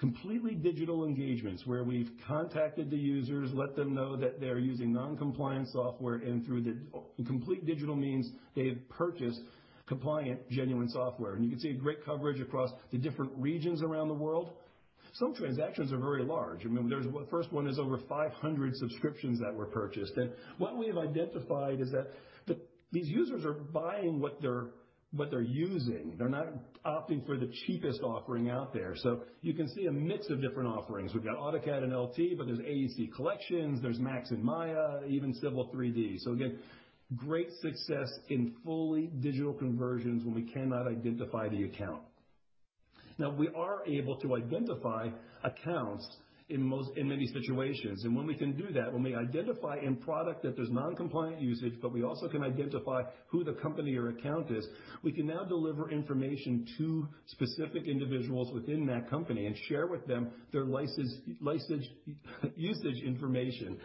completely digital engagements where we've contacted the users, let them know that they're using non-compliant software, and through the complete digital means, they've purchased compliant, genuine software. You can see great coverage across the different regions around the world. Some transactions are very large. Remember, the first one is over 500 subscriptions that were purchased. What we have identified is that these users are buying what they're using. They're not opting for the cheapest offering out there. You can see a mix of different offerings. We've got AutoCAD and LT, but there's AEC Collections, there's Max and Maya, even Civil 3D. Again, great success in fully digital conversions when we cannot identify the account. Now we are able to identify accounts in many situations. When we can do that, when we identify in-product that there's non-compliant usage, but we also can identify who the company or account is, we can now deliver information to specific individuals within that company and share with them their license usage information.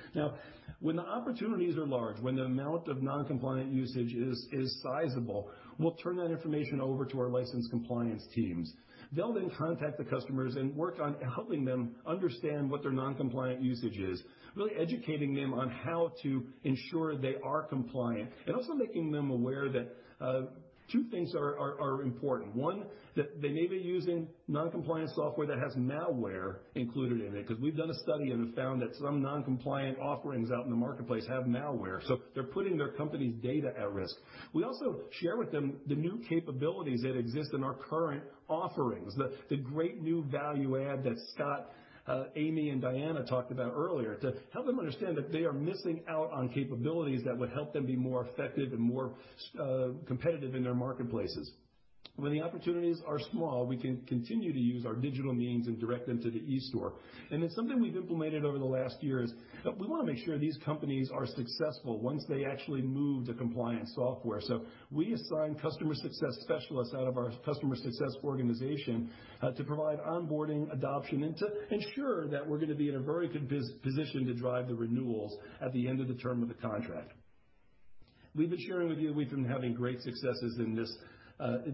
When the opportunities are large, when the amount of non-compliant usage is sizable, we'll turn that information over to our license compliance teams. They'll contact the customers and work on helping them understand what their non-compliant usage is, really educating them on how to ensure they are compliant and also making them aware that two things are important. One, that they may be using non-compliant software that has malware included in it, 'cause we've done a study and have found that some non-compliant offerings out in the marketplace have malware, they're putting their company's data at risk. We also share with them the new capabilities that exist in our current offerings, the great new value add that Scott, Amy, and Diana talked about earlier, to help them understand that they are missing out on capabilities that would help them be more effective and more competitive in their marketplaces. When the opportunities are small, we can continue to use our digital means and direct them to the eStore. Something we've implemented over the last year is that we wanna make sure these companies are successful once they actually move to compliant software. We assign customer success specialists out of our customer success organization to provide onboarding, adoption, and to ensure that we're gonna be in a very good position to drive the renewals at the end of the term of the contract. We've been sharing with you, we've been having great successes in this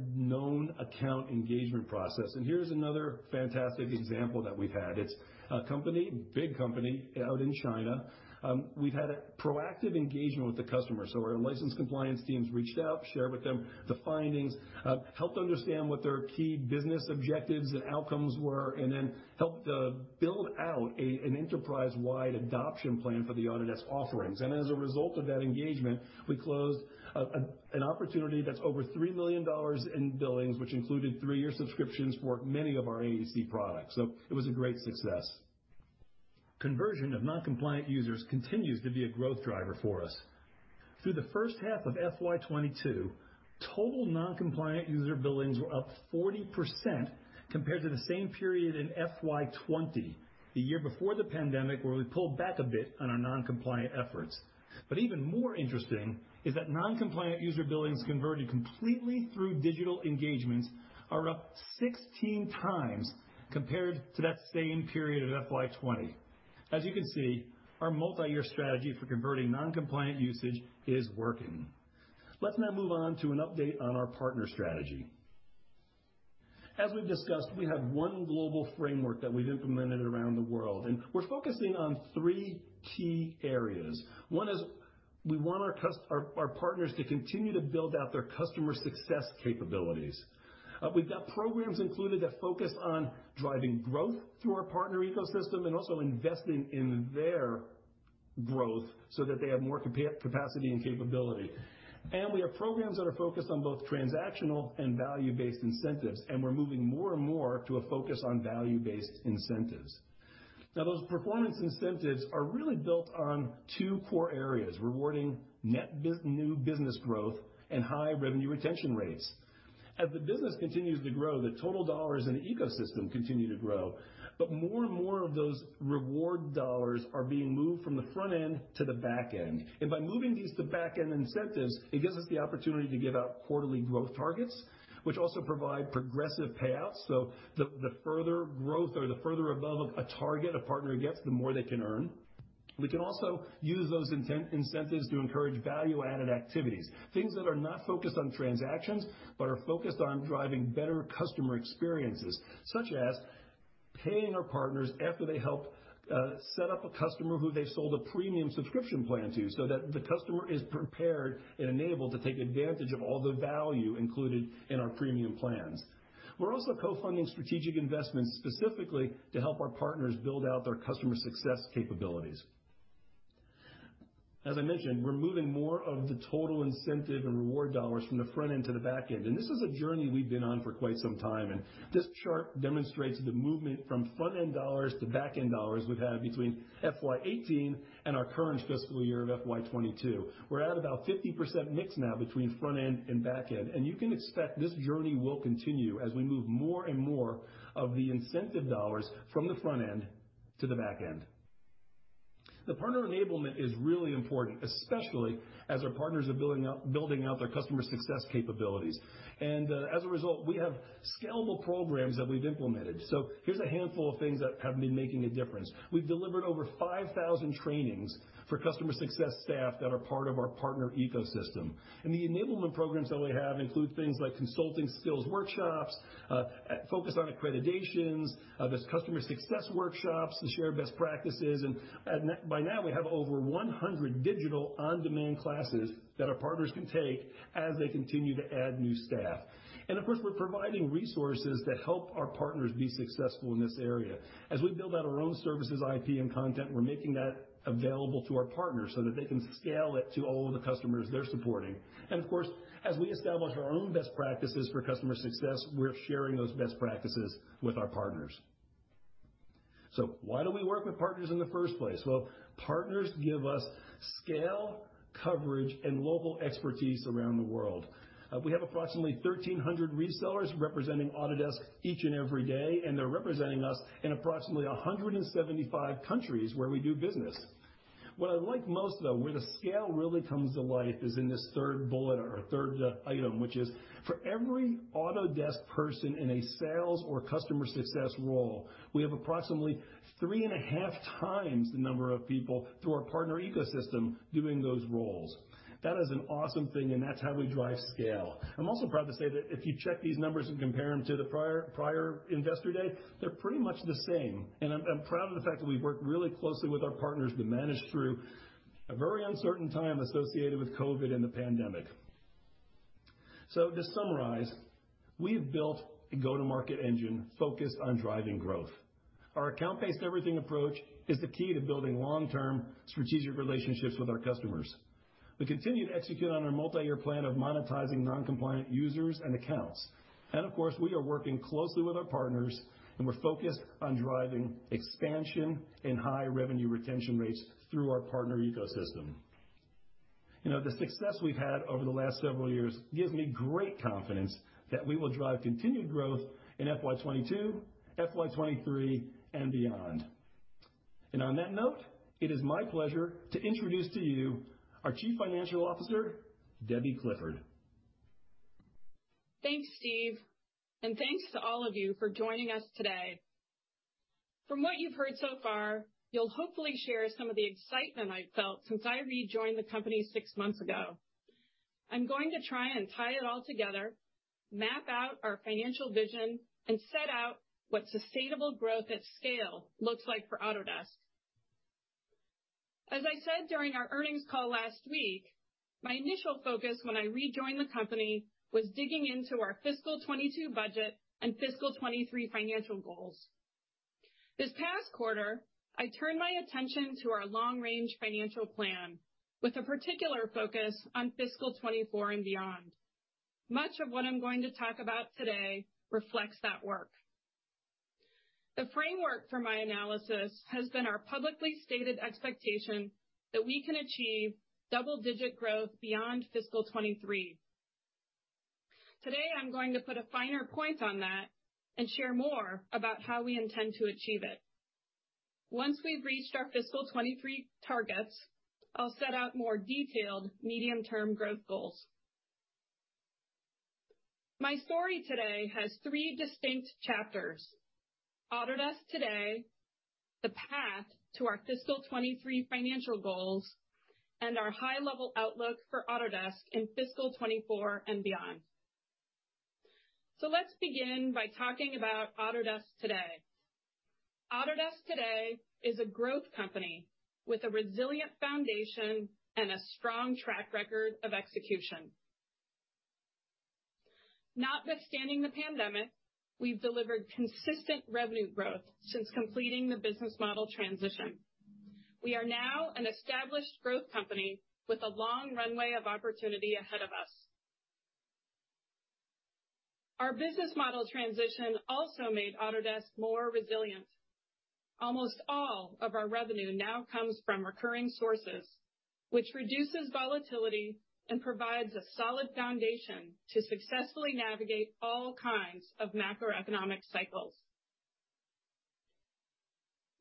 known account engagement process. Here's another fantastic example that we've had. It's a company, big company, out in China. We've had a proactive engagement with the customer. Our license compliance teams reached out, shared with them the findings, helped understand what their key business objectives and outcomes were, and then helped build out an enterprise-wide adoption plan for the Autodesk offerings. As a result of that engagement, we closed an opportunity that's over $3 million in billings, which included three-year subscriptions for many of our AEC products. It was a great success. Conversion of non-compliant users continues to be a growth driver for us. Through the first half of FY 2022, total non-compliant user billings were up 40% compared to the same period in FY 2020, the year before the pandemic, where we pulled back a bit on our non-compliant efforts. Even more interesting is that non-compliant user billings converted completely through digital engagements are up 16x compared to that same period at FY 2020. As you can see, our multi-year strategy for converting non-compliant usage is working. Let's now move on to an update on our partner strategy. As we've discussed, we have one global framework that we've implemented around the world, and we're focusing on three key areas. One is we want our partners to continue to build out their customer success capabilities. We've got programs included that focus on driving growth through our partner ecosystem and also investing in their growth so that they have more capacity and capability. We have programs that are focused on both transactional and value-based incentives, and we're moving more and more to a focus on value-based incentives. Those performance incentives are really built on two core areas, rewarding new business growth and high revenue retention rates. As the business continues to grow, the total dollars in the ecosystem continue to grow, but more and more of those reward dollars are being moved from the front end to the back end. By moving these to back-end incentives, it gives us the opportunity to give out quarterly growth targets, which also provide progressive payouts. The further growth or the further above a target a partner gets, the more they can earn. We can also use those incentives to encourage value-added activities, things that are not focused on transactions, but are focused on driving better customer experiences, such as paying our partners after they help set up a customer who they've sold a premium subscription plan to, so that the customer is prepared and enabled to take advantage of all the value included in our premium plans. We're also co-funding strategic investments specifically to help our partners build out their customer success capabilities. As I mentioned, we're moving more of the total incentive and reward dollars from the front end to the back end. This is a journey we've been on for quite some time. This chart demonstrates the movement from front-end dollars to back-end dollars we've had between FY 2018 and our current fiscal year of FY 2022. We're at about 50% mix now between front end and back end. You can expect this journey will continue as we move more and more of the incentive dollars from the front end to the back end. The partner enablement is really important, especially as our partners are building up, building out their customer success capabilities. As a result, we have scalable programs that we've implemented. Here's a handful of things that have been making a difference. We've delivered over 5,000 trainings for customer success staff that are part of our partner ecosystem. The enablement programs that we have include things like consulting skills workshops, focused on accreditations, there's customer success workshops to share best practices. By now, we have over 100 digital on-demand classes that our partners can take as they continue to add new staff. Of course, we're providing resources to help our partners be successful in this area. As we build out our own services, IP, and content, we're making that available to our partners so that they can scale it to all of the customers they're supporting. Of course, as we establish our own best practices for customer success, we're sharing those best practices with our partners. Why do we work with partners in the first place? Partners give us scale, coverage, and local expertise around the world. We have approximately 1,300 resellers representing Autodesk each and every day, and they're representing us in approximately 175 countries where we do business. What I like most, though, where the scale really comes to life, is in this third bullet or third item, which is for every Autodesk person in a sales or customer success role, we have approximately 3.5x the number of people through our partner ecosystem doing those roles. That is an awesome thing, and that's how we drive scale. I'm also proud to say that if you check these numbers and compare them to the prior Investor Day, they're pretty much the same. I'm proud of the fact that we've worked really closely with our partners to manage through a very uncertain time associated with COVID and the pandemic. To summarize, we have built a go-to-market engine focused on driving growth. Our Account-Based Everything approach is the key to building long-term strategic relationships with our customers. We continue to execute on our multi-year plan of monetizing non-compliant users and accounts. Of course, we are working closely with our partners, and we're focused on driving expansion and high revenue retention rates through our partner ecosystem. You know, the success we've had over the last several years gives me great confidence that we will drive continued growth in FY 2022, FY 2023, and beyond. On that note, it is my pleasure to introduce to you our Chief Financial Officer, Debbie Clifford.
Thanks, Steve, and thanks to all of you for joining us today. From what you've heard so far, you'll hopefully share some of the excitement I've felt since I rejoined the company six months ago. I'm going to try and tie it all together, map out our financial vision, and set out what sustainable growth at scale looks like for Autodesk. As I said during our earnings call last week, my initial focus when I rejoined the company was digging into our fiscal 2022 budget and fiscal 2023 financial goals. This past quarter, I turned my attention to our long-range financial plan with a particular focus on fiscal 2024 and beyond. Much of what I'm going to talk about today reflects that work. The framework for my analysis has been our publicly stated expectation that we can achieve double-digit growth beyond fiscal 2023. Today, I'm going to put a finer point on that and share more about how we intend to achieve it. Once we've reached our fiscal 2023 targets, I'll set out more detailed medium-term growth goals. My story today has three distinct chapters: Autodesk today, the path to our fiscal 2023 financial goals, and our high-level outlook for Autodesk in fiscal 2024 and beyond. Let's begin by talking about Autodesk today. Autodesk today is a growth company with a resilient foundation and a strong track record of execution. Notwithstanding the pandemic, we've delivered consistent revenue growth since completing the business model transition. We are now an established growth company with a long runway of opportunity ahead of us. Our business model transition also made Autodesk more resilient. Almost all of our revenue now comes from recurring sources, which reduces volatility and provides a solid foundation to successfully navigate all kinds of macroeconomic cycles.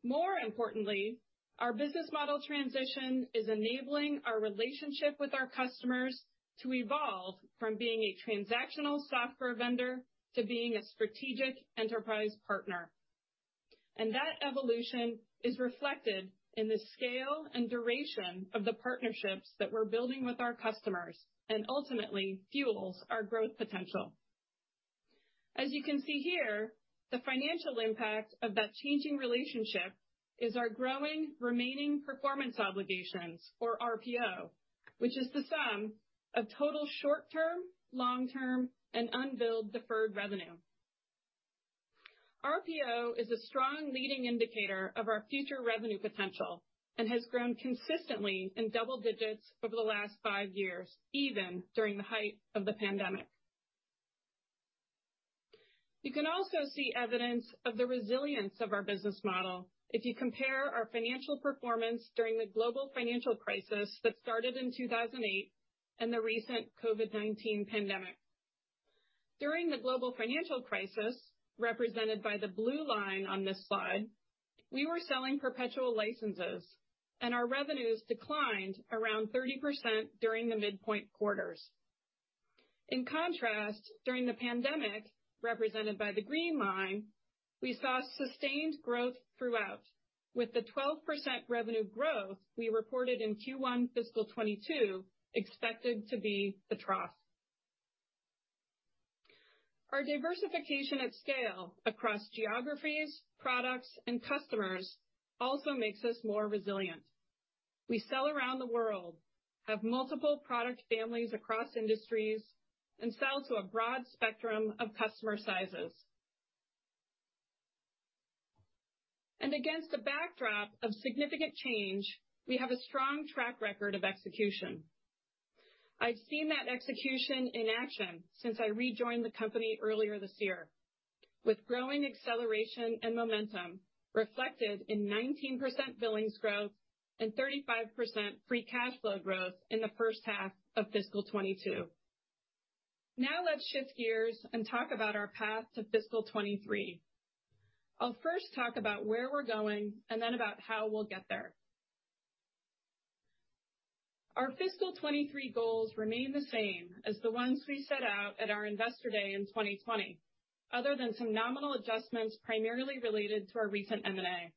More importantly, our business model transition is enabling our relationship with our customers to evolve from being a transactional software vendor to being a strategic enterprise partner. That evolution is reflected in the scale and duration of the partnerships that we're building with our customers and ultimately fuels our growth potential. As you can see here, the financial impact of that changing relationship is our growing remaining performance obligations or RPO, which is the sum of total short term, long term, and unbilled deferred revenue. RPO is a strong leading indicator of our future revenue potential and has grown consistently in double digits over the last five years, even during the height of the pandemic. You can also see evidence of the resilience of our business model if you compare our financial performance during the global financial crisis that started in 2008 and the recent COVID-19 pandemic. During the global financial crisis, represented by the blue line on this slide, we were selling perpetual licenses, and our revenues declined around 30% during the midpoint quarters. In contrast, during the pandemic, represented by the green line, we saw sustained growth throughout. With the 12% revenue growth we reported in Q1 fiscal 2022 expected to be the trough. Our diversification at scale across geographies, products, and customers also makes us more resilient. We sell around the world, have multiple product families across industries, and sell to a broad spectrum of customer sizes. Against a backdrop of significant change, we have a strong track record of execution. I've seen that execution in action since I rejoined the company earlier this year. With growing acceleration and momentum reflected in 19% billings growth and 35% free cash flow growth in the first half of fiscal 2022. Let's shift gears and talk about our path to fiscal 2023. I'll first talk about where we're going and then about how we'll get there. Our fiscal 2023 goals remain the same as the ones we set out at our Investor Day in 2020, other than some nominal adjustments primarily related to our recent M&A.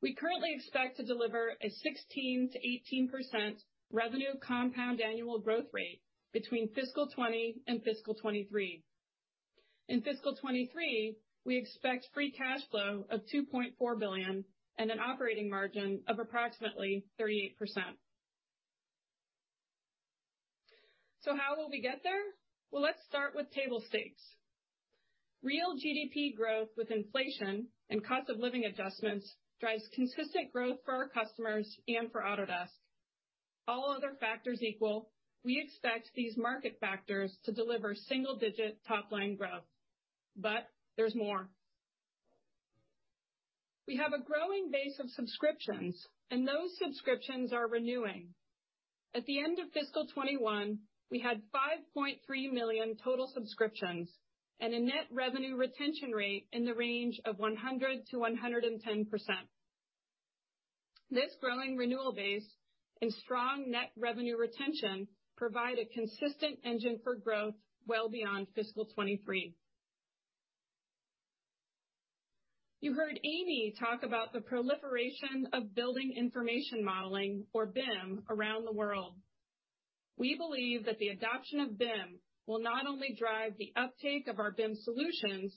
We currently expect to deliver a 16%-18% revenue compound annual growth rate between fiscal 2020 and fiscal 2023. In fiscal 2023, we expect free cash flow of $2.4 billion and an operating margin of approximately 38%. How will we get there? Let's start with table stakes. Real GDP growth with inflation and cost of living adjustments drives consistent growth for our customers and for Autodesk. All other factors equal, we expect these market factors to deliver single-digit top-line growth. There's more. We have a growing base of subscriptions, and those subscriptions are renewing. At the end of fiscal 2021, we had 5.3 million total subscriptions and a net revenue retention rate in the range of 100%-110%. This growing renewal base and strong net revenue retention provide a consistent engine for growth well beyond fiscal 2023. You heard Amy talk about the proliferation of building information modeling, or BIM, around the world. We believe that the adoption of BIM will not only drive the uptake of our BIM solutions,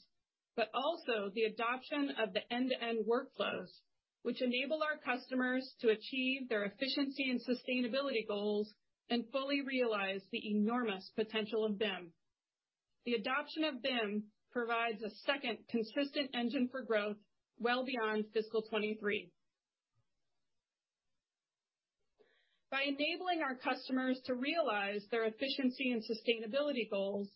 but also the adoption of the end-to-end workflows, which enable our customers to achieve their efficiency and sustainability goals and fully realize the enormous potential of BIM. The adoption of BIM provides a second consistent engine for growth well beyond fiscal 2023. By enabling our customers to realize their efficiency and sustainability goals,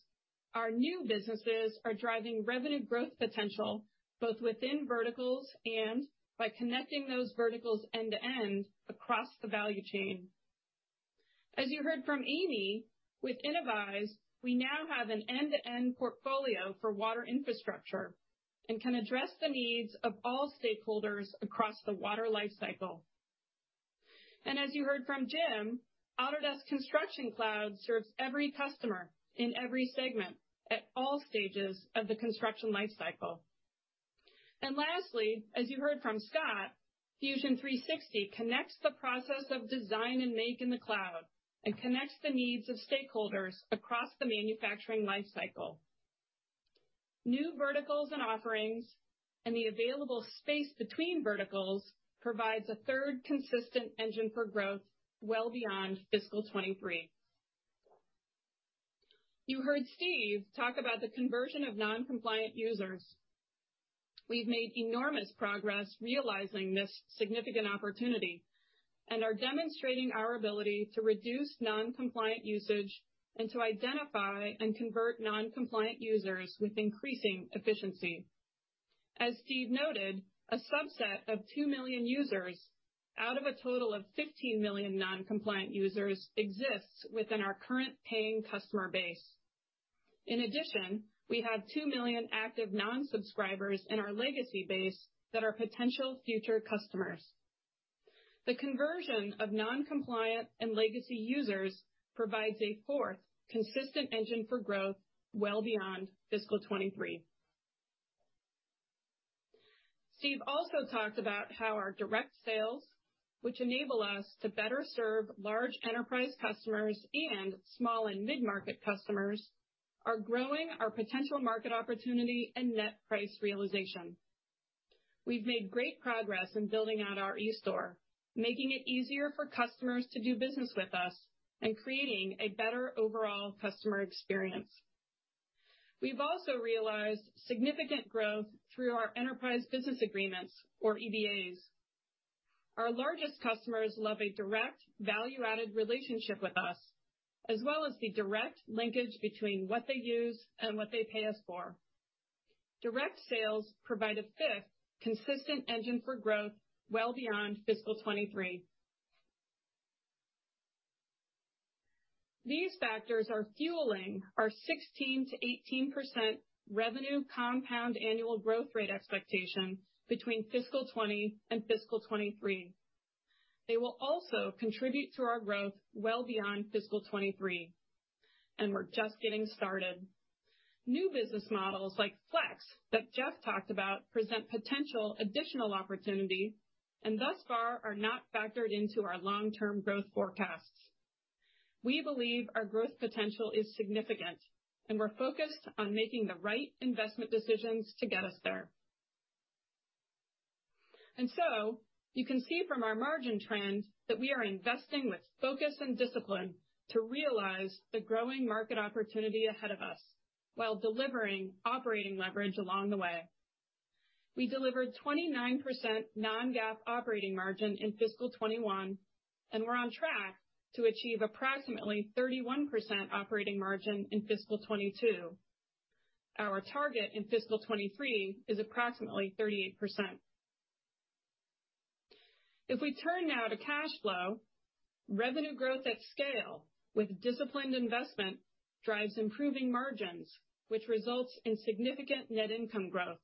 our new businesses are driving revenue growth potential both within verticals and by connecting those verticals end-to-end across the value chain. As you heard from Amy, with Innovyze, we now have an end-to-end portfolio for water infrastructure and can address the needs of all stakeholders across the water life cycle. As you heard from Jim, Autodesk Construction Cloud serves every customer in every segment at all stages of the construction life cycle. Lastly, as you heard from Scott, Fusion 360 connects the process of design and make in the cloud and connects the needs of stakeholders across the manufacturing life cycle. New verticals and offerings, and the available space between verticals provides a third consistent engine for growth well beyond fiscal 2023. You heard Steve talk about the conversion of non-compliant users. We've made enormous progress realizing this significant opportunity and are demonstrating our ability to reduce non-compliant usage and to identify and convert non-compliant users with increasing efficiency. As Steve noted, a subset of 2 million users out of a total of 15 million non-compliant users exists within our current paying customer base. In addition, we have 2 million active non-subscribers in our legacy base that are potential future customers. The conversion of non-compliant and legacy users provides a fourth consistent engine for growth well beyond fiscal 2023. Steve also talked about how our direct sales, which enable us to better serve large enterprise customers and small and mid-market customers, are growing our potential market opportunity and net price realization. We've made great progress in building out our eStore, making it easier for customers to do business with us and creating a better overall customer experience. We've also realized significant growth through our enterprise business agreements, or EBAs. Our largest customers love a direct value-added relationship with us, as well as the direct linkage between what they use and what they pay us for. Direct sales provide a fifth consistent engine for growth well beyond fiscal 2023. These factors are fueling our 16%-18% revenue compound annual growth rate expectation between fiscal 2020 and fiscal 2023. They will also contribute to our growth well beyond fiscal 2023, and we're just getting started. New business models like Flex that Jeff talked about present potential additional opportunity and thus far are not factored into our long-term growth forecasts. We believe our growth potential is significant, and we're focused on making the right investment decisions to get us there. You can see from our margin trends that we are investing with focus and discipline to realize the growing market opportunity ahead of us while delivering operating leverage along the way. We delivered 29% non-GAAP operating margin in fiscal 2021, and we're on track to achieve approximately 31% operating margin in fiscal 2022. Our target in fiscal 2023 is approximately 38%. If we turn now to cash flow, revenue growth at scale with disciplined investment drives improving margins, which results in significant net income growth.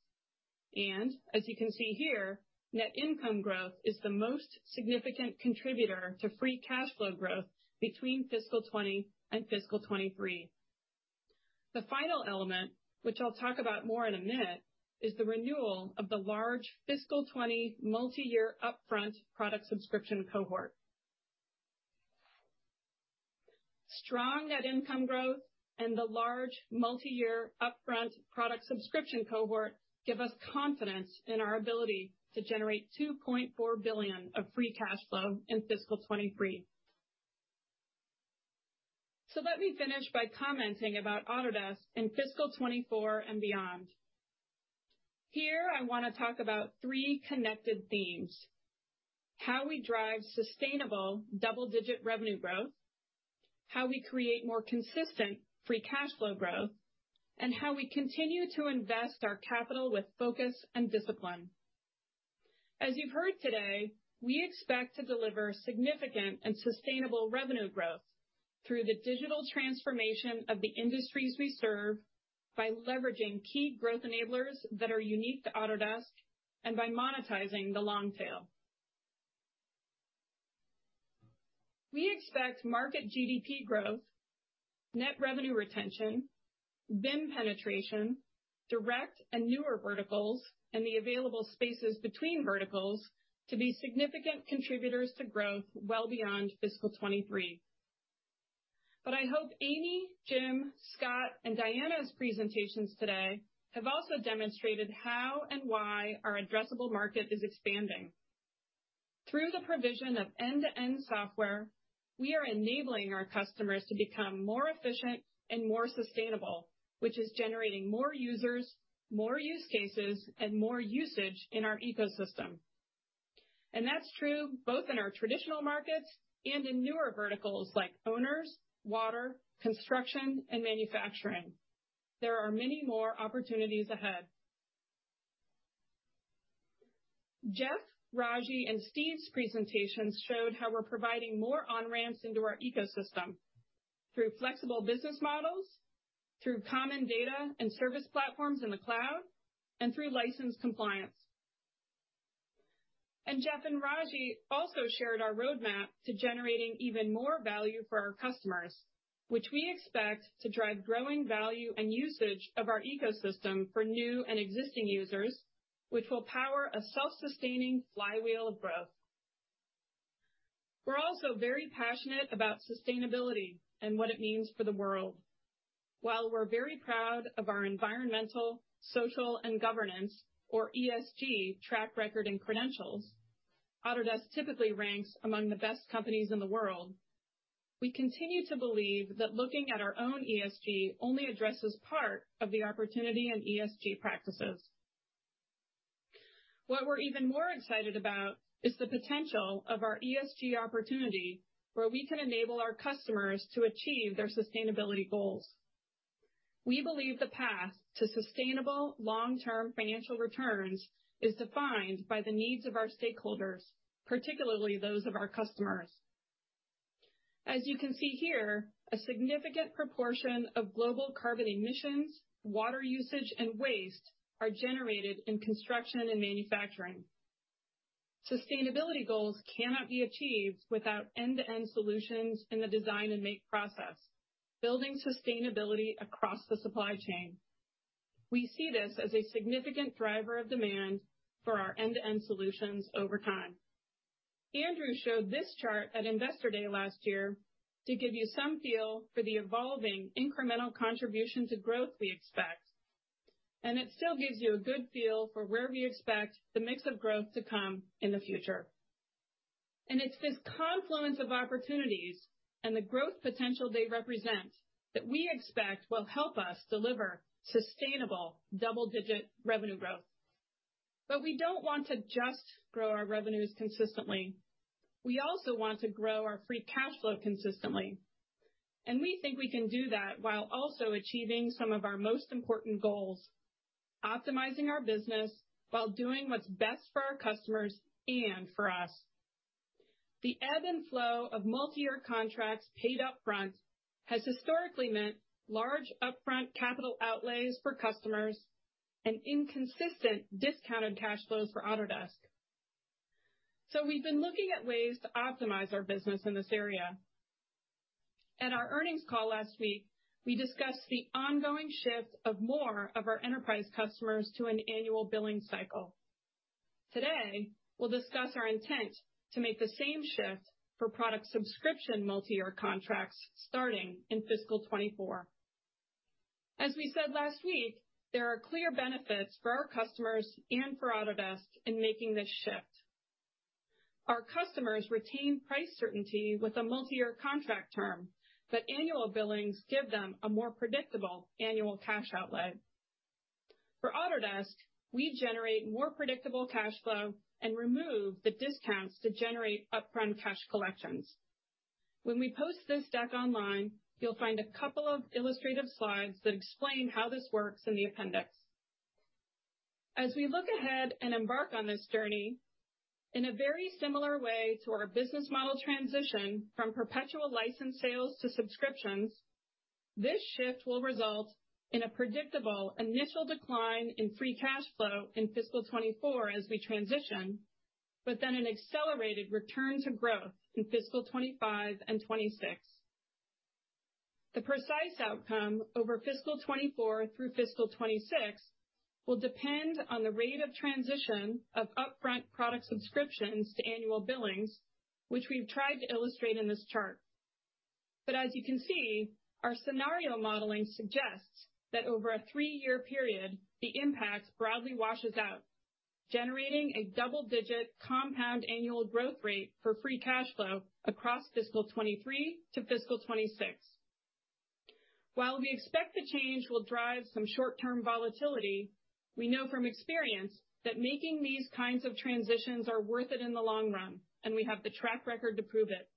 As you can see here, net income growth is the most significant contributor to free cash flow growth between fiscal 2020 and fiscal 2023. The final element, which I will talk about more in a minute, is the renewal of the large fiscal 2020 multi-year upfront product subscription cohort. Strong net income growth and the large multi-year upfront product subscription cohort give us confidence in our ability to generate $2.4 billion of free cash flow in fiscal 2023. Let me finish by commenting about Autodesk in fiscal 2024 and beyond. Here, I want to talk about three connected themes. How we drive sustainable double-digit revenue growth. How we create more consistent free cash flow growth. How we continue to invest our capital with focus and discipline. As you've heard today, we expect to deliver significant and sustainable revenue growth through the digital transformation of the industries we serve by leveraging key growth enablers that are unique to Autodesk and by monetizing the long tail. We expect market GDP growth, net revenue retention, BIM penetration, direct and newer verticals, and the available spaces between verticals to be significant contributors to growth well beyond fiscal 2023. I hope Amy, Jim, Scott, and Diana's presentations today have also demonstrated how and why our addressable market is expanding. Through the provision of end-to-end software, we are enabling our customers to become more efficient and more sustainable, which is generating more users, more use cases, and more usage in our ecosystem. That's true both in our traditional markets and in newer verticals like owners, water, construction, and manufacturing. There are many more opportunities ahead. Jeff, Raji, and Steve's presentations showed how we're providing more on-ramps into our ecosystem through flexible business models, through common data and service platforms in the cloud, and through license compliance. Jeff and Raji also shared our roadmap to generating even more value for our customers, which we expect to drive growing value and usage of our ecosystem for new and existing users, which will power a self-sustaining flywheel of growth. We're also very passionate about sustainability and what it means for the world. While we're very proud of our environmental, social, and governance, or ESG track record and credentials, Autodesk typically ranks among the best companies in the world. We continue to believe that looking at our own ESG only addresses part of the opportunity in ESG practices. What we're even more excited about is the potential of our ESG opportunity, where we can enable our customers to achieve their sustainability goals. We believe the path to sustainable long-term financial returns is defined by the needs of our stakeholders, particularly those of our customers. As you can see here, a significant proportion of global carbon emissions, water usage, and waste are generated in construction and manufacturing. Sustainability goals cannot be achieved without end-to-end solutions in the design and make process, building sustainability across the supply chain. We see this as a significant driver of demand for our end-to-end solutions over time. Andrew showed this chart at Investor Day last year to give you some feel for the evolving incremental contribution to growth we expect, and it still gives you a good feel for where we expect the mix of growth to come in the future. It's this confluence of opportunities and the growth potential they represent that we expect will help us deliver sustainable double-digit revenue growth. We don't want to just grow our revenues consistently. We also want to grow our free cash flow consistently. We think we can do that while also achieving some of our most important goals, optimizing our business while doing what's best for our customers and for us. The ebb and flow of multi-year contracts paid up front has historically meant large upfront capital outlays for customers and inconsistent discounted cash flows for Autodesk. We've been looking at ways to optimize our business in this area. At our earnings call last week, we discussed the ongoing shift of more of our enterprise customers to an annual billing cycle. Today, we'll discuss our intent to make the same shift for product subscription multi-year contracts starting in fiscal 2024. As we said last week, there are clear benefits for our customers and for Autodesk in making this shift. Our customers retain price certainty with a multi-year contract term, but annual billings give them a more predictable annual cash outlet. For Autodesk, we generate more predictable cash flow and remove the discounts to generate upfront cash collections. When we post this deck online, you'll find a couple of illustrative slides that explain how this works in the appendix. As we look ahead and embark on this journey, in a very similar way to our business model transition from perpetual license sales to subscriptions, this shift will result in a predictable initial decline in free cash flow in fiscal 2024 as we transition, but then an accelerated return to growth in fiscal 2025 and 26. The precise outcome over fiscal 2024 through fiscal 2026 will depend on the rate of transition of upfront product subscriptions to annual billings, which we've tried to illustrate in this chart. As you can see, our scenario modeling suggests that over a three-year period, the impact broadly washes out, generating a double-digit compound annual growth rate for free cash flow across fiscal 2023 to fiscal 2026. While we expect the change will drive some short-term volatility, we know from experience that making these kinds of transitions are worth it in the long run, and we have the track record to prove it.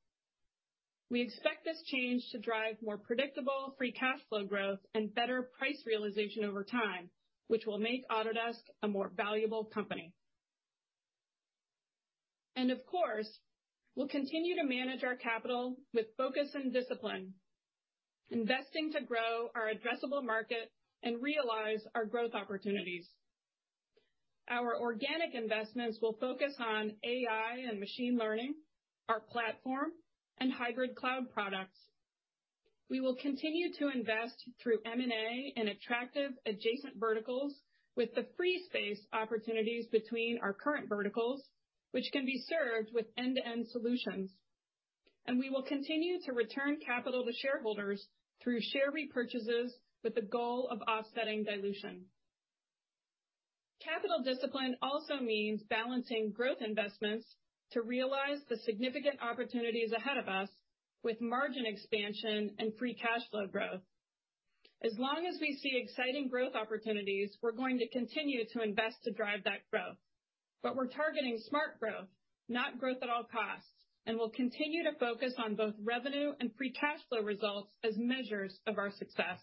We expect this change to drive more predictable free cash flow growth and better price realization over time, which will make Autodesk a more valuable company. Of course, we'll continue to manage our capital with focus and discipline, investing to grow our addressable market and realize our growth opportunities. Our organic investments will focus on AI and machine learning, our platform, and hybrid cloud products. We will continue to invest through M&A in attractive adjacent verticals with the free space opportunities between our current verticals, which can be served with end-to-end solutions. We will continue to return capital to shareholders through share repurchases with the goal of offsetting dilution. Capital discipline also means balancing growth investments to realize the significant opportunities ahead of us with margin expansion and free cash flow growth. As long as we see exciting growth opportunities, we're going to continue to invest to drive that growth. We're targeting smart growth, not growth at all costs, and we'll continue to focus on both revenue and free cash flow results as measures of our success.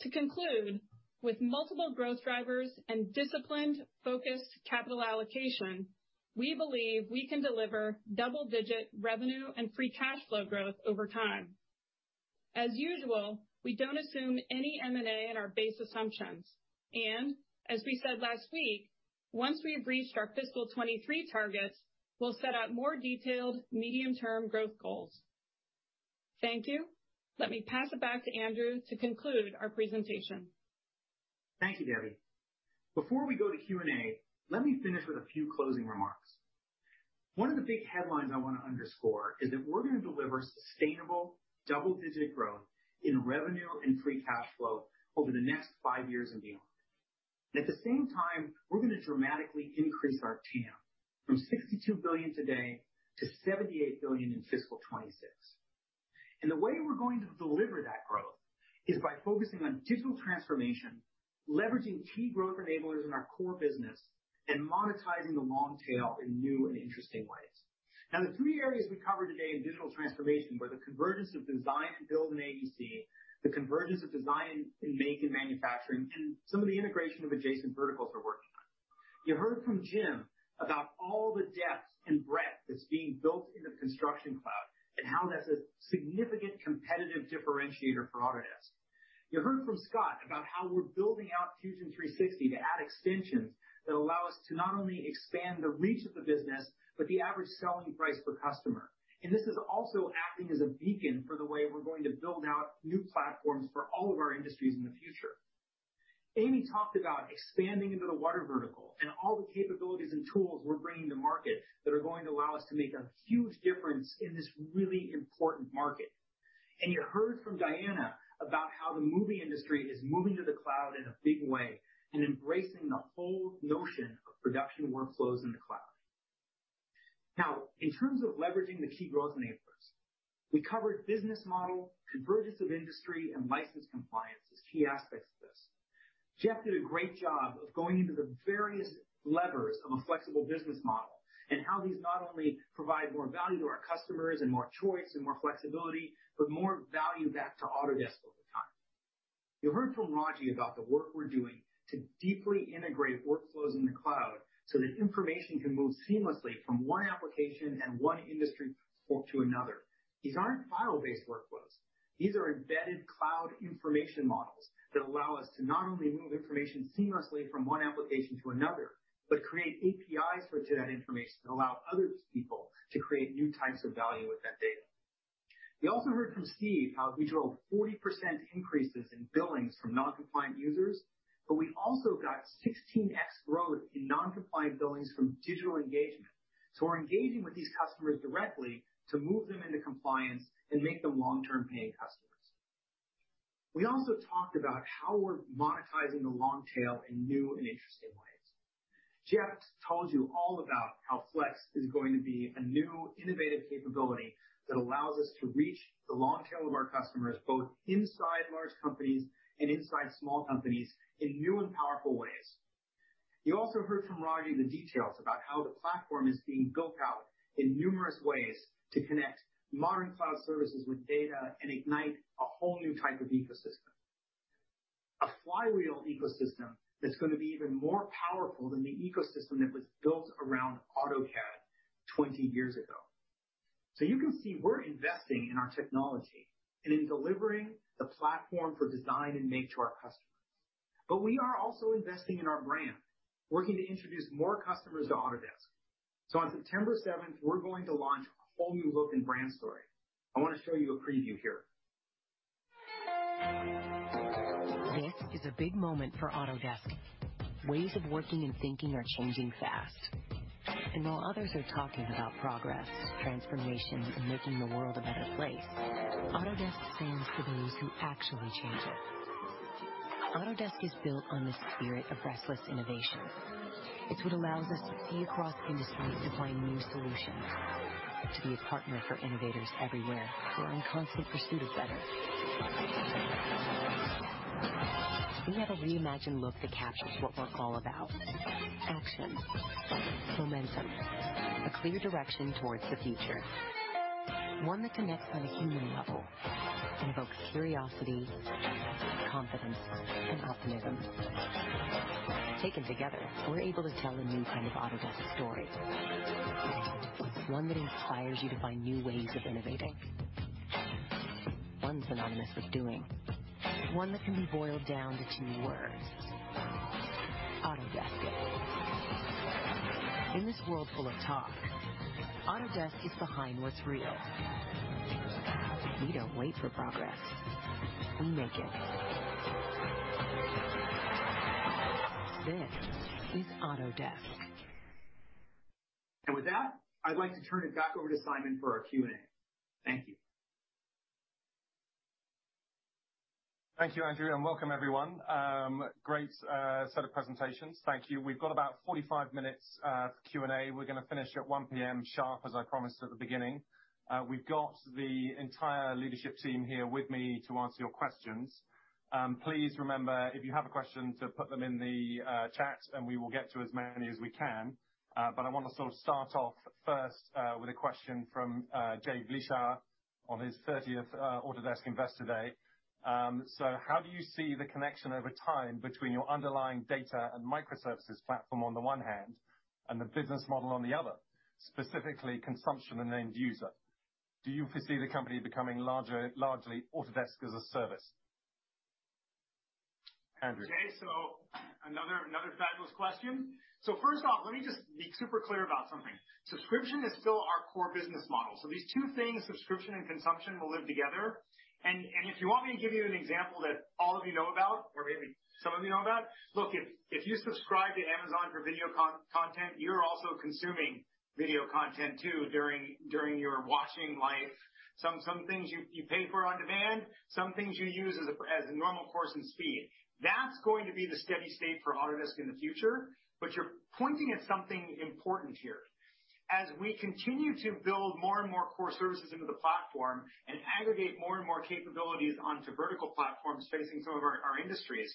To conclude, with multiple growth drivers and disciplined, focused capital allocation, we believe we can deliver double-digit revenue and free cash flow growth over time. As usual, we don't assume any M&A in our base assumptions. As we said last week, once we have reached our fiscal 23 targets, we'll set out more detailed medium-term growth goals. Thank you. Let me pass it back to Andrew to conclude our presentation.
Thank you, Debbie. Before we go to Q&A, let me finish with a few closing remarks. One of the big headlines I wanna underscore is that we're gonna deliver sustainable double-digit growth in revenue and free cash flow over the next five years and beyond. At the same time, we're gonna dramatically increase our TAM from $62 billion today to $78 billion in fiscal 2026. The way we're going to deliver that growth is by focusing on digital transformation, leveraging key growth enablers in our core business, and monetizing the long tail in new and interesting ways. The three areas we covered today in digital transformation were the convergence of design and build in AEC, the convergence of design and make in manufacturing, and some of the integration of adjacent verticals we're working on. You heard from Jim about all the depth and breadth that's being built in the Construction Cloud and how that's a significant competitive differentiator for Autodesk. You heard from Scott about how we're building out Fusion 360 to add extensions that allow us to not only expand the reach of the business, but the average selling price per customer. This is also acting as a beacon for the way we're going to build out new platforms for all of our industries in the future. Amy talked about expanding into the water vertical and all the capabilities and tools we're bringing to market that are going to allow us to make a huge difference in this really important market. You heard from Diana Colella about how the movie industry is moving to the cloud in a big way and embracing the whole notion of production workflows in the cloud. Now, in terms of leveraging the key growth enablers, we covered business model, convergence of industry, and license compliance as key aspects of this. Jeff did a great job of going into the various levers of a flexible business model and how these not only provide more value to our customers and more choice and more flexibility, but more value back to Autodesk over time. You heard from Raji about the work we're doing to deeply integrate workflows in the cloud so that information can move seamlessly from one application and one industry to another. These aren't file-based workflows. These are embedded cloud information models that allow us to not only move information seamlessly from one application to another, but create APIs for other people to create new types of value with that data. We also heard from Steve how we drove 40% increases in billings from non-compliant users. We also got 16X growth in non-compliant billings from digital engagement. We're engaging with these customers directly to move them into compliance and make them long-term paying customers. We also talked about how we're monetizing the long tail in new and interesting ways. Jeff told you all about how Flex is going to be a new innovative capability that allows us to reach the long tail of our customers, both inside large companies and inside small companies in new and powerful ways. You also heard from Raji the details about how the platform is being built out in numerous ways to connect modern cloud services with data and ignite a whole new type of ecosystem. A flywheel ecosystem that's gonna be even more powerful than the ecosystem that was built around AutoCAD 20 years ago. You can see we're investing in our technology and in delivering the platform for design and make to our customers. We are also investing in our brand, working to introduce more customers to Autodesk. On September 7, we're going to launch a whole new look and brand story. I wanna show you a preview here.
This is a big moment for Autodesk. Ways of working and thinking are changing fast. While others are talking about progress, transformations, and making the world a better place, Autodesk stands for those who actually change it. Autodesk is built on the spirit of restless innovation. It's what allows us to see across industries to find new solutions, to be a partner for innovators everywhere who are in constant pursuit of better. We had a reimagined look that captures what we're all about. Action, momentum, a clear direction towards the future. One that connects on a human level, invokes curiosity, confidence, and optimism. Taken together, we're able to tell a new kind of Autodesk story. One that inspires you to find new ways of innovating. One synonymous with doing. One that can be boiled down to two words, Autodesk. In this world full of talk, Autodesk is behind what's real. We don't wait for progress, we make it. This is Autodesk.
With that, I'd like to turn it back over to Simon for our Q&A. Thank you.
Thank you, Andrew, and welcome everyone. Great set of presentations. Thank you. We've got about 45 minutes for Q&A. We're going to finish at 1:00 P.M. sharp, as I promised at the beginning. We've got the entire leadership team here with me to answer your questions. Please remember, if you have a question, to put them in the chat. We will get to as many as we can. I want to sort of start off first with a question from Jay Vleeschhouwer on his 30th Autodesk Investor Day. How do you see the connection over time between your underlying data and microservices platform on the one hand, and the business model on the other, specifically consumption and end user? Do you foresee the company becoming largely Autodesk as a service? Andrew.
Okay, another fabulous question. First off, let me just be super clear about something. Subscription is still our core business model. These two things, subscription and consumption, will live together. If you want me to give you an example that all of you know about or maybe some of you know about. Look, if you subscribe to Amazon for video content, you're also consuming video content too, during your watching life. Some things you pay for on demand, some things you use as a normal course and speed. That's going to be the steady state for Autodesk in the future. You're pointing at something important here. As we continue to build more and more core services into the platform and aggregate more and more capabilities onto vertical platforms facing some of our industries,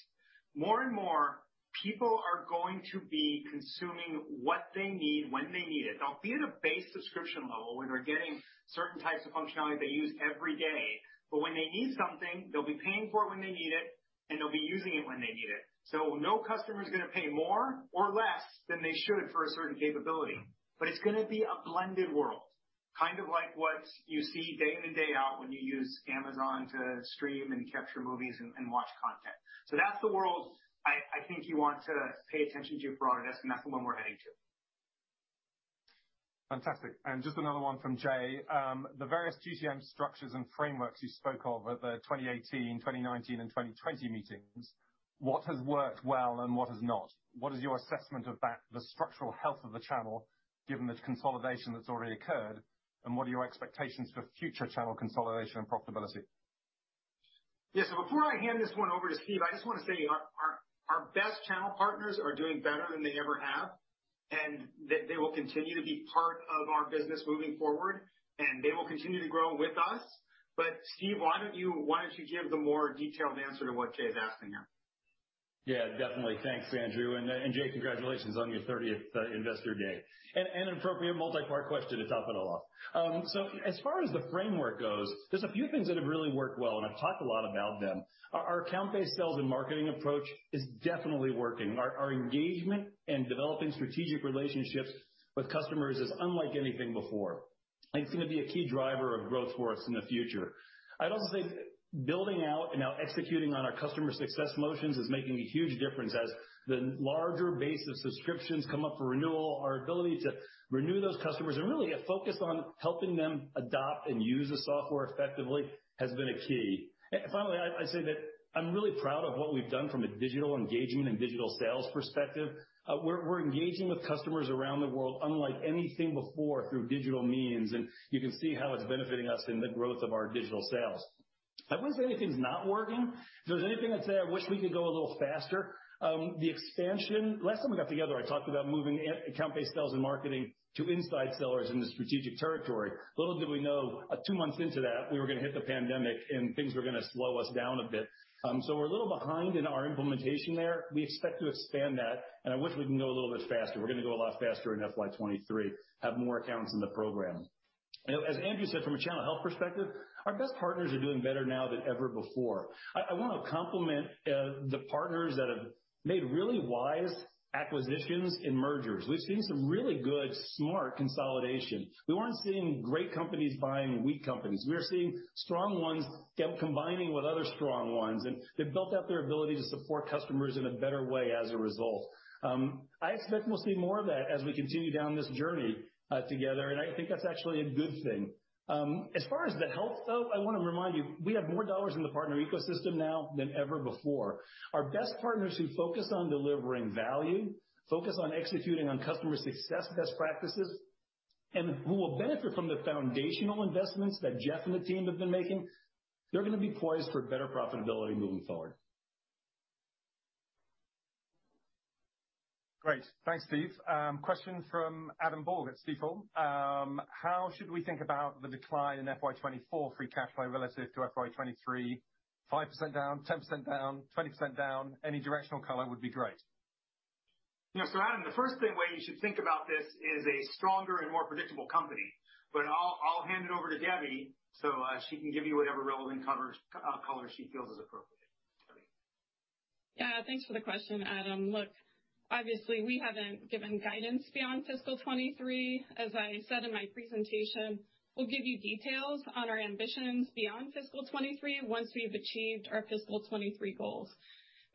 more and more people are going to be consuming what they need when they need it. They'll be at a base subscription level where they're getting certain types of functionality they use every day. When they need something, they'll be paying for it when they need it, and they'll be using it when they need it. No customer is going to pay more or less than they should for a certain capability. It's going to be a blended world, kind of like what you see day in and day out when you use Amazon to stream and capture movies and watch content. That's the world I think you want to pay attention to for Autodesk, and that's the one we're heading to.
Fantastic. Just another one from Jay. The various GTM structures and frameworks you spoke of at the 2018, 2019, and 2020 meetings, what has worked well and what has not? What is your assessment of that, the structural health of the channel, given the consolidation that's already occurred, and what are your expectations for future channel consolidation and profitability?
Yeah. Before I hand this one over to Steve, I just wanna say our best channel partners are doing better than they ever have, and they will continue to be part of our business moving forward, and they will continue to grow with us. Steve, why don't you give the more detailed answer to what Jay is asking here?
Yeah, definitely. Thanks, Andrew. Jay, congratulations on your 30th Investor Day. An appropriate multi-part question to top it all off. As far as the framework goes, there's a few things that have really worked well, and I've talked a lot about them. Our account-based sales and marketing approach is definitely working. Our engagement and developing strategic relationships with customers is unlike anything before. It's gonna be a key driver of growth for us in the future. I'd also say building out and now executing on our customer success motions is making a huge difference as the larger base of subscriptions come up for renewal. Our ability to renew those customers and really a focus on helping them adopt and use the software effectively has been a key. Finally, I say that I'm really proud of what we've done from a digital engagement and digital sales perspective. We're engaging with customers around the world unlike anything before through digital means, and you can see how it's benefiting us in the growth of our digital sales. I wouldn't say anything's not working. If there's anything that's there, I wish we could go a little faster. The expansion. Last time we got together, I talked about moving account-based sales and marketing to inside sellers in the strategic territory. Little did we know, two months into that, we were gonna hit the pandemic and things were gonna slow us down a bit. We're a little behind in our implementation there. We expect to expand that, and I wish we can go a little bit faster. We're gonna go a lot faster in FY 2023, have more accounts in the program. You know, as Andrew said, from a channel health perspective, our best partners are doing better now than ever before. I wanna compliment the partners that have made really wise acquisitions and mergers. We've seen some really good, smart consolidation. We weren't seeing great companies buying weak companies. We are seeing strong ones combining with other strong ones, and they've built up their ability to support customers in a better way as a result. I expect we'll see more of that as we continue down this journey together, and I think that's actually a good thing. As far as the health, though, I wanna remind you, we have more dollars in the partner ecosystem now than ever before. Our best partners who focus on delivering value, focus on executing on customer success best practices. Who will benefit from the foundational investments that Jeff and the team have been making. They're going to be poised for better profitability moving forward.
Great. Thanks, Steve. Question from Adam Borg at Stifel. How should we think about the decline in FY 2024 free cash flow relative to FY 2023? 5% down, 10% down, 20% down? Any directional color would be great.
Yes, Adam, the first thing, way you should think about this is a stronger and more predictable company. I'll hand it over to Debbie so she can give you whatever relevant color she feels is appropriate. Debbie.
Yeah, thanks for the question, Adam Borg. Look, obviously, we haven't given guidance beyond fiscal 2023. As I said in my presentation, we'll give you details on our ambitions beyond fiscal 2023 once we've achieved our fiscal 2023 goals.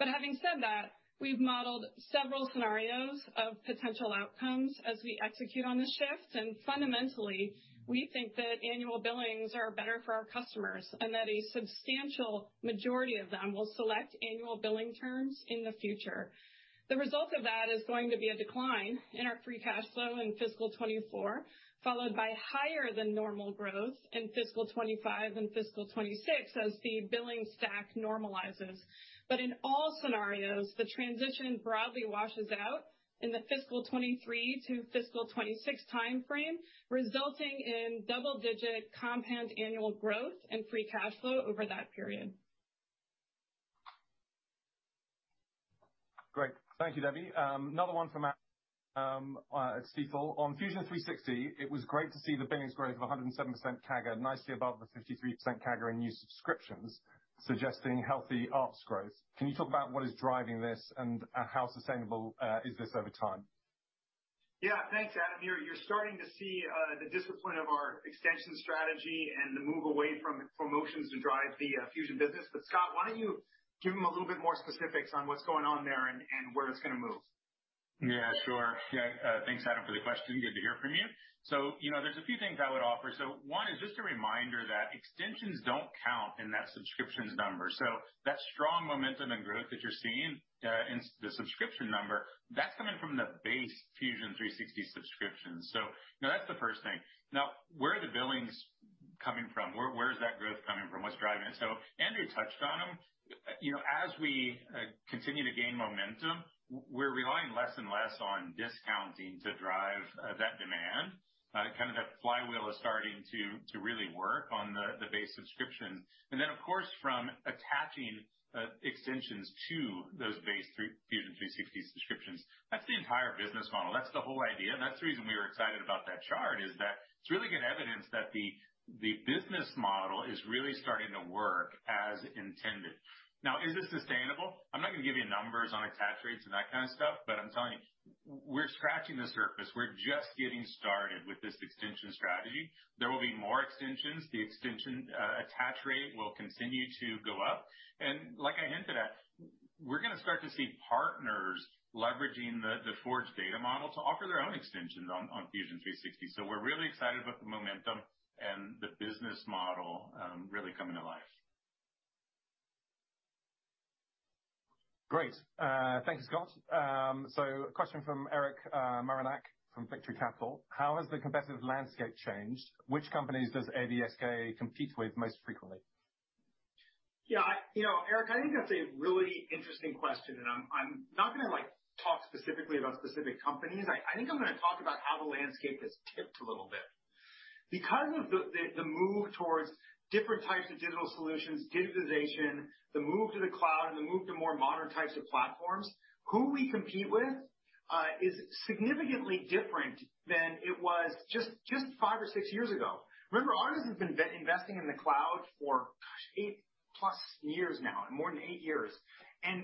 Having said that, we've modeled several scenarios of potential outcomes as we execute on the shift. Fundamentally, we think that annual billings are better for our customers, and that a substantial majority of them will select annual billing terms in the future. The result of that is going to be a decline in our free cash flow in fiscal 2024, followed by higher than normal growth in fiscal 2025 and fiscal 2026 as the billing stack normalizes. In all scenarios, the transition broadly washes out in the fiscal 2023-fiscal 2026 timeframe, resulting in double-digit compound annual growth and free cash flow over that period.
Great. Thank you, Debbie. another one from Adam, at Stifel. On Fusion 360, it was great to see the billings growth of 107% CAGR, nicely above the 53% CAGR in new subscriptions, suggesting healthy ARR growth. Can you talk about what is driving this and, how sustainable, is this over time?
Yeah. Thanks, Adam. You're starting to see the discipline of our extension strategy and the move away from promotions to drive the Fusion business. Scott, why don't you give him a little bit more specifics on what's going on there and where it's gonna move?
Yeah, sure. Yeah. Thanks, Adam, for the question. Good to hear from you. You know, there's a few things I would offer. One is just a reminder that extensions don't count in that subscriptions number. That strong momentum and growth that you're seeing in the subscription number, that's coming from the base Fusion 360 subscriptions. You know, that's the first thing. Now, where are the billings coming from? Where is that growth coming from? What's driving it? Andrew touched on them. You know, as we continue to gain momentum, we're relying less and less on discounting to drive that demand. Kind of that flywheel is starting to really work on the base subscription. Of course, from attaching extensions to those base through Fusion 360 subscriptions, that's the entire business model. That's the whole idea. That's the reason we were excited about that chart, is that it's really good evidence that the business model is really starting to work as intended. Now, is this sustainable? I'm not gonna give you numbers on attach rates and that kind of stuff, but I'm telling you, we're scratching the surface. We're just getting started with this extension strategy. There will be more extensions. The extension attach rate will continue to go up. Like I hinted at, we're gonna start to see partners leveraging the Forge data model to offer their own extensions on Fusion 360. We're really excited about the momentum and the business model really coming to life.
Great. Thank you, Scott. Question from Erick Maronak from Victory Capital. How has the competitive landscape changed? Which companies does ADSK compete with most frequently?
Yeah. You know, Erick, I think that's a really interesting question, and I'm not going to, like, talk specifically about specific companies. I think I'm going to talk about how the landscape has tipped a little bit. Because of the move towards different types of digital solutions, digitization, the move to the cloud, and the move to more modern types of platforms, who we compete with is significantly different than it was just five or six years ago. Remember, Autodesk has been investing in the cloud for 8+ years now, more than eight years.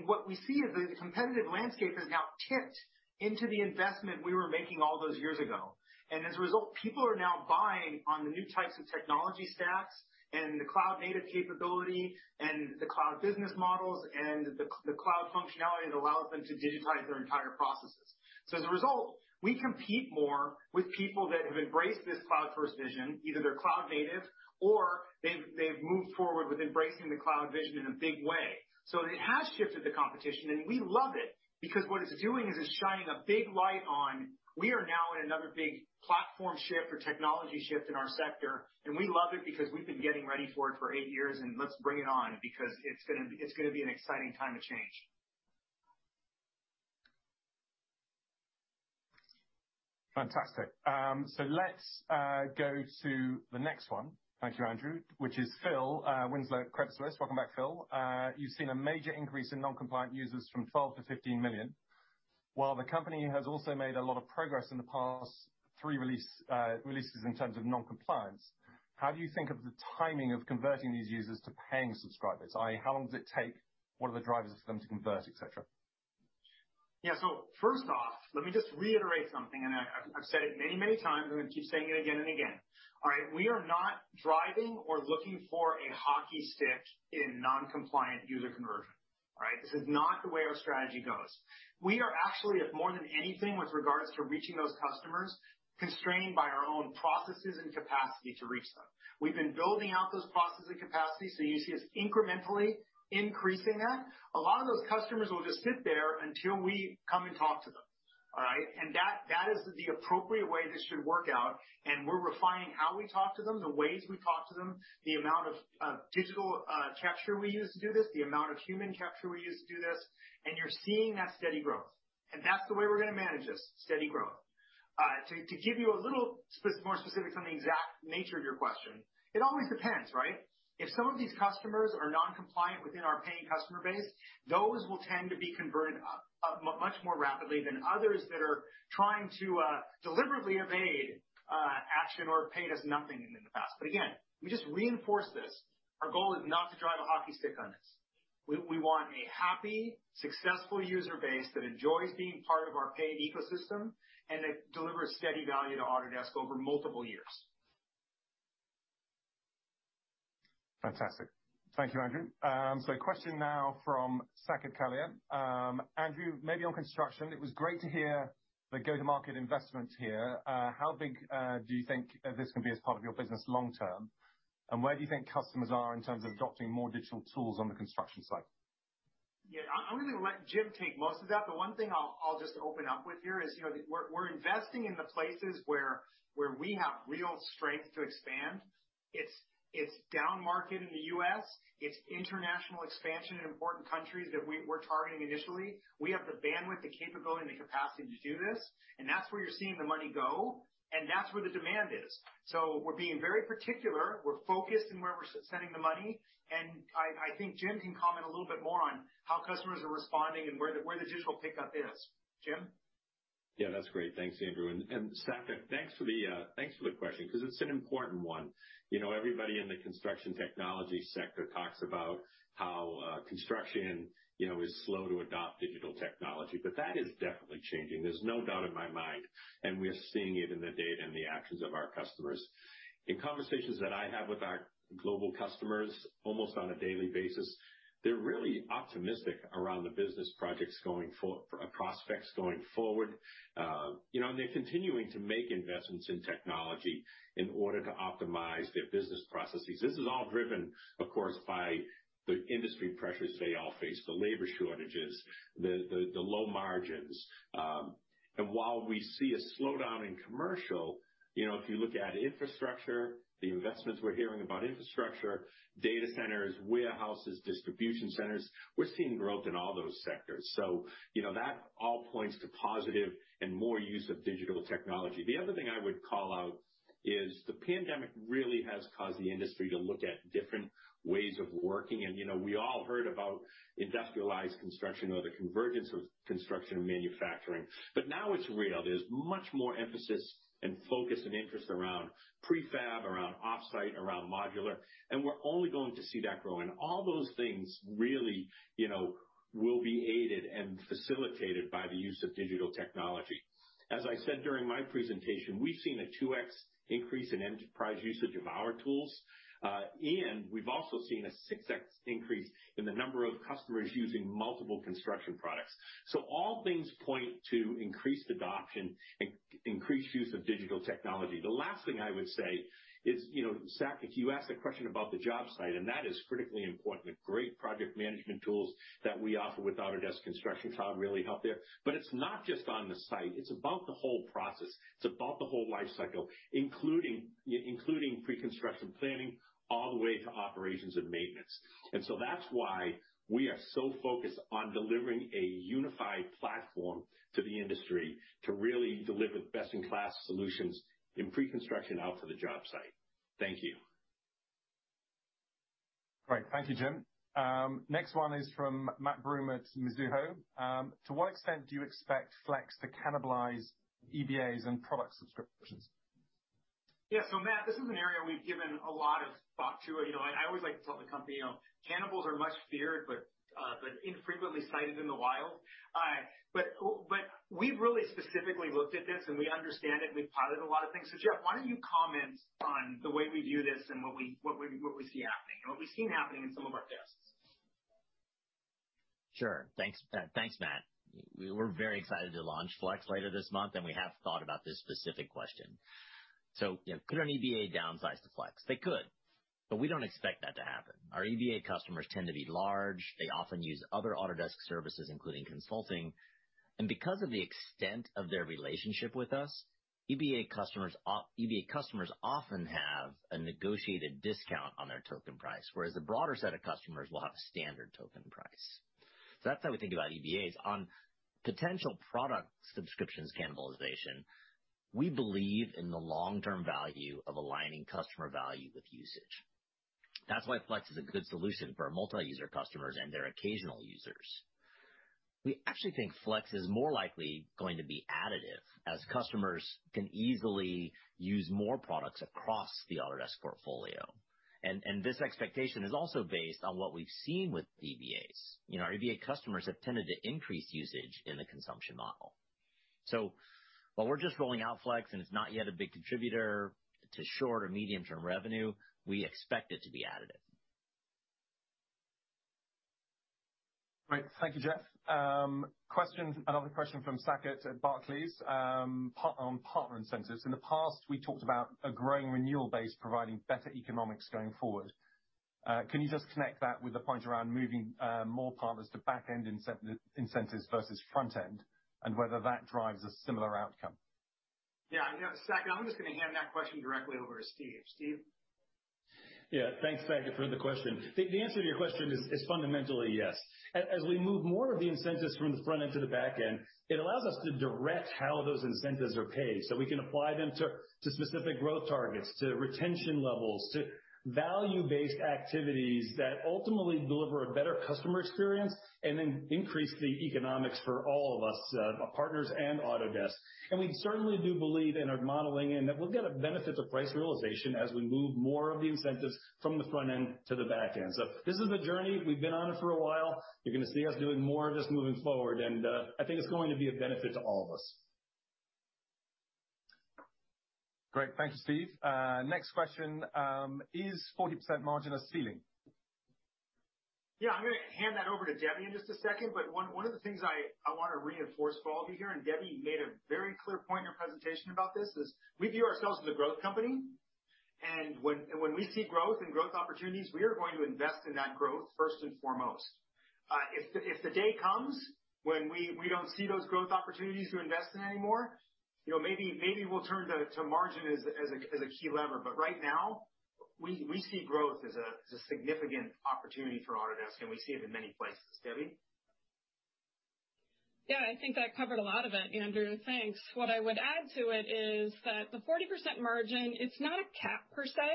What we see is the competitive landscape has now tipped into the investment we were making all those years ago. As a result, people are now buying on the new types of technology stacks and the cloud-native capability and the cloud business models and the c-cloud functionality that allows them to digitize their entire processes. As a result, we compete more with people that have embraced this cloud-first vision. Either they're cloud native or they've moved forward with embracing the cloud vision in a big way. It has shifted the competition, and we love it because what it's doing is it's shining a big light on we are now in another big platform shift or technology shift in our sector, and we love it because we've been getting ready for it for eight years, and let's bring it on because it's gonna be an exciting time of change.
Fantastic. Let's go to the next one. Thank you, Andrew. Which is Phil Winslow, Credit Suisse. Welcome back, Phil. You've seen a major increase in non-compliant users from 12 million-15 million. While the company has also made a lot of progress in the past three releases in terms of non-compliance, how do you think of the timing of converting these users to paying subscribers? i.e., how long does it take? What are the drivers for them to convert, et cetera?
Yeah. First off, let me just reiterate something, and I've said it many times, and I'm gonna keep saying it again and again. All right. We are not driving or looking for a hockey stick in non-compliant user conversion. All right. This is not the way our strategy goes. We are actually, if more than anything with regards to reaching those customers, constrained by our own processes and capacity to reach them. We've been building out those processes and capacities, so you see us incrementally increasing that. A lot of those customers will just sit there until we come and talk to them. All right. That is the appropriate way this should work out. We're refining how we talk to them, the ways we talk to them, the amount of digital capture we use to do this, the amount of human capture we use to do this. You're seeing that steady growth. That's the way we're going to manage this, steady growth. To give you a little more specific on the exact nature of your question, it always depends, right? If some of these customers are non-compliant within our paying customer base, those will tend to be converted much more rapidly than others that are trying to deliberately evade action or have paid us nothing in the past. Again, let me just reinforce this. Our goal is not to drive a hockey stick on this. We want a happy, successful user base that enjoys being part of our paid ecosystem and that delivers steady value to Autodesk over multiple years.
Fantastic. Thank you, Andrew. A question now from Saket Kalia. Andrew, maybe on construction, it was great to hear the go-to-market investment here. How big do you think this can be as part of your business long term? Where do you think customers are in terms of adopting more digital tools on the construction site?
I'm gonna let Jim take most of that. The one thing I'll just open up with here is, you know, we're investing in the places where we have real strength to expand. It's downmarket in the U.S. It's international expansion in important countries that we're targeting initially. We have the bandwidth, the capability, and the capacity to do this, and that's where you're seeing the money go, and that's where the demand is. We're being very particular. We're focused in where we're sending the money. I think Jim can comment a little bit more on how customers are responding and where the digital pickup is. Jim?
That's great. Thanks, Andrew. Saket, thanks for the question, 'cause it's an important one. You know, everybody in the construction technology sector talks about how construction, you know, is slow to adopt digital technology, that is definitely changing. There's no doubt in my mind, we are seeing it in the data and the actions of our customers. In conversations that I have with our global customers, almost on a daily basis, they're really optimistic around the business prospects going forward. They're continuing to make investments in technology in order to optimize their business processes. This is all driven, of course, by the industry pressures they all face, the labor shortages, the low margins. While we see a slowdown in commercial, you know, if you look at infrastructure, the investments we're hearing about infrastructure, data centers, warehouses, distribution centers, we're seeing growth in all those sectors. You know, that all points to positive and more use of digital technology. The other thing I would call out is the pandemic really has caused the industry to look at different ways of working. You know, we all heard about industrialized construction or the convergence of construction and manufacturing, but now it's real. There's much more emphasis and focus and interest around prefab, around offsite, around modular, and we're only going to see that grow. All those things really, you know, will be aided and facilitated by the use of digital technology. As I said during my presentation, we've seen a 2x increase in enterprise usage of our tools. We've also seen a 6x increase in the number of customers using multiple construction products. All things point to increased adoption, increased use of digital technology. The last thing I would say is, you know, Saket, you asked a question about the job site, that is critically important. The great project management tools that we offer with Autodesk Construction Cloud really help there. It's not just on the site. It's about the whole process. It's about the whole life cycle, including pre-construction planning, all the way to operations and maintenance. That's why we are so focused on delivering a unified platform to the industry to really deliver best-in-class solutions in pre-construction out to the job site. Thank you.
Great. Thank you, Jim. Next one is from Matt Broome at Mizuho. To what extent do you expect Flex to cannibalize EBAs and product subscriptions?
Matt, this is an area we've given a lot of thought to. You know, I always like to tell the company, you know, cannibals are much feared, but infrequently sighted in the wild. But we've really specifically looked at this, and we understand it, and we've piloted a lot of things. Jeff, why don't you comment on the way we view this and what we see happening and what we've seen happening in some of our tests?
Sure. Thanks, thanks, Matt. We're very excited to launch Flex later this month, we have thought about this specific question. You know, could an EBA downsize to Flex? They could, we don't expect that to happen. Our EBA customers tend to be large. They often use other Autodesk services, including consulting. Because of the extent of their relationship with us, EBA customers often have a negotiated discount on their token price, whereas the broader set of customers will have a standard token price. That's how we think about EBAs. On potential product subscriptions cannibalization, we believe in the long-term value of aligning customer value with usage. That's why Flex is a good solution for our multi-user customers and their occasional users. We actually think Flex is more likely going to be additive as customers can easily use more products across the Autodesk portfolio. This expectation is also based on what we've seen with EBAs. You know, our EBA customers have tended to increase usage in the consumption model. While we're just rolling out Flex, and it's not yet a big contributor to short- or medium-term revenue, we expect it to be additive.
Great. Thank you, Jeff. Question, another question from Saket at Barclays, on partner incentives. In the past, we talked about a growing renewal base providing better economics going forward. Can you just connect that with the point around moving more partners to back end incentives versus front end, and whether that drives a similar outcome?
Saket, I'm just gonna hand that question directly over to Steve. Steve?
Thanks, Saket, for the question. The answer to your question is fundamentally yes. As we move more of the incentives from the front end to the back end, it allows us to direct how those incentives are paid. We can apply them to specific growth targets, to retention levels, to value-based activities that ultimately deliver a better customer experience and then increase the economics for all of us, partners and Autodesk. We certainly do believe in our modeling, and that we'll get a benefit to price realization as we move more of the incentives from the front end to the back end. This is the journey. We've been on it for a while. You're gonna see us doing more of this moving forward. I think it's going to be a benefit to all of us.
Great. Thank you, Steve. Next question. Is 40% margin a ceiling?
Yeah. I'm going to hand that over to Debbie in just a second. One of the things I want to reinforce for all of you here, and Debbie made a very clear point in her presentation about this, is we view ourselves as a growth company. When we see growth and growth opportunities, we are going to invest in that growth first and foremost. If the day comes when we don't see those growth opportunities to invest in anymore, you know, maybe we'll turn to margin as a key lever. Right now, we see growth as a significant opportunity for Autodesk, and we see it in many places. Debbie?
I think that covered a lot of it, Andrew. Thanks. What I would add to it is that the 40% margin, it's not a cap per se,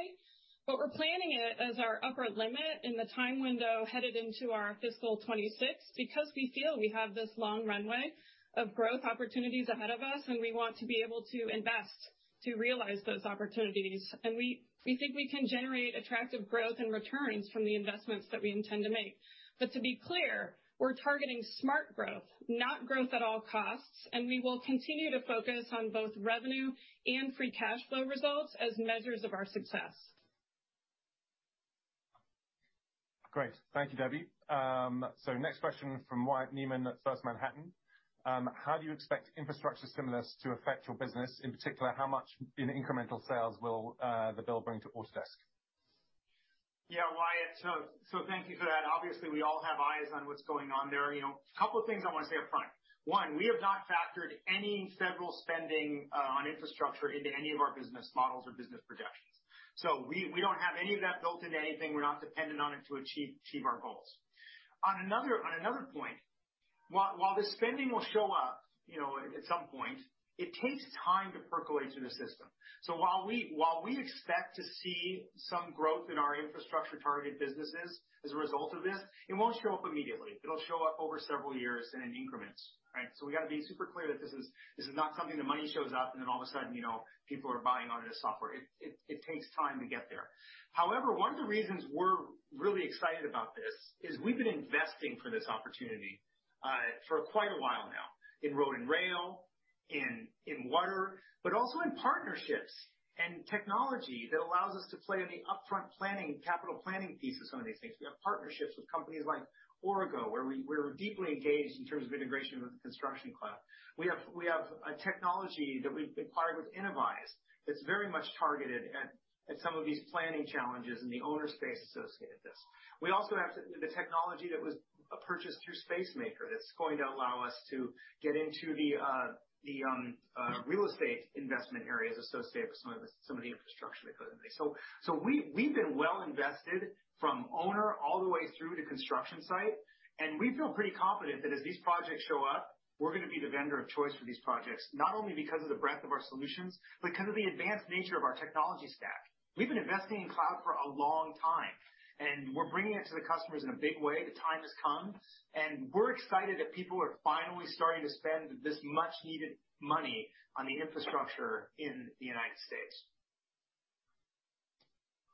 we're planning it as our upper limit in the time window headed into our fiscal 2026, because we feel we have this long runway of growth opportunities ahead of us, and we want to be able to invest to realize those opportunities. We think we can generate attractive growth and returns from the investments that we intend to make. To be clear, we're targeting smart growth, not growth at all costs, and we will continue to focus on both revenue and free cash flow results as measures of our success.
Great. Thank you, Debbie. Next question from Wyatt Neyman at First Manhattan. How do you expect infrastructure stimulus to affect your business? In particular, how much in incremental sales will the bill bring to Autodesk?
Wyatt. Thank you for that. Obviously, we all have eyes on what's going on there. You know, a couple of things I wanna say up front. One, we have not factored any federal spending on infrastructure into any of our business models or business projections. We don't have any of that built into anything. We're not dependent on it to achieve our goals. On another point, while the spending will show up, you know, at some point, it takes time to percolate through the system. While we expect to see some growth in our infrastructure-targeted businesses as a result of this, it won't show up immediately. It'll show up over several years and in increments, right? We gotta be super clear that this is not something the money shows up, and then all of a sudden, you know, people are buying Autodesk software. It takes time to get there. However, one of the reasons we're really excited about this is we've been investing for this opportunity for quite a while now in road and rail, in water, but also in partnerships and technology that allows us to play in the upfront planning, capital planning piece of some of these things. We have partnerships with companies like Oracle, where we're deeply engaged in terms of integration with the Construction Cloud. We have a technology that we've acquired with Innovyze that's very much targeted at some of these planning challenges in the owner space associated with this. We also have the technology that was purchased through Spacemaker that's going to allow us to get into the real estate investment areas associated with some of the infrastructure that goes into this. We've been well invested from owner all the way through to construction site, and we feel pretty confident that as these projects show up, we're gonna be the vendor of choice for these projects, not only because of the breadth of our solutions, but because of the advanced nature of our technology stack. We've been investing in cloud for a long time, and we're bringing it to the customers in a big way. The time has come, and we're excited that people are finally starting to spend this much needed money on the infrastructure in the U.S.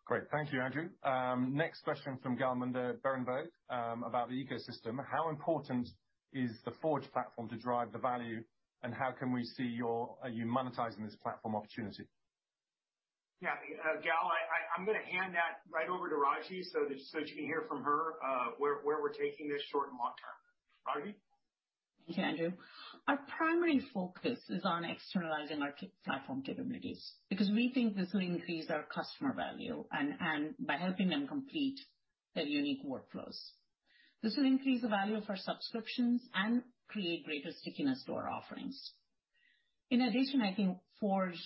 Great. Thank you, Andrew. Next question from Gal Munda at Berenberg, about the ecosystem. How important is the Forge platform to drive the value, how can we see are you monetizing this platform opportunity?
Gal, I'm gonna hand that right over to Raji so that you can hear from her where we're taking this short and long term. Raji?
Thank you, Andrew. Our primary focus is on externalizing our platform capabilities because we think this will increase our customer value and by helping them complete their unique workflows. This will increase the value of our subscriptions and create greater stickiness to our offerings. In addition, I think Forge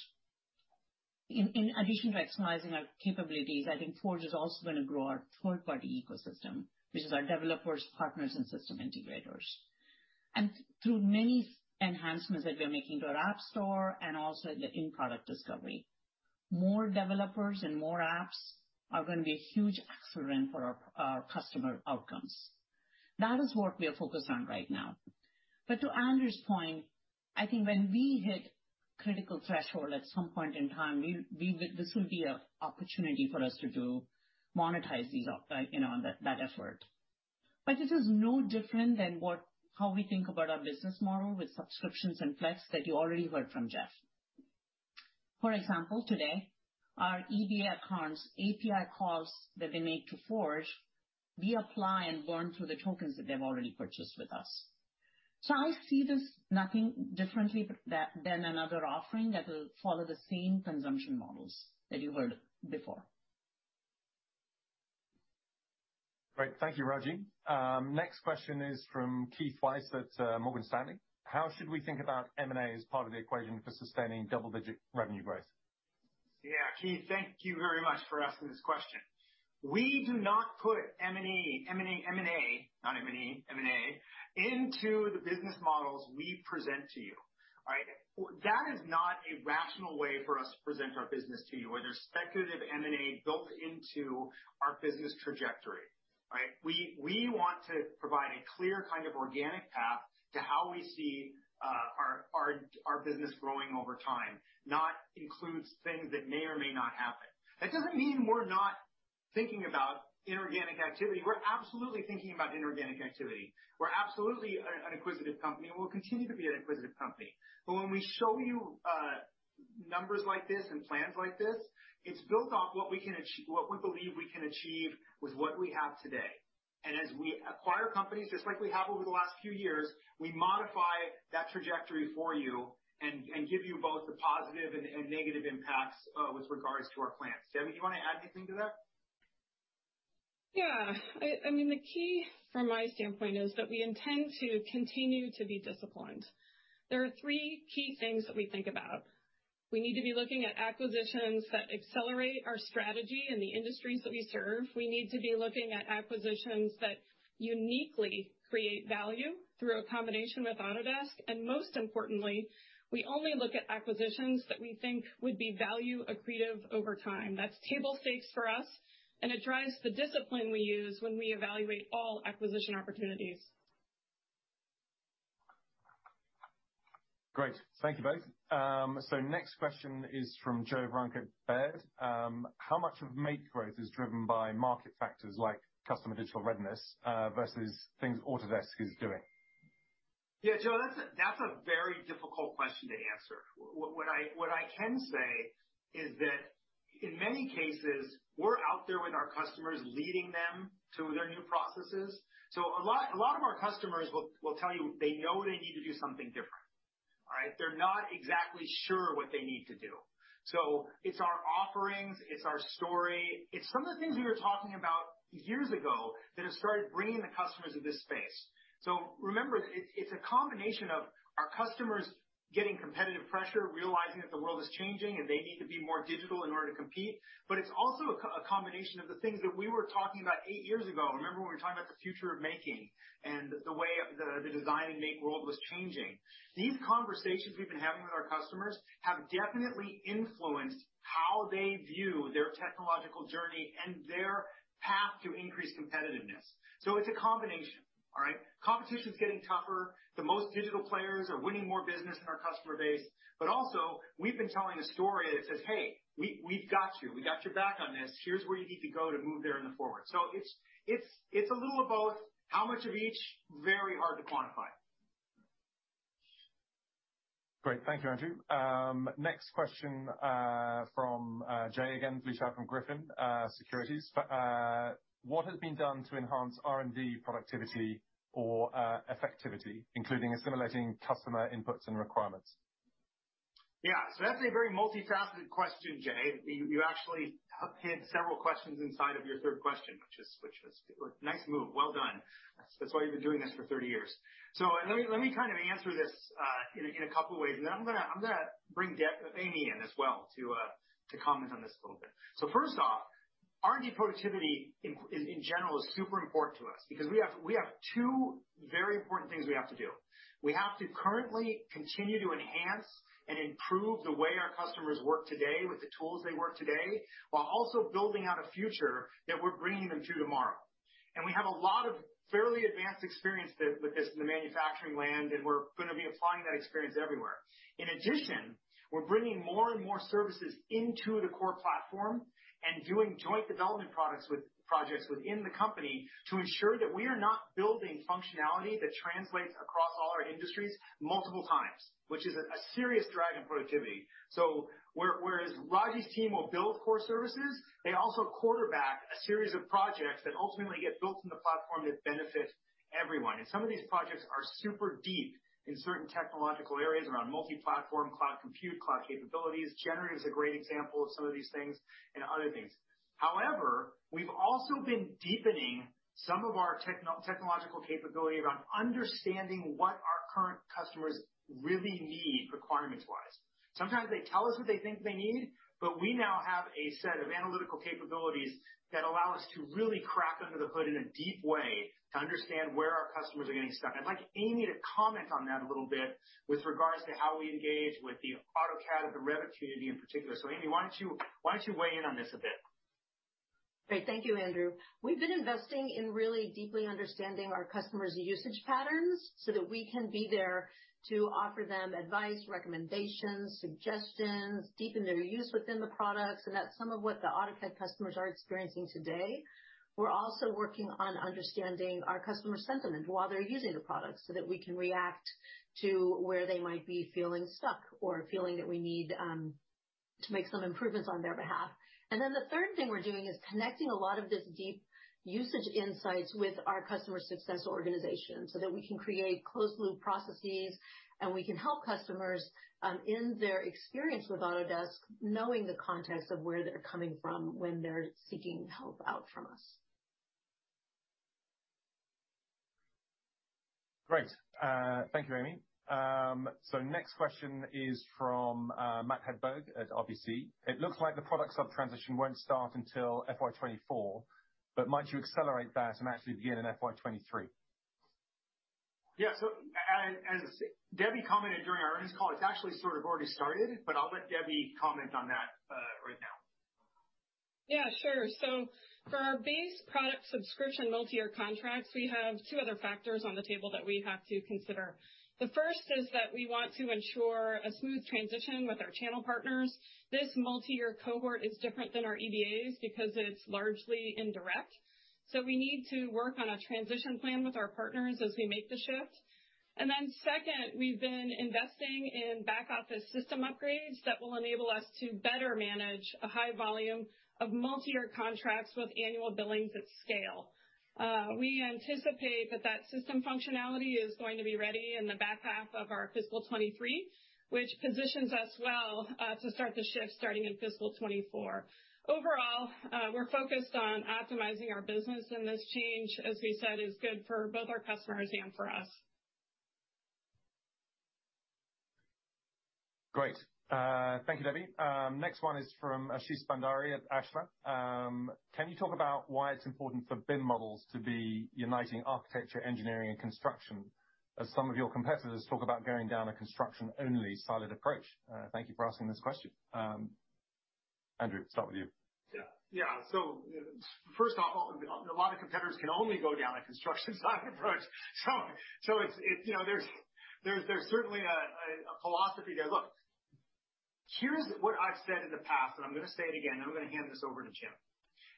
In addition to externalizing our capabilities, I think Forge is also gonna grow our third-party ecosystem, which is our developers, partners, and system integrators. Through many enhancements that we are making to our app store and also the in-product discovery, more developers and more apps are gonna be a huge accelerant for our customer outcomes. That is what we are focused on right now. To Andrew's point, I think when we hit critical threshold at some point in time, we will this will be an opportunity for us to monetize these, you know, that effort. This is no different than how we think about our business model with subscriptions and Flex that you already heard from Jeff. For example, today, our EBA accounts, API calls that they make to Forge, we apply and burn through the tokens that they've already purchased with us. I see this nothing differently than another offering that will follow the same consumption models that you heard before.
Great. Thank you, Raji. Next question is from Keith Weiss at Morgan Stanley. How should we think about M&A as part of the equation for sustaining double-digit revenue growth?
Keith, thank you very much for asking this question. We do not put M&A into the business models we present to you. All right? That is not a rational way for us to present our business to you, where there's speculative M&A built into our business trajectory. All right? We want to provide a clear kind of organic path to how we see our business growing over time, not includes things that may or may not happen. That doesn't mean we're not thinking about inorganic activity. We're absolutely thinking about inorganic activity. We're absolutely an acquisitive company, and we'll continue to be an acquisitive company. When we show you numbers like this and plans like this, it's built off what we believe we can achieve with what we have today. As we acquire companies, just like we have over the last few years, we modify that trajectory for you and give you both the positive and negative impacts with regards to our plans. Debbie, you wanna add anything to that?
The key from my standpoint is that we intend to continue to be disciplined. There are three key things that we think about. We need to be looking at acquisitions that accelerate our strategy in the industries that we serve. We need to be looking at acquisitions that uniquely create value through a combination with Autodesk. Most importantly, we only look at acquisitions that we think would be value accretive over time. That's table stakes for us, and it drives the discipline we use when we evaluate all acquisition opportunities.
Great. Thank you both. Next question is from Joe Vruwink at Baird. How much of Make growth is driven by market factors like customer digital readiness versus things Autodesk is doing?
Joe, that's a very difficult question to answer. What I can say is that in many cases, we're out there with our customers, leading them through their new processes. A lot of our customers will tell you they know they need to do something different. All right? They're not exactly sure what they need to do. It's our offerings, it's our story. It's some of the things we were talking about years ago that have started bringing the customers to this space. Remember, it's a combination of our customers getting competitive pressure, realizing that the world is changing, and they need to be more digital in order to compete. It's also a combination of the things that we were talking about eight years ago. Remember when we were talking about the future of making and the way the design and make world was changing. These conversations we've been having with our customers have definitely influenced how they view their technological journey and their path to increased competitiveness. It's a combination. All right. Competition's getting tougher. The most digital players are winning more business in our customer base. Also, we've been telling a story that says, "Hey, we've got you. We got your back on this. Here's where you need to go to move there in the forward." It's a little of both. How much of each? Very hard to quantify.
Great. Thank you, Andrew. Next question from Jay Vleeschhouwer from Griffin Securities. What has been done to enhance R&D productivity or effectivity, including assimilating customer inputs and requirements?
Yeah. That's a very multifaceted question, Jay. You actually have hit several questions inside of your third question, which is Nice move. Well done. That's why you've been doing this for 30 years. Let me kind of answer this in a couple of ways. Then I'm gonna bring Deb, Amy in as well to comment on this a little bit. First off, R&D productivity in general is super important to us because we have two very important things we have to do. We have to currently continue to enhance and improve the way our customers work today with the tools they work today, while also building out a future that we're bringing them to tomorrow. We have a lot of fairly advanced experience that with this in the manufacturing land, and we're gonna be applying that experience everywhere. In addition, we're bringing more and more services into the core platform and doing joint development products with projects within the company to ensure that we are not building functionality that translates across all our industries multiple times, which is a serious drag on productivity. Whereas Raji's team will build core services, they also quarterback a series of projects that ultimately get built in the platform that benefit everyone. Some of these projects are super deep in certain technological areas around multi-platform, cloud compute, cloud capabilities. Generative is a great example of some of these things and other things. However, we've also been deepening some of our technological capability around understanding what our current customers really need requirements-wise. Sometimes they tell us what they think they need. We now have a set of analytical capabilities that allow us to really crack under the hood in a deep way to understand where our customers are getting stuck. I'd like Amy to comment on that a little bit with regards to how we engage with the AutoCAD or the Revit community in particular. Amy, why don't you weigh in on this a bit?
Great. Thank you, Andrew. We've been investing in really deeply understanding our customers' usage patterns so that we can be there to offer them advice, recommendations, suggestions, deepen their use within the products, and that's some of what the AutoCAD customers are experiencing today. We're also working on understanding our customer sentiment while they're using the products, so that we can react to where they might be feeling stuck. To make some improvements on their behalf. The third thing we're doing is connecting a lot of this deep usage insights with our customer success organization, so that we can create closed loop processes, and we can help customers in their experience with Autodesk, knowing the context of where they're coming from when they're seeking help out from us.
Great. Thank you, Amy. Next question is from Matt Hedberg at RBC. It looks like the product sub-transition won't start until FY 2024, but might you accelerate that and actually begin in FY 2023?
As Debbie commented during our earnings call, it's actually sort of already started, but I'll let Debbie comment on that right now.
Sure. For our base product subscription multi-year contracts, we have two other factors on the table that we have to consider. The first is that we want to ensure a smooth transition with our channel partners. This multi-year cohort is different than our EBAs because it's largely indirect. We need to work on a transition plan with our partners as we make the shift. Second, we've been investing in back office system upgrades that will enable us to better manage a high volume of multi-year contracts with annual billings at scale. We anticipate that that system functionality is going to be ready in the back half of our fiscal 2023, which positions us well to start the shift starting in fiscal 2024. Overall, we're focused on optimizing our business, and this change, as we said, is good for both our customers and for us.
Great. Thank you, Debbie. Next one is from Ashish Bhandari at Ashwa. Can you talk about why it's important for BIM models to be uniting architecture, engineering, and construction, as some of your competitors talk about going down a construction-only siloed approach? Thank you for asking this question. Andrew, start with you.
First off, a lot of competitors can only go down a construction-only siloed approach. It's, you know, there's certainly a philosophy there. Look, here's what I've said in the past, and I'm gonna say it again, and I'm gonna hand this over to Jim.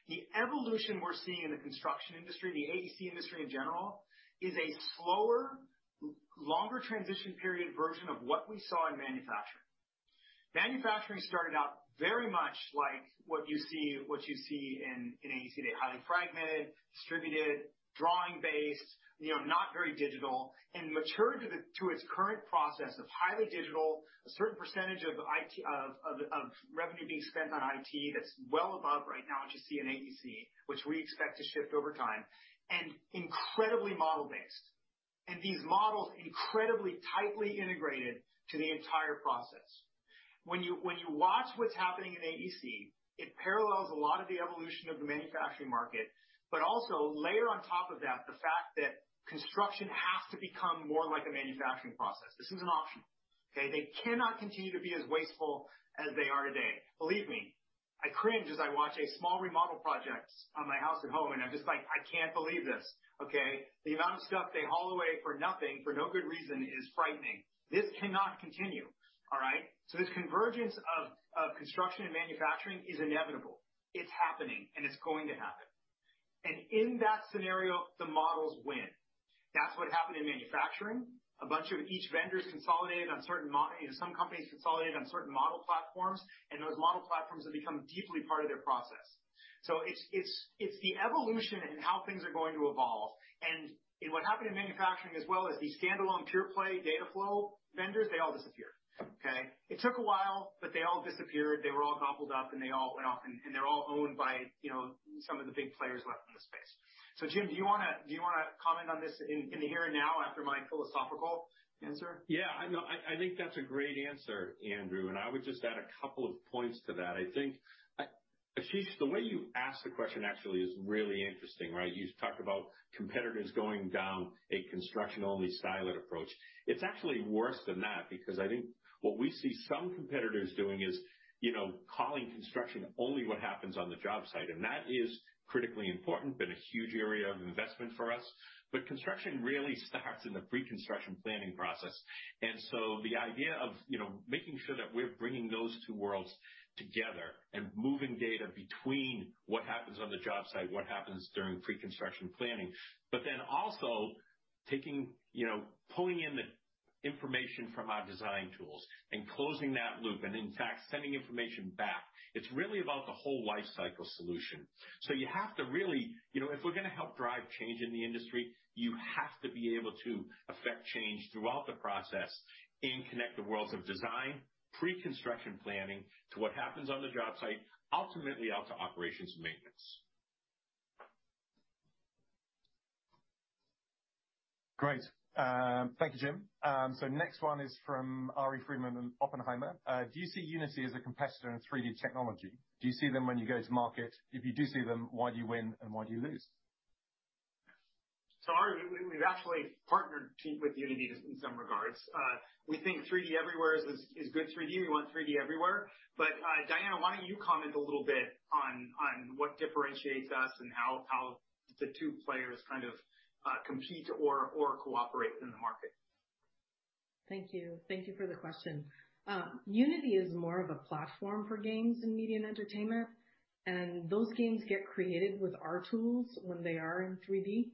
The evolution we're seeing in the construction industry, the AEC industry in general, is a slower, longer transition period version of what we saw in manufacturing. Manufacturing started out very much like what you see in AEC today, highly fragmented, distributed, drawing-based, you know, not very digital, and matured to its current process of highly digital, a certain percentage of IT, of revenue being spent on IT that's well above right now what you see in AEC, which we expect to shift over time, and incredibly model-based. These models incredibly tightly integrated to the entire process. When you watch what's happening in AEC, it parallels a lot of the evolution of the manufacturing market, but also later on top of that, the fact that construction has to become more like a manufacturing process. This isn't an option. Okay. They cannot continue to be as wasteful as they are today. Believe me, I cringe as I watch a small remodel projects on my house at home, and I'm just like, "I can't believe this." Okay. The amount of stuff they haul away for nothing for no good reason is frightening. This cannot continue. All right. This convergence of construction and manufacturing is inevitable. It's happening, and it's going to happen. In that scenario, the models win. That's what happened in manufacturing. A bunch of each vendors consolidated on certain some companies consolidated on certain model platforms, and those model platforms have become deeply part of their process. It's the evolution in how things are going to evolve. In what happened in manufacturing as well as the standalone pure play data flow vendors, they all disappeared. Okay? It took a while, they all disappeared. They were all gobbled up, and they all went off, and they're all owned by, you know, some of the big players left in the space. Jim, do you wanna comment on this in the here and now after my philosophical answer?
I know. I think that's a great answer, Andrew. I would just add a couple of points to that. I think Ashish, the way you ask the question actually is really interesting, right? You talk about competitors going down a construction-only siloed approach. It's actually worse than that. I think what we see some competitors doing is, you know, calling construction only what happens on the job site. That is critically important, been a huge area of investment for us. Construction really starts in the pre-construction planning process. The idea of, you know, making sure that we're bringing those two worlds together and moving data between what happens on the job site, what happens during pre-construction planning, also taking, you know, pulling in the information from our design tools and closing that loop and in fact, sending information back. It's really about the whole life cycle solution. You know, if we're gonna help drive change in the industry, you have to be able to affect change throughout the process and connect the worlds of design, pre-construction planning to what happens on the job site, ultimately out to operations and maintenance.
Great. Thank you, Jim. Next one is from Ari Friedman in Oppenheimer. Do you see Unity as a competitor in 3D technology? Do you see them when you go to market? If you do see them, why do you win and why do you lose?
Ari, we've actually partnered with Unity in some regards. We think 3D everywhere is good 3D. We want 3D everywhere. Diana, why don't you comment a little bit on what differentiates us and how the two players kind of compete or cooperate in the market?
Thank you. Thank you for the question. Unity is more of a platform for games in media and entertainment, and those games get created with our tools when they are in 3D.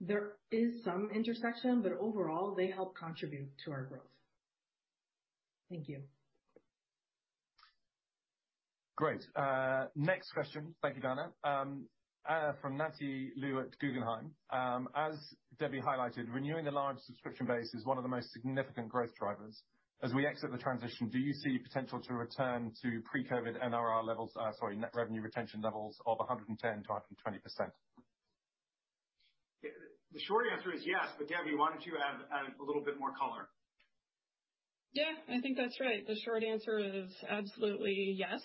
There is some intersection, but overall, they help contribute to our growth. Thank you.
Great. Next question. Thank you, Diana. From Nancy Liu at Guggenheim. As Debbie highlighted, renewing a large subscription base is one of the most significant growth drivers. As we exit the transition, do you see potential to return to pre-COVID NRR levels? Net revenue retention levels of 110%-120%?
The short answer is yes, but Debbie, why don't you add a little bit more color?
That's right. The short answer is absolutely yes.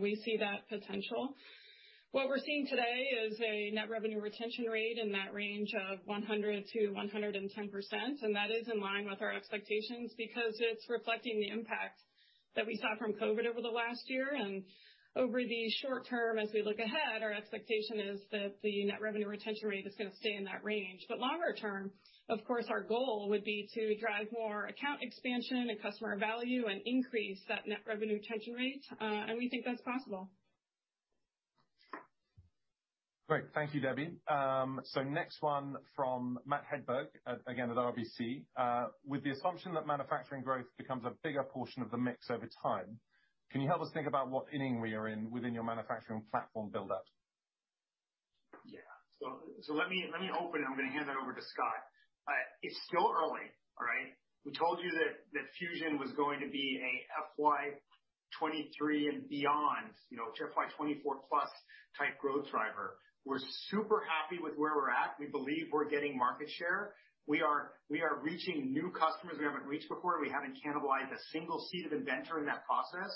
We see that potential. What we're seeing today is a net revenue retention rate in that range of 100%-110%, and that is in line with our expectations because it's reflecting the impact that we saw from COVID over the last year. Over the short term, as we look ahead, our expectation is that the net revenue retention rate is gonna stay in that range. Longer term, of course, our goal would be to drive more account expansion and customer value and increase that net revenue retention rate. We think that's possible.
Great. Thank you, Debbie. Next one from Matthew Hedberg, again at RBC. With the assumption that manufacturing growth becomes a bigger portion of the mix over time, can you help us think about what inning we are in within your manufacturing platform buildup?
Yeah. Let me open and I'm gonna hand that over to Scott. It's still early, all right? We told you that Fusion was going to be a FY 2023 and beyond FY 2024 plus type growth driver. We're super happy with where we're at. We believe we're getting market share. We are reaching new customers we haven't reached before. We haven't cannibalized a single seat of Inventor in that process.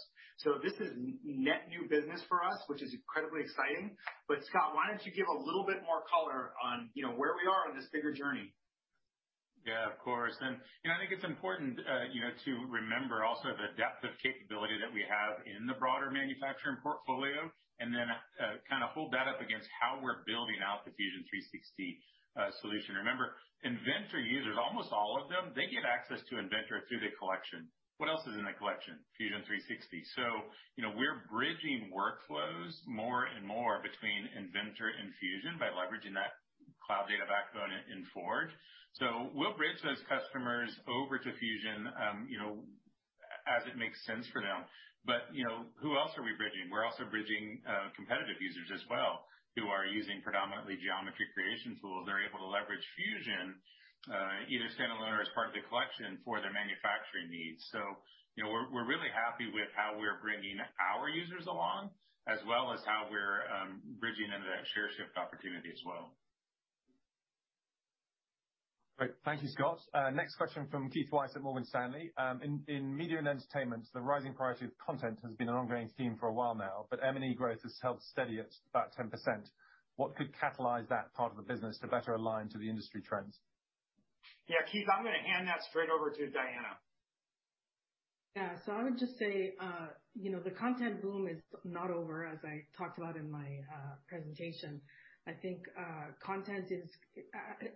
This is net new business for us, which is incredibly exciting. Scott, why don't you give a little bit more color on where we are on this bigger journey?
Of course. You know, I think it's important, you know, to remember also the depth of capability that we have in the broader manufacturing portfolio, and then, kind of hold that up against how we're building out the Fusion 360 solution. Remember, Inventor users, almost all of them, they get access to Inventor through the collection. What else is in that collection? Fusion 360. You know, we're bridging workflows more and more between Inventor and Fusion by leveraging that cloud data backbone in Forge. We'll bridge those customers over to Fusion, you know, as it makes sense for them. You know, who else are we bridging? We're also bridging competitive users as well who are using predominantly geometry creation tools. They're able to leverage Fusion, either standalone or as part of the Collection for their manufacturing needs. You know, we're really happy with how we're bringing our users along, as well as how we're bridging into that share shift opportunity as well.
Great. Thank you, Scott. Next question from Keith Weiss at Morgan Stanley. In media and entertainment, the rising price of content has been an ongoing theme for a while now, but M&E growth has held steady at about 10%. What could catalyze that part of the business to better align to the industry trends?
Yeah, Keith, I'm gonna hand that straight over to Diana.
I would just say, you know, the content boom is not over, as I talked about in my presentation. I think content is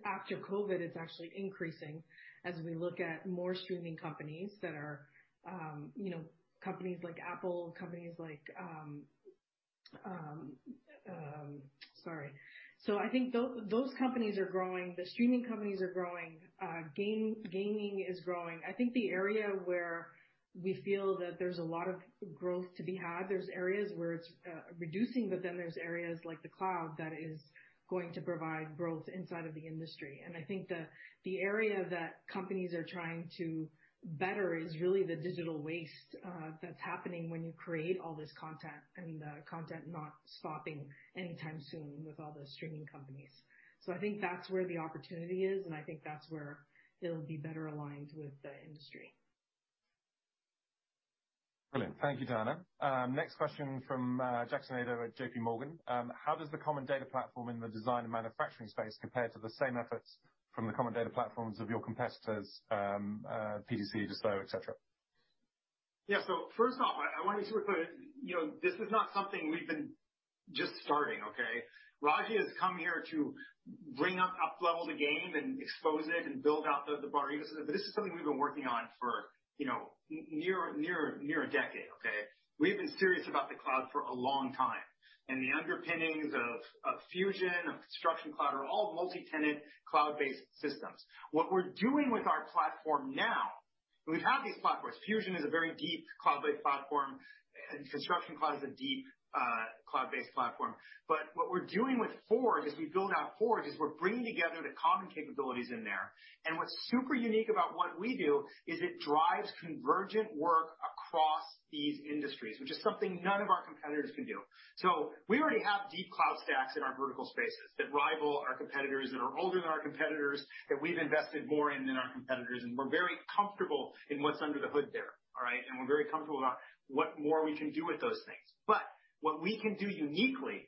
after COVID, it's actually increasing as we look at more streaming companies that are, you know, companies like Apple, companies like sorry. I think those companies are growing. The streaming companies are growing. Gaming is growing. I think the area where we feel that there's a lot of growth to be had, there's areas where it's reducing, but then there's areas like the cloud that is going to provide growth inside of the industry. I think the area that companies are trying to better is really the digital waste that's happening when you create all this content and the content not stopping anytime soon with all the streaming companies. I think that's where the opportunity is, and I think that's where it'll be better aligned with the industry.
Brilliant. Thank you, Diana. Next question from Kevin Jackson at JPMorgan. How does the common data platform in the design and manufacturing space compare to the same efforts from the common data platforms of your competitors, PTC, Dassault, et cetera?
First off, I want you to put it, you know, this is not something we've been just starting, okay? Raji has come here to bring up-level the game and expose it and build out the broader ecosystem, but this is something we've been working on for, you know, near a decade, okay? We've been serious about the cloud for a long time. The underpinnings of Fusion, of Construction Cloud are all multi-tenant cloud-based systems. What we're doing with our platform now, we've had these platforms. Fusion is a very deep cloud-based platform, and Construction Cloud is a deep cloud-based platform. What we're doing with Forge, as we build out Forge, is we're bringing together the common capabilities in there. What's super unique about what we do is it drives convergent work across these industries, which is something none of our competitors can do. We already have deep cloud stacks in our vertical spaces that rival our competitors, that are older than our competitors, that we've invested more in than our competitors, and we're very comfortable in what's under the hood there. All right? We're very comfortable about what more we can do with those things. What we can do uniquely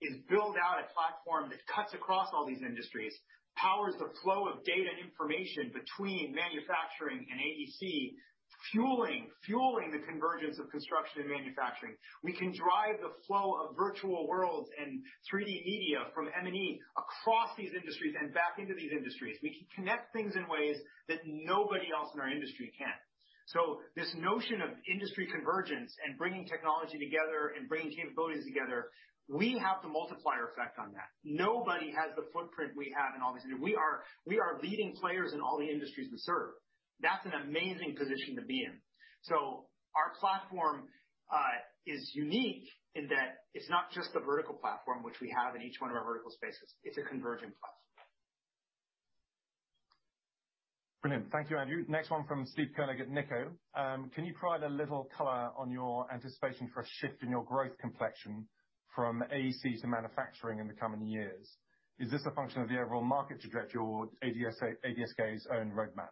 is build out a platform that cuts across all these industries, powers the flow of data and information between manufacturing and AEC, fueling the convergence of construction and manufacturing. We can drive the flow of virtual worlds and 3D media from M&E across these industries and back into these industries. We can connect things in ways that nobody else in our industry can. This notion of industry convergence and bringing technology together and bringing capabilities together, we have the multiplier effect on that. Nobody has the footprint we have in all these areas. We are leading players in all the industries we serve. That's an amazing position to be in. Our platform is unique in that it's not just the vertical platform which we have in each one of our vertical spaces. It's a convergent platform.
Brilliant. Thank you, Andrew. Next one from Steve Koenig at Nikko. Can you provide a little color on your anticipation for a shift in your growth complexion from AEC to manufacturing in the coming years? Is this a function of the overall market trajectory or ADSK's own roadmap?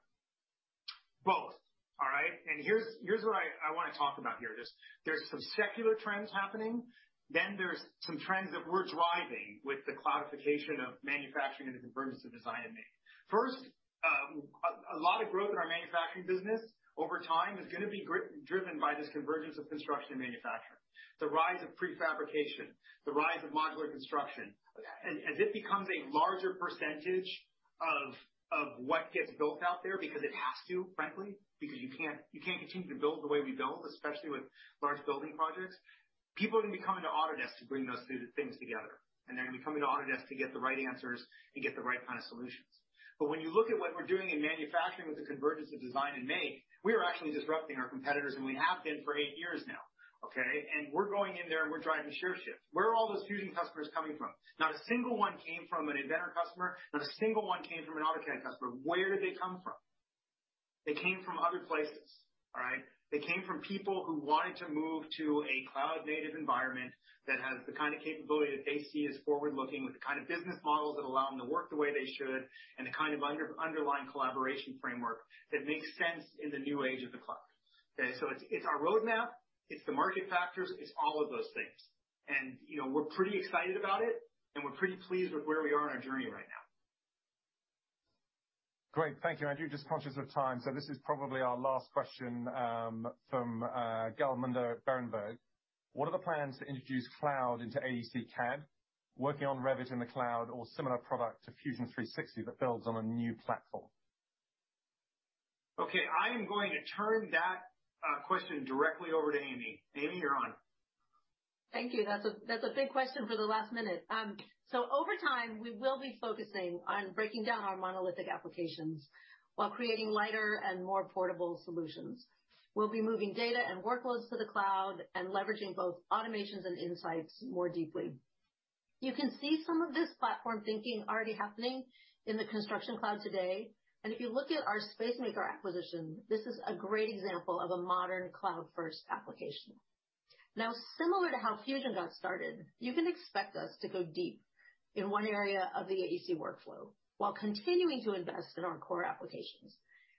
Both. All right? Here's what I want to talk about here. There's some secular trends happening. There's some trends that we're driving with the cloudification of manufacturing and the convergence of design and make. First, a lot of growth in our manufacturing business over time is gonna be driven by this convergence of construction and manufacturing. The rise of pre-fabrication, the rise of modular construction. As it becomes a larger percentage of what gets built out there because it has to, frankly, because you can't continue to build the way we build, especially with large building projects. People are gonna be coming to Autodesk to bring those things together, and they're gonna be coming to Autodesk to get the right answers and get the right kind of solutions. When you look at what we're doing in manufacturing with the convergence of design and make, we are actually disrupting our competitors, and we have been for eight years now, okay. We're going in there, and we're driving share shifts. Where are all those Fusion customers coming from? Not a single one came from an Inventor customer. Not a single one came from an AutoCAD customer. Where did they come from? They came from other places. All right. They came from people who wanted to move to a cloud-native environment that has the kind of capability that they see as forward-looking, with the kind of business models that allow them to work the way they should, and the kind of underlying collaboration framework that makes sense in the new age of the cloud. Okay. It's our roadmap. It's the market factors. It's all of those things. You know, we're pretty excited about it, and we're pretty pleased with where we are on our journey right now.
Great. Thank you, Andrew. Just conscious of time, so this is probably our last question, from Gal Munda at Berenberg. What are the plans to introduce cloud into AEC CAD, working on Revit in the cloud or similar product to Fusion 360 that builds on a new platform?
Okay, I am going to turn that question directly over to Amy. Amy, you're on.
Thank you. That's a big question for the last minute. Over time, we will be focusing on breaking down our monolithic applications while creating lighter and more portable solutions. We'll be moving data and workloads to the cloud and leveraging both automations and insights more deeply. You can see some of this platform thinking already happening in the Autodesk Construction Cloud today. If you look at our Spacemaker acquisition, this is a great example of a modern cloud-first application. Now, similar to how Fusion got started, you can expect us to go deep in one area of the AEC workflow while continuing to invest in our core applications.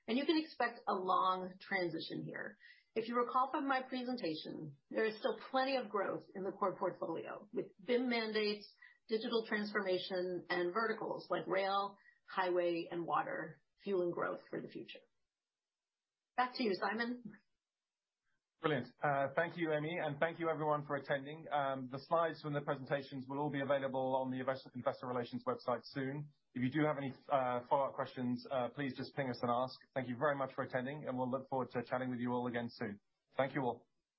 You can expect a long transition here. If you recall from my presentation, there is still plenty of growth in the core portfolio, with BIM mandates, digital transformation, and verticals like rail, highway, and water fueling growth for the future. Back to you, Simon.
Brilliant. Thank you, Amy, and thank you everyone for attending. The slides from the presentations will all be available on the investor relations website soon. If you do have any follow-up questions, please just ping us and ask. Thank you very much for attending, we'll look forward to chatting with you all again soon. Thank you all.